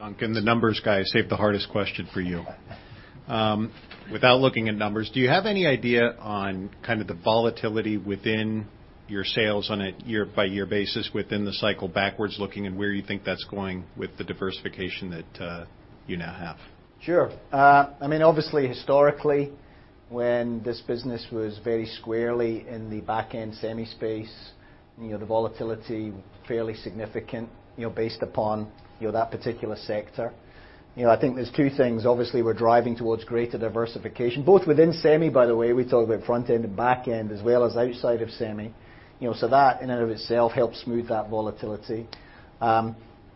Duncan, the numbers guy, I saved the hardest question for you. Without looking at numbers, do you have any idea on kind of the volatility within your sales on a year-by-year basis within the cycle backwards looking and where you think that's going with the diversification that, you now have? Sure. I mean, obviously, historically, when this business was very squarely in the back-end semi space, you know, the volatility fairly significant, you know, based upon, you know, that particular sector. You know, I think there are two things. Obviously, we're driving towards greater diversification, both within semi. By the way, we talk about front-end and back-end, as well as outside of semi. You know, so that in and of itself helps smooth that volatility.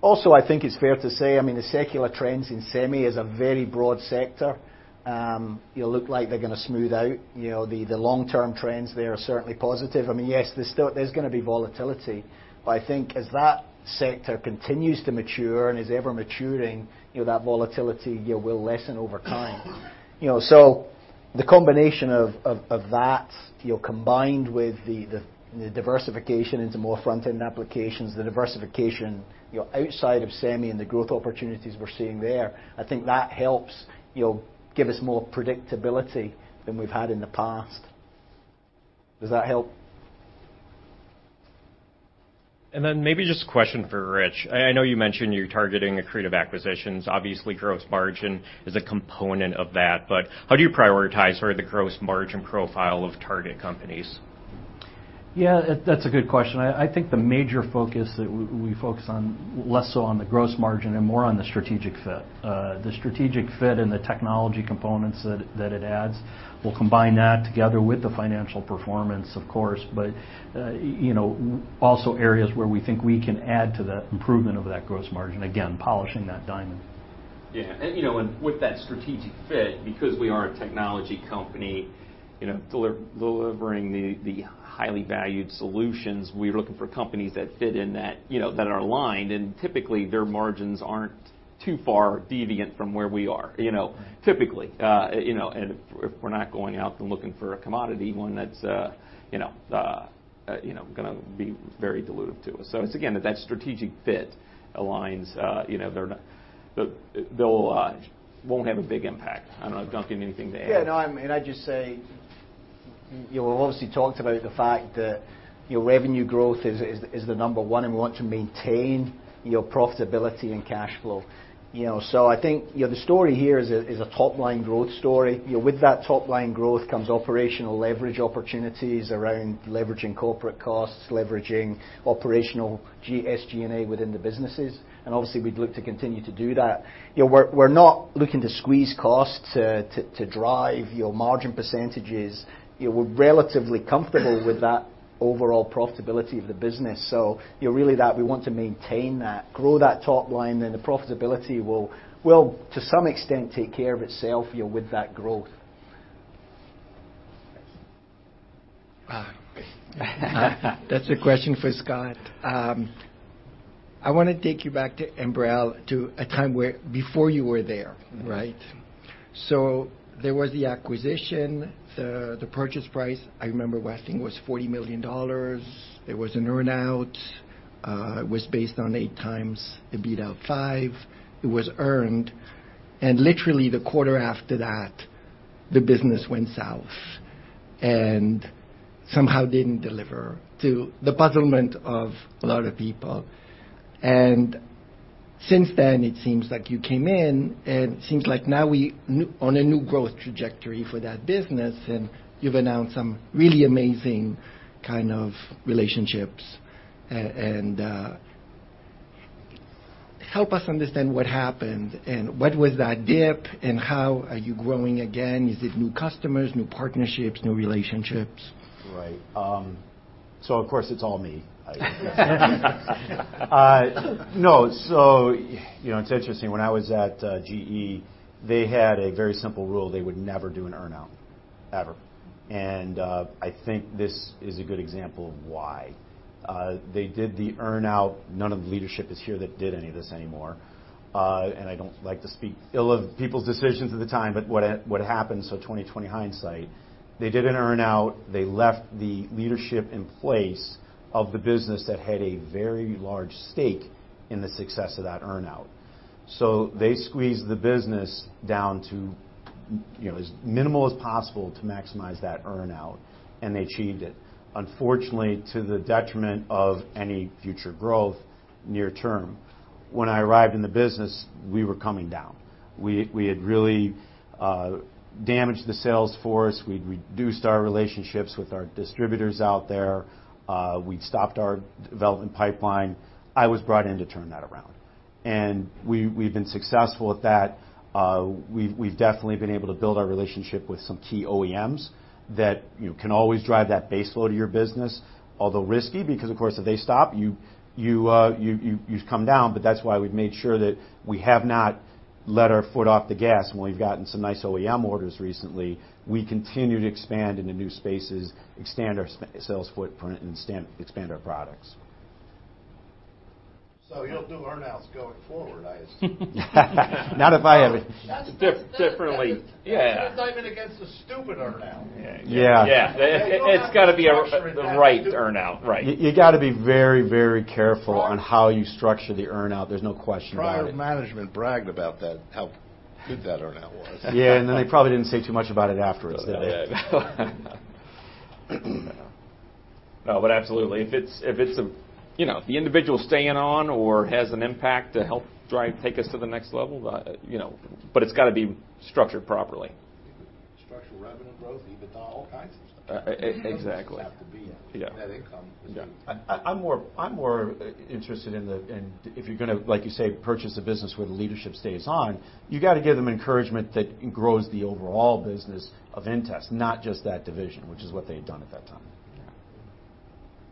Also I think it's fair to say, I mean, the secular trends in semi is a very broad sector. It looks like they're gonna smooth out. You know, the long-term trends there are certainly positive. I mean, yes, there's still gonna be volatility. But I think as that sector continues to mature and is ever maturing, you know, that volatility will lessen over time. You know, the combination of that, you know, combined with the diversification into more front-end applications, the diversification, you know, outside of semi and the growth opportunities we're seeing there, I think that helps, you know, give us more predictability than we've had in the past. Does that help? Maybe just a question for Rich. I know you mentioned you're targeting accretive acquisitions. Obviously, gross margin is a component of that. How do you prioritize sort of the gross margin profile of target companies? Yeah. That's a good question. I think the major focus that we focus on less so on the gross margin and more on the strategic fit. The strategic fit and the technology components that it adds, we'll combine that together with the financial performance, of course. You know, also areas where we think we can add to the improvement of that gross margin. Again, polishing that diamond. With that strategic fit, because we are a technology company, you know, delivering the highly valued solutions, we're looking for companies that fit in that, you know, that are aligned, and typically their margins aren't too far deviant from where we are, you know, typically. If we're not going out and looking for a commodity, one that's gonna be very dilutive to us. It's again, that strategic fit aligns, you know, they won't have a big impact. I don't know, Duncan, anything to add? Yeah. No. I mean, I'd just say, you know, we've obviously talked about the fact that, you know, revenue growth is the number one, and we want to maintain, you know, profitability and cash flow. You know, I think, you know, the story here is a top-line growth story. You know, with that top-line growth comes operational leverage opportunities around leveraging corporate costs, leveraging operational SG&A within the businesses. Obviously, we'd look to continue to do that. You know, we're not looking to squeeze costs to drive your margin percentages. You know, we're relatively comfortable with that overall profitability of the business. You know, really that we want to maintain that. Grow that top line, then the profitability will, to some extent, take care of itself, you know, with that growth. That's a question for Scott. I want to take you back to Ambrell to a time where before you were there, right? There was the acquisition, the purchase price, I remember I think it was $40 million. There was an earn-out, was based on 8 times EBITDA beat out 5. It was earned. Literally, the quarter after that, the business went south and somehow didn't deliver to the puzzlement of a lot of people. Since then, it seems like you came in, and it seems like now we're on a new growth trajectory for that business, and you've announced some really amazing kind of relationships. Help us understand what happened and what was that dip, and how are you growing again? Is it new customers, new partnerships, new relationships? It's interesting. When I was at GE, they had a very simple rule. They would never do an earn-out, ever. I think this is a good example of why. They did the earn-out. None of the leadership is here that did any of this anymore. I don't like to speak ill of people's decisions at the time, but what happened, 20/20 hindsight, they did an earn-out. They left the leadership in place of the business that had a very large stake in the success of that earn-out. They squeezed the business down to, you know, as minimal as possible to maximize that earn-out, and they achieved it. Unfortunately, to the detriment of any future growth near term. When I arrived in the business, we were coming down. We had really damaged the sales force. We'd reduced our relationships with our distributors out there. We'd stopped our development pipeline. I was brought in to turn that around, and we've been successful at that. We've definitely been able to build our relationship with some key OEMs that you can always drive that base load of your business, although risky, because of course, if they stop you've come down, but that's why we've made sure that we have not let our foot off the gas. We've gotten some nice OEM orders recently. We continue to expand into new spaces, expand our sales footprint, and expand our products. You'll do earnouts going forward, I assume. Not if I have it. Differently. That is- Yeah. You're gonna dive in against a stupid earnout. Yeah. Yeah. You don't have the structure they had, stupid. It's gotta be the right earnout, right. You gotta be very, very careful on how you structure the earnout. There's no question about it. Prior management bragged about that, how good that earnout was. Yeah, they probably didn't say too much about it afterwards, did they? Yeah. No, but absolutely. You know, if the individual's staying on or has an impact to help drive take us to the next level, you know. It's gotta be structured properly. Structured revenue growth, EBITDA, all kinds of stuff. E-e-exactly. It doesn't just have to be. Yeah net income. Yeah. I'm more interested in if you're gonna, like you say, purchase a business where the leadership stays on, you gotta give them encouragement that grows the overall business of inTEST, not just that division, which is what they had done at that time.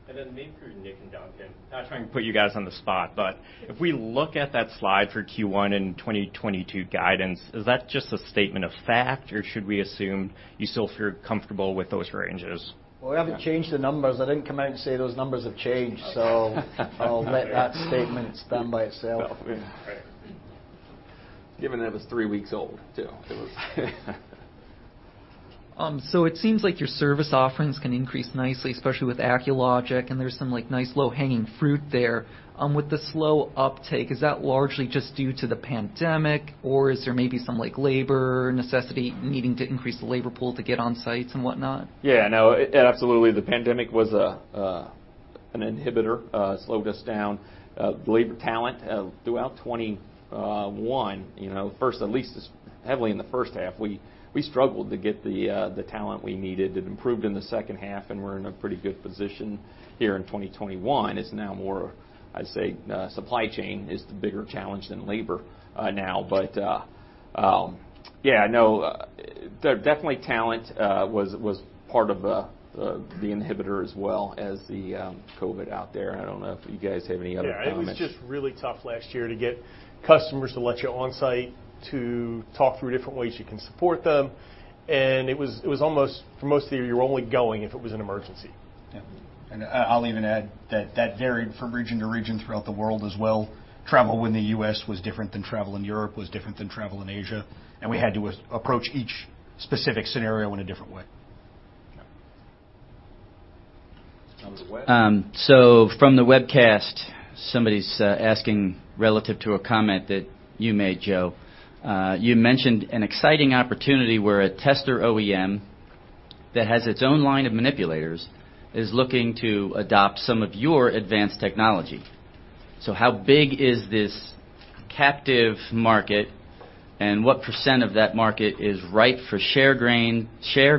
Yeah. Maybe for Nick and Duncan, not trying to put you guys on the spot, but if we look at that slide for Q1 and 2022 guidance, is that just a statement of fact, or should we assume you still feel comfortable with those ranges? Well, I haven't changed the numbers. I didn't come out and say those numbers have changed. Okay. I'll let that statement stand by itself. Right. Given that it was three weeks old, too, it was. It seems like your service offerings can increase nicely, especially with Acculogic, and there's some, like, nice low-hanging fruit there. With the slow uptake, is that largely just due to the pandemic, or is there maybe some, like, labor necessity needing to increase the labor pool to get on sites and whatnot? Yeah, no, absolutely, the pandemic was an inhibitor, slowed us down. The labor talent throughout 2021, you know, heavily in the first half, we struggled to get the talent we needed. It improved in the second half, and we're in a pretty good position here in 2021. It's now more, I'd say, supply chain is the bigger challenge than labor now. Yeah, no, definitely talent was part of the inhibitor as well as the COVID out there. I don't know if you guys have any other comments. Yeah, it was just really tough last year to get customers to let you on site to talk through different ways you can support them, and it was almost for most of the year, you were only going if it was an emergency. Yeah. I’ll even add that varied from region to region throughout the world as well. Travel in the U.S. was different than travel in Europe was different than travel in Asia, and we had to approach each specific scenario in a different way. Yeah. On the web. From the webcast, somebody's asking relative to a comment that you made, Joe. You mentioned an exciting opportunity where a tester OEM that has its own line of manipulators is looking to adopt some of your advanced technology. How big is this captive market, and what percent of that market is ripe for share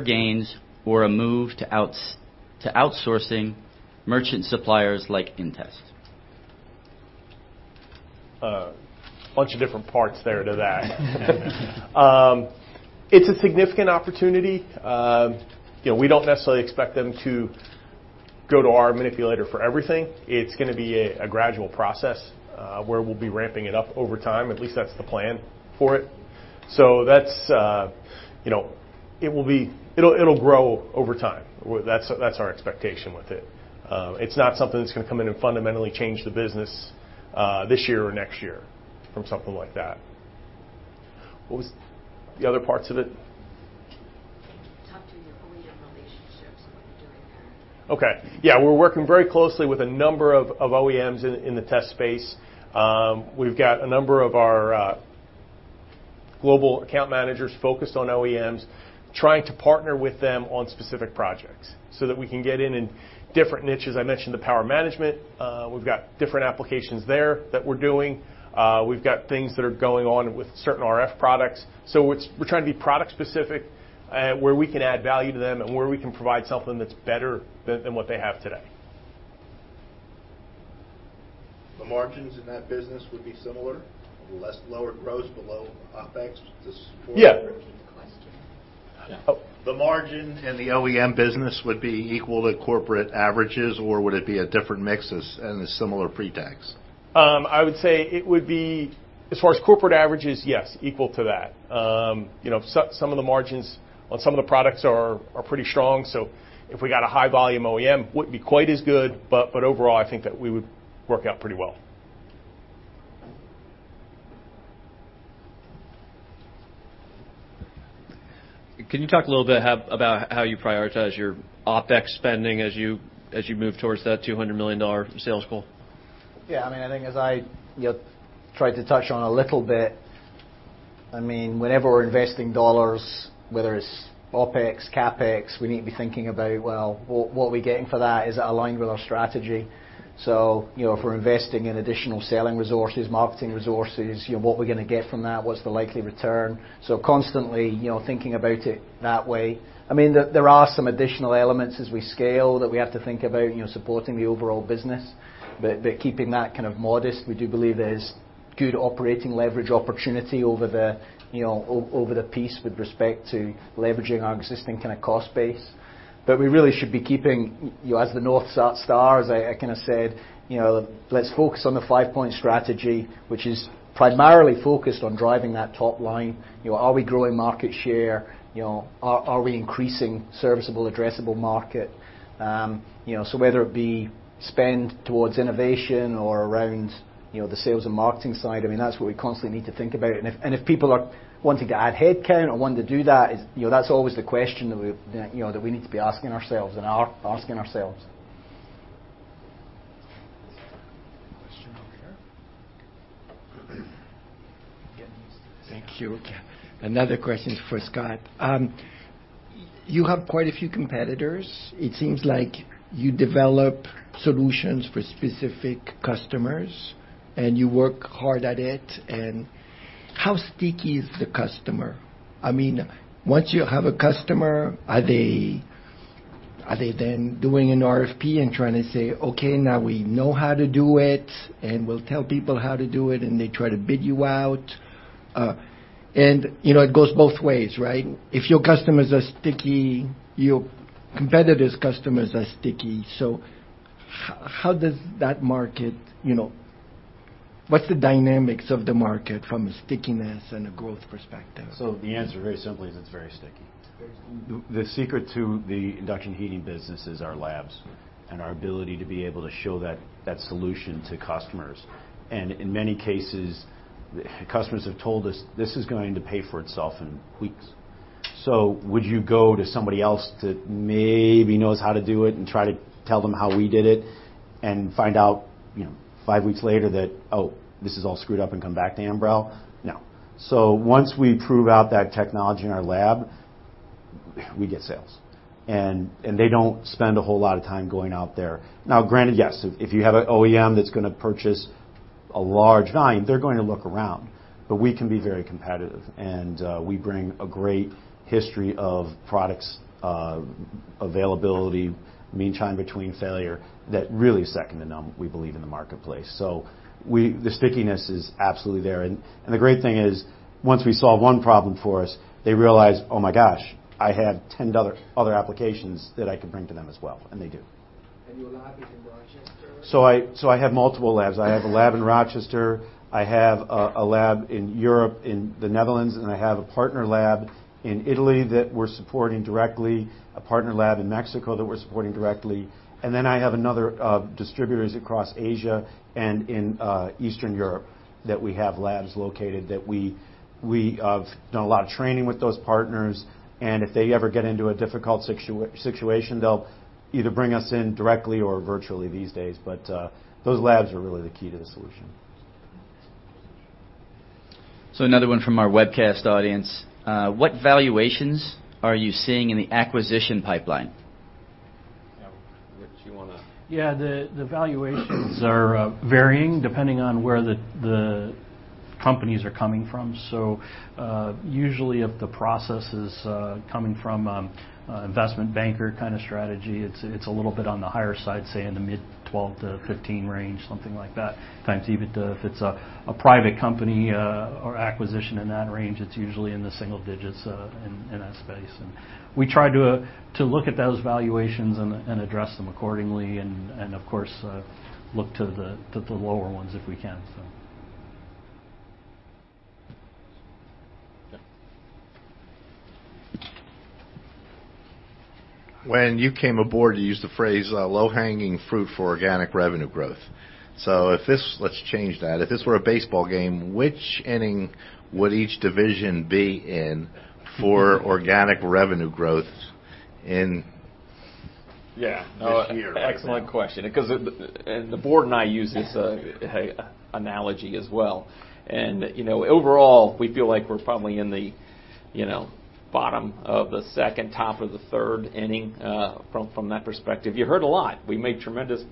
gains or a move to outsourcing merchant suppliers like inTEST? A bunch of different parts there to that. It's a significant opportunity. You know, we don't necessarily expect them to go to our manipulator for everything. It's gonna be a gradual process, where we'll be ramping it up over time. At least that's the plan for it. That's you know, it will be. It'll grow over time. That's our expectation with it. It's not something that's gonna come in and fundamentally change the business, this year or next year from something like that. What was the other parts of it? Talk to the OEM relationships and what you're doing there. Okay. Yeah. We're working very closely with a number of OEMs in the test space. We've got a number of our global account managers focused on OEMs, trying to partner with them on specific projects so that we can get in different niches. I mentioned the power management. We've got different applications there that we're doing. We've got things that are going on with certain RF products. We're trying to be product specific, where we can add value to them and where we can provide something that's better than what they have today. The margins in that business would be similar? Lower gross below OpEx to support- Yeah. Repeat the question. Oh. The margin in the OEM business would be equal to corporate averages, or would it be a different mix as a similar pre-tax? I would say it would be, as far as corporate averages, yes, equal to that. You know, some of the margins on some of the products are pretty strong, so if we got a high volume OEM, wouldn't be quite as good, but overall, I think that we would work out pretty well. Can you talk a little bit about how you prioritize your OpEx spending as you move towards that $200 million sales goal? Yeah. I mean, I think as I, you know, tried to touch on a little bit. I mean, whenever we're investing dollars, whether it's OpEx, CapEx, we need to be thinking about, well, what are we getting for that? Is it aligned with our strategy? You know, if we're investing in additional selling resources, marketing resources, you know, what we're gonna get from that, what's the likely return? Constantly, you know, thinking about it that way. I mean, there are some additional elements as we scale that we have to think about, you know, supporting the overall business. But keeping that kind of modest, we do believe there's good operating leverage opportunity over the, you know, over the piece with respect to leveraging our existing kind of cost base. We really should be keeping, you know, as the North Star, as I kinda said, you know, let's focus on the five-point strategy, which is primarily focused on driving that top line. You know, are we growing market share? You know, are we increasing serviceable addressable market? You know, so whether it be spend towards innovation or around, you know, the sales and marketing side, I mean, that's what we constantly need to think about. If people are wanting to add headcount or wanting to do that's always the question that we need to be asking ourselves and are asking ourselves. Question over here. Thank you. Another question for Scott. You have quite a few competitors. It seems like you develop solutions for specific customers, and you work hard at it. How sticky is the customer? I mean, once you have a customer, are they then doing an RFP and trying to say, "Okay, now we know how to do it, and we'll tell people how to do it," and they try to bid you out? It goes both ways, right? If your customers are sticky, your competitors' customers are sticky. How does that market, you know, what's the dynamics of the market from a stickiness and a growth perspective? The answer very simply is it's very sticky. Very sticky. The secret to the induction heating business is our labs and our ability to be able to show that solution to customers. In many cases, customers have told us, "This is going to pay for itself in weeks." Would you go to somebody else that maybe knows how to do it and try to tell them how we did it and find out, you know, five weeks later that, "Oh, this is all screwed up," and come back to Ambrell? No. Once we prove out that technology in our lab, we get sales. They don't spend a whole lot of time going out there. Now, granted, yes, if you have a OEM that's gonna purchase a large volume, they're going to look around. We can be very competitive, and we bring a great history of products, availability, mean time between failure that really is second to none, we believe, in the marketplace. The stickiness is absolutely there. The great thing is, once we solve one problem for us, they realize, "Oh my gosh, I have 10 other applications that I could bring to them as well." They do. Your lab is in Rochester? I have multiple labs. I have a lab in Rochester. I have a lab in Europe, in the Netherlands, and I have a partner lab in Italy that we're supporting directly, a partner lab in Mexico that we're supporting directly. I have other distributors across Asia and in Eastern Europe that we have labs located that we have done a lot of training with those partners. If they ever get into a difficult situation, they'll either bring us in directly or virtually these days. Those labs are really the key to the solution. Another one from our webcast audience. What valuations are you seeing in the acquisition pipeline? Yeah. Rich, you wanna Yeah. The valuations are varying depending on where the companies are coming from. Usually if the process is coming from an investment banker kind of strategy, it's a little bit on the higher side, say in the mid-12-15 range, something like that. Sometimes even if it's a private company or acquisition in that range, it's usually in the single digits in that space. We try to look at those valuations and address them accordingly and of course look to the lower ones if we can. Yeah. When you came aboard, you used the phrase, "low-hanging fruit for organic revenue growth." Let's change that. If this were a baseball game, which inning would each division be in for organic revenue growth in? Yeah. This year right now? Excellent question because it and the board and I use this analogy as well. You know, overall, we feel like we're probably in the you know, bottom of the second, top of the third inning from that perspective. You heard a lot. We made tremendous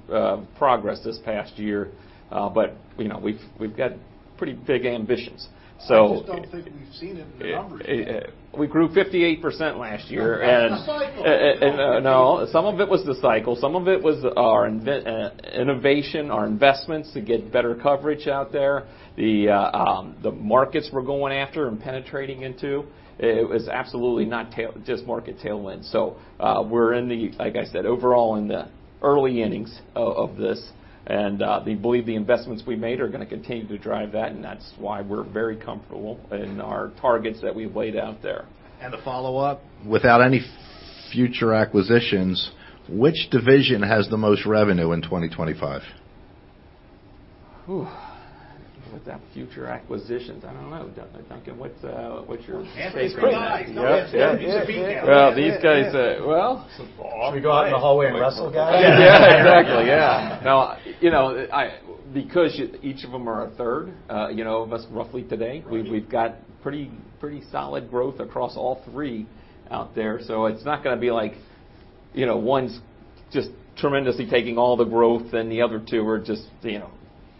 progress this past year, but you know, we've got pretty big ambitions. I just don't think we've seen it in the numbers yet. We grew 58% last year. That's the cycle. No. Some of it was the cycle. Some of it was our innovation, our investments to get better coverage out there, the markets we're going after and penetrating into. It was absolutely not just market tailwind. We're in the, like I said, overall in the early innings of this. We believe the investments we made are gonna continue to drive that, and that's why we're very comfortable in our targets that we've laid out there. A follow-up. Without any future acquisitions, which division has the most revenue in 2025? Ooh. Without future acquisitions, I don't know. Duncan, what's your- Can't say. Yeah. Yeah. It's a beat down. Well, these guys. It's a ball. Should we go out in the hallway and wrestle, guys? Yeah, exactly. Yeah. No. You know, because each of them are a third, you know, of us roughly today, we've got pretty solid growth across all three out there. So it's not gonna be like- You know, one's just tremendously taking all the growth and the other two are just, you know,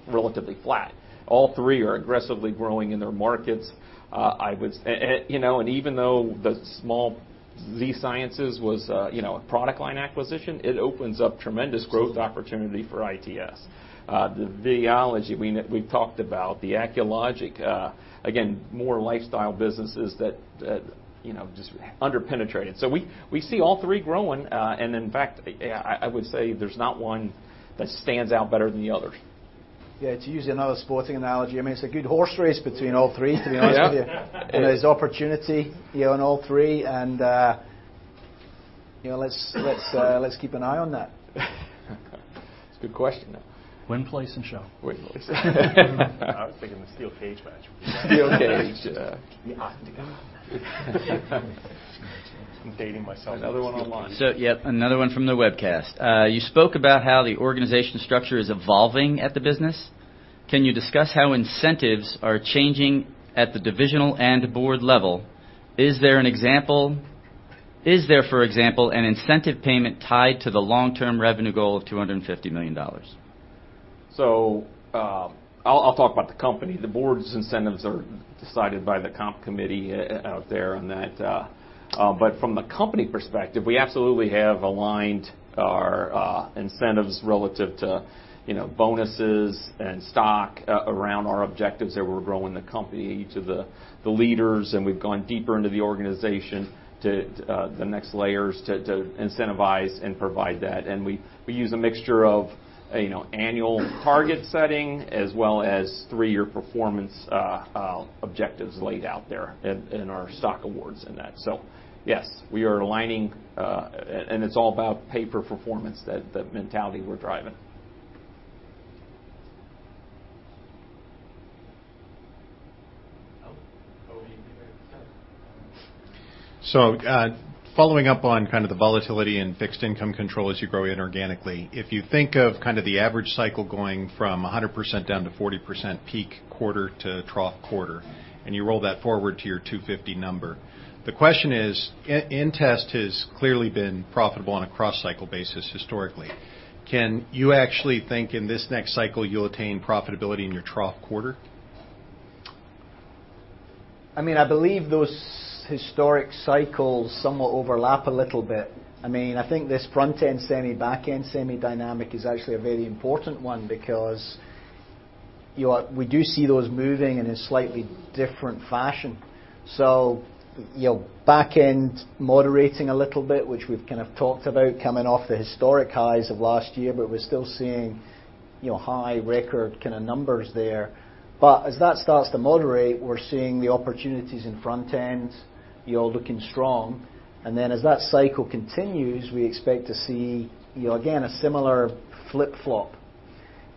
relatively flat. All three are aggressively growing in their markets. I would say, you know, even though the small Z-Sciences was a, you know, a product line acquisition, it opens up tremendous growth opportunity for iTS. The Videology we've talked about, the Acculogic, again, more lifestyle businesses that you know just under-penetrated. We see all three growing. In fact, I would say there's not one that stands out better than the others. Yeah. To use another sporting analogy, I mean, it's a good horse race between all three, to be honest with you. You know, let's keep an eye on that. It's a good question, though. Win, place, and show. Win, place I was thinking the steel cage match. Steel cage. Yeah. Keep me honest. I'm dating myself. Another one online. Yep, another one from the webcast. You spoke about how the organization structure is evolving at the business. Can you discuss how incentives are changing at the divisional and board level? Is there, for example, an incentive payment tied to the long-term revenue goal of $250 million? I'll talk about the company. The board's incentives are decided by the comp committee out there on that. From the company perspective, we absolutely have aligned our incentives relative to, you know, bonuses and stock around our objectives that we're growing the company to the leaders, and we've gone deeper into the organization to the next layers to incentivize and provide that. We use a mixture of, you know, annual target setting as well as three-year performance objectives laid out there in our stock awards in that. Yes, we are aligning. It's all about pay for performance, that mentality we're driving. Following up on kind of the volatility in fixed income control as you grow inorganically. If you think of kind of the average cycle going from 100% down to 40% peak quarter to trough quarter, and you roll that forward to your 250 number. The question is, inTEST has clearly been profitable on a cross-cycle basis historically. Can you actually think in this next cycle you'll attain profitability in your trough quarter? I mean, I believe those historic cycles somewhat overlap a little bit. I mean, I think this front-end semi, back-end semi dynamic is actually a very important one because we do see those moving in a slightly different fashion. You know, back end moderating a little bit, which we've kind of talked about coming off the historic highs of last year, but we're still seeing, you know, high record kinda numbers there. As that starts to moderate, we're seeing the opportunities in front end, you know, looking strong. As that cycle continues, we expect to see, you know, again, a similar flip-flop.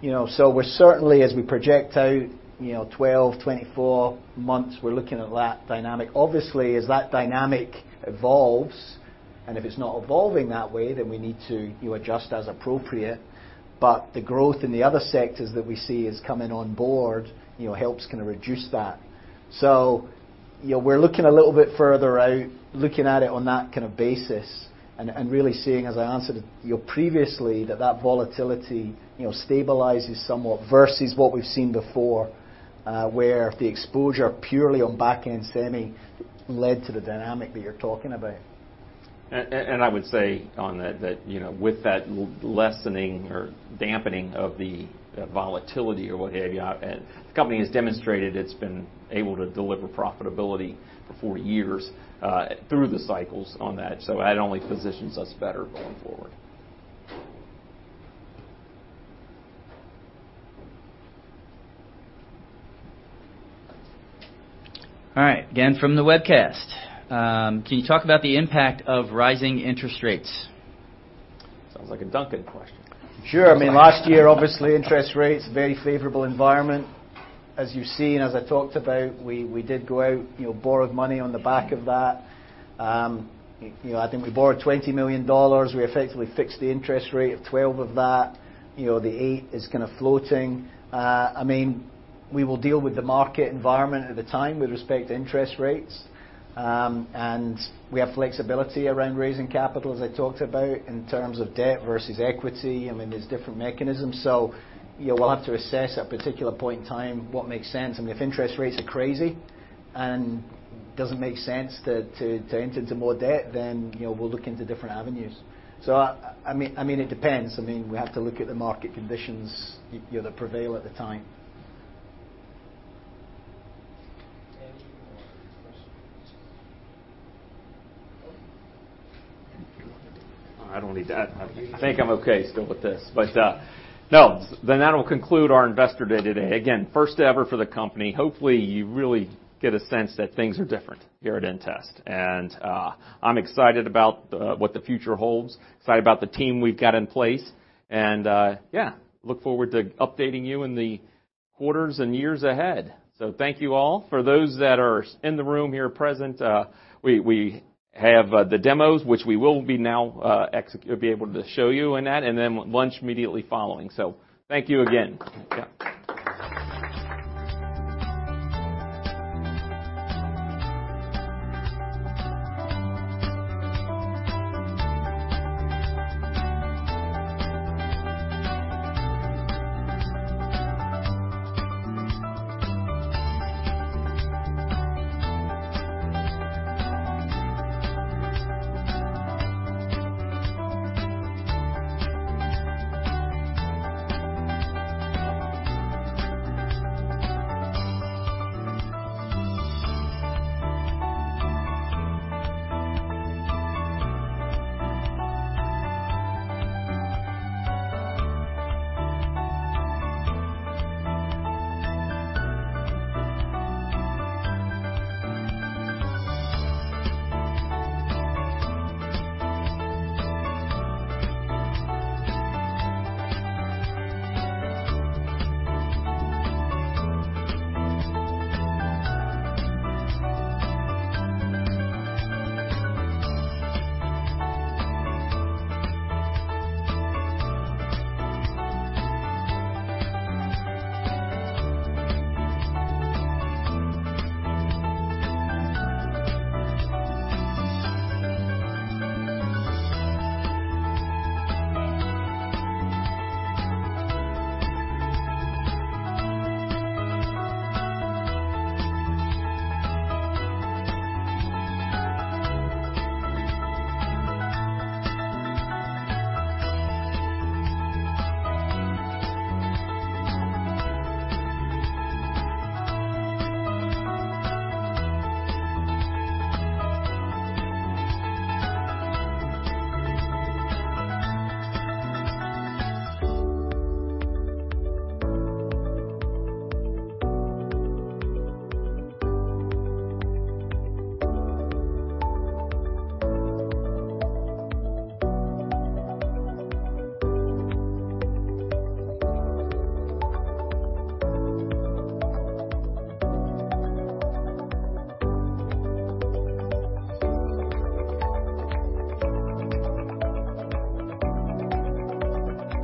You know, we're certainly, as we project out, you know, 12, 24 months, we're looking at that dynamic. Obviously, as that dynamic evolves, and if it's not evolving that way, then we need to, you know, adjust as appropriate. The growth in the other sectors that we see is coming on board, you know, helps kinda reduce that. You know, we're looking a little bit further out, looking at it on that kind of basis and really seeing, as I answered, you know, previously, that volatility, you know, stabilizes somewhat versus what we've seen before, where the exposure purely on back-end semi led to the dynamic that you're talking about. I would say on that, you know, with that lessening or dampening of the volatility or what have you, the company has demonstrated it's been able to deliver profitability for years through the cycles on that. That only positions us better going forward. All right. Again, from the webcast, can you talk about the impact of rising interest rates? Sounds like a Duncan question. Sure. I mean, last year, obviously, interest rates, very favorable environment. As you've seen, as I talked about, we did go out, you know, borrowed money on the back of that. You know, I think we borrowed $20 million. We effectively fixed the interest rate of $12 million of that. You know, the $8 million is kind of floating. I mean, we will deal with the market environment at the time with respect to interest rates. We have flexibility around raising capital, as I talked about, in terms of debt versus equity. I mean, there's different mechanisms. You know, we'll have to assess at particular point in time what makes sense. I mean, if interest rates are crazy and doesn't make sense to enter into more debt, then, you know, we'll look into different avenues. I mean, it depends. I mean, we have to look at the market conditions, you know, that prevail at the time. Any more questions? I don't need that. I think I'm okay still with this. No, then that'll conclude our investor day today. Again, first ever for the company. Hopefully, you really get a sense that things are different here at inTEST. I'm excited about what the future holds, excited about the team we've got in place, and yeah, look forward to updating you in the quarters and years ahead. Thank you all. For those that are in the room here present, we have the demos, which we will now be able to show you in that, and then lunch immediately following. Thank you again. Yeah.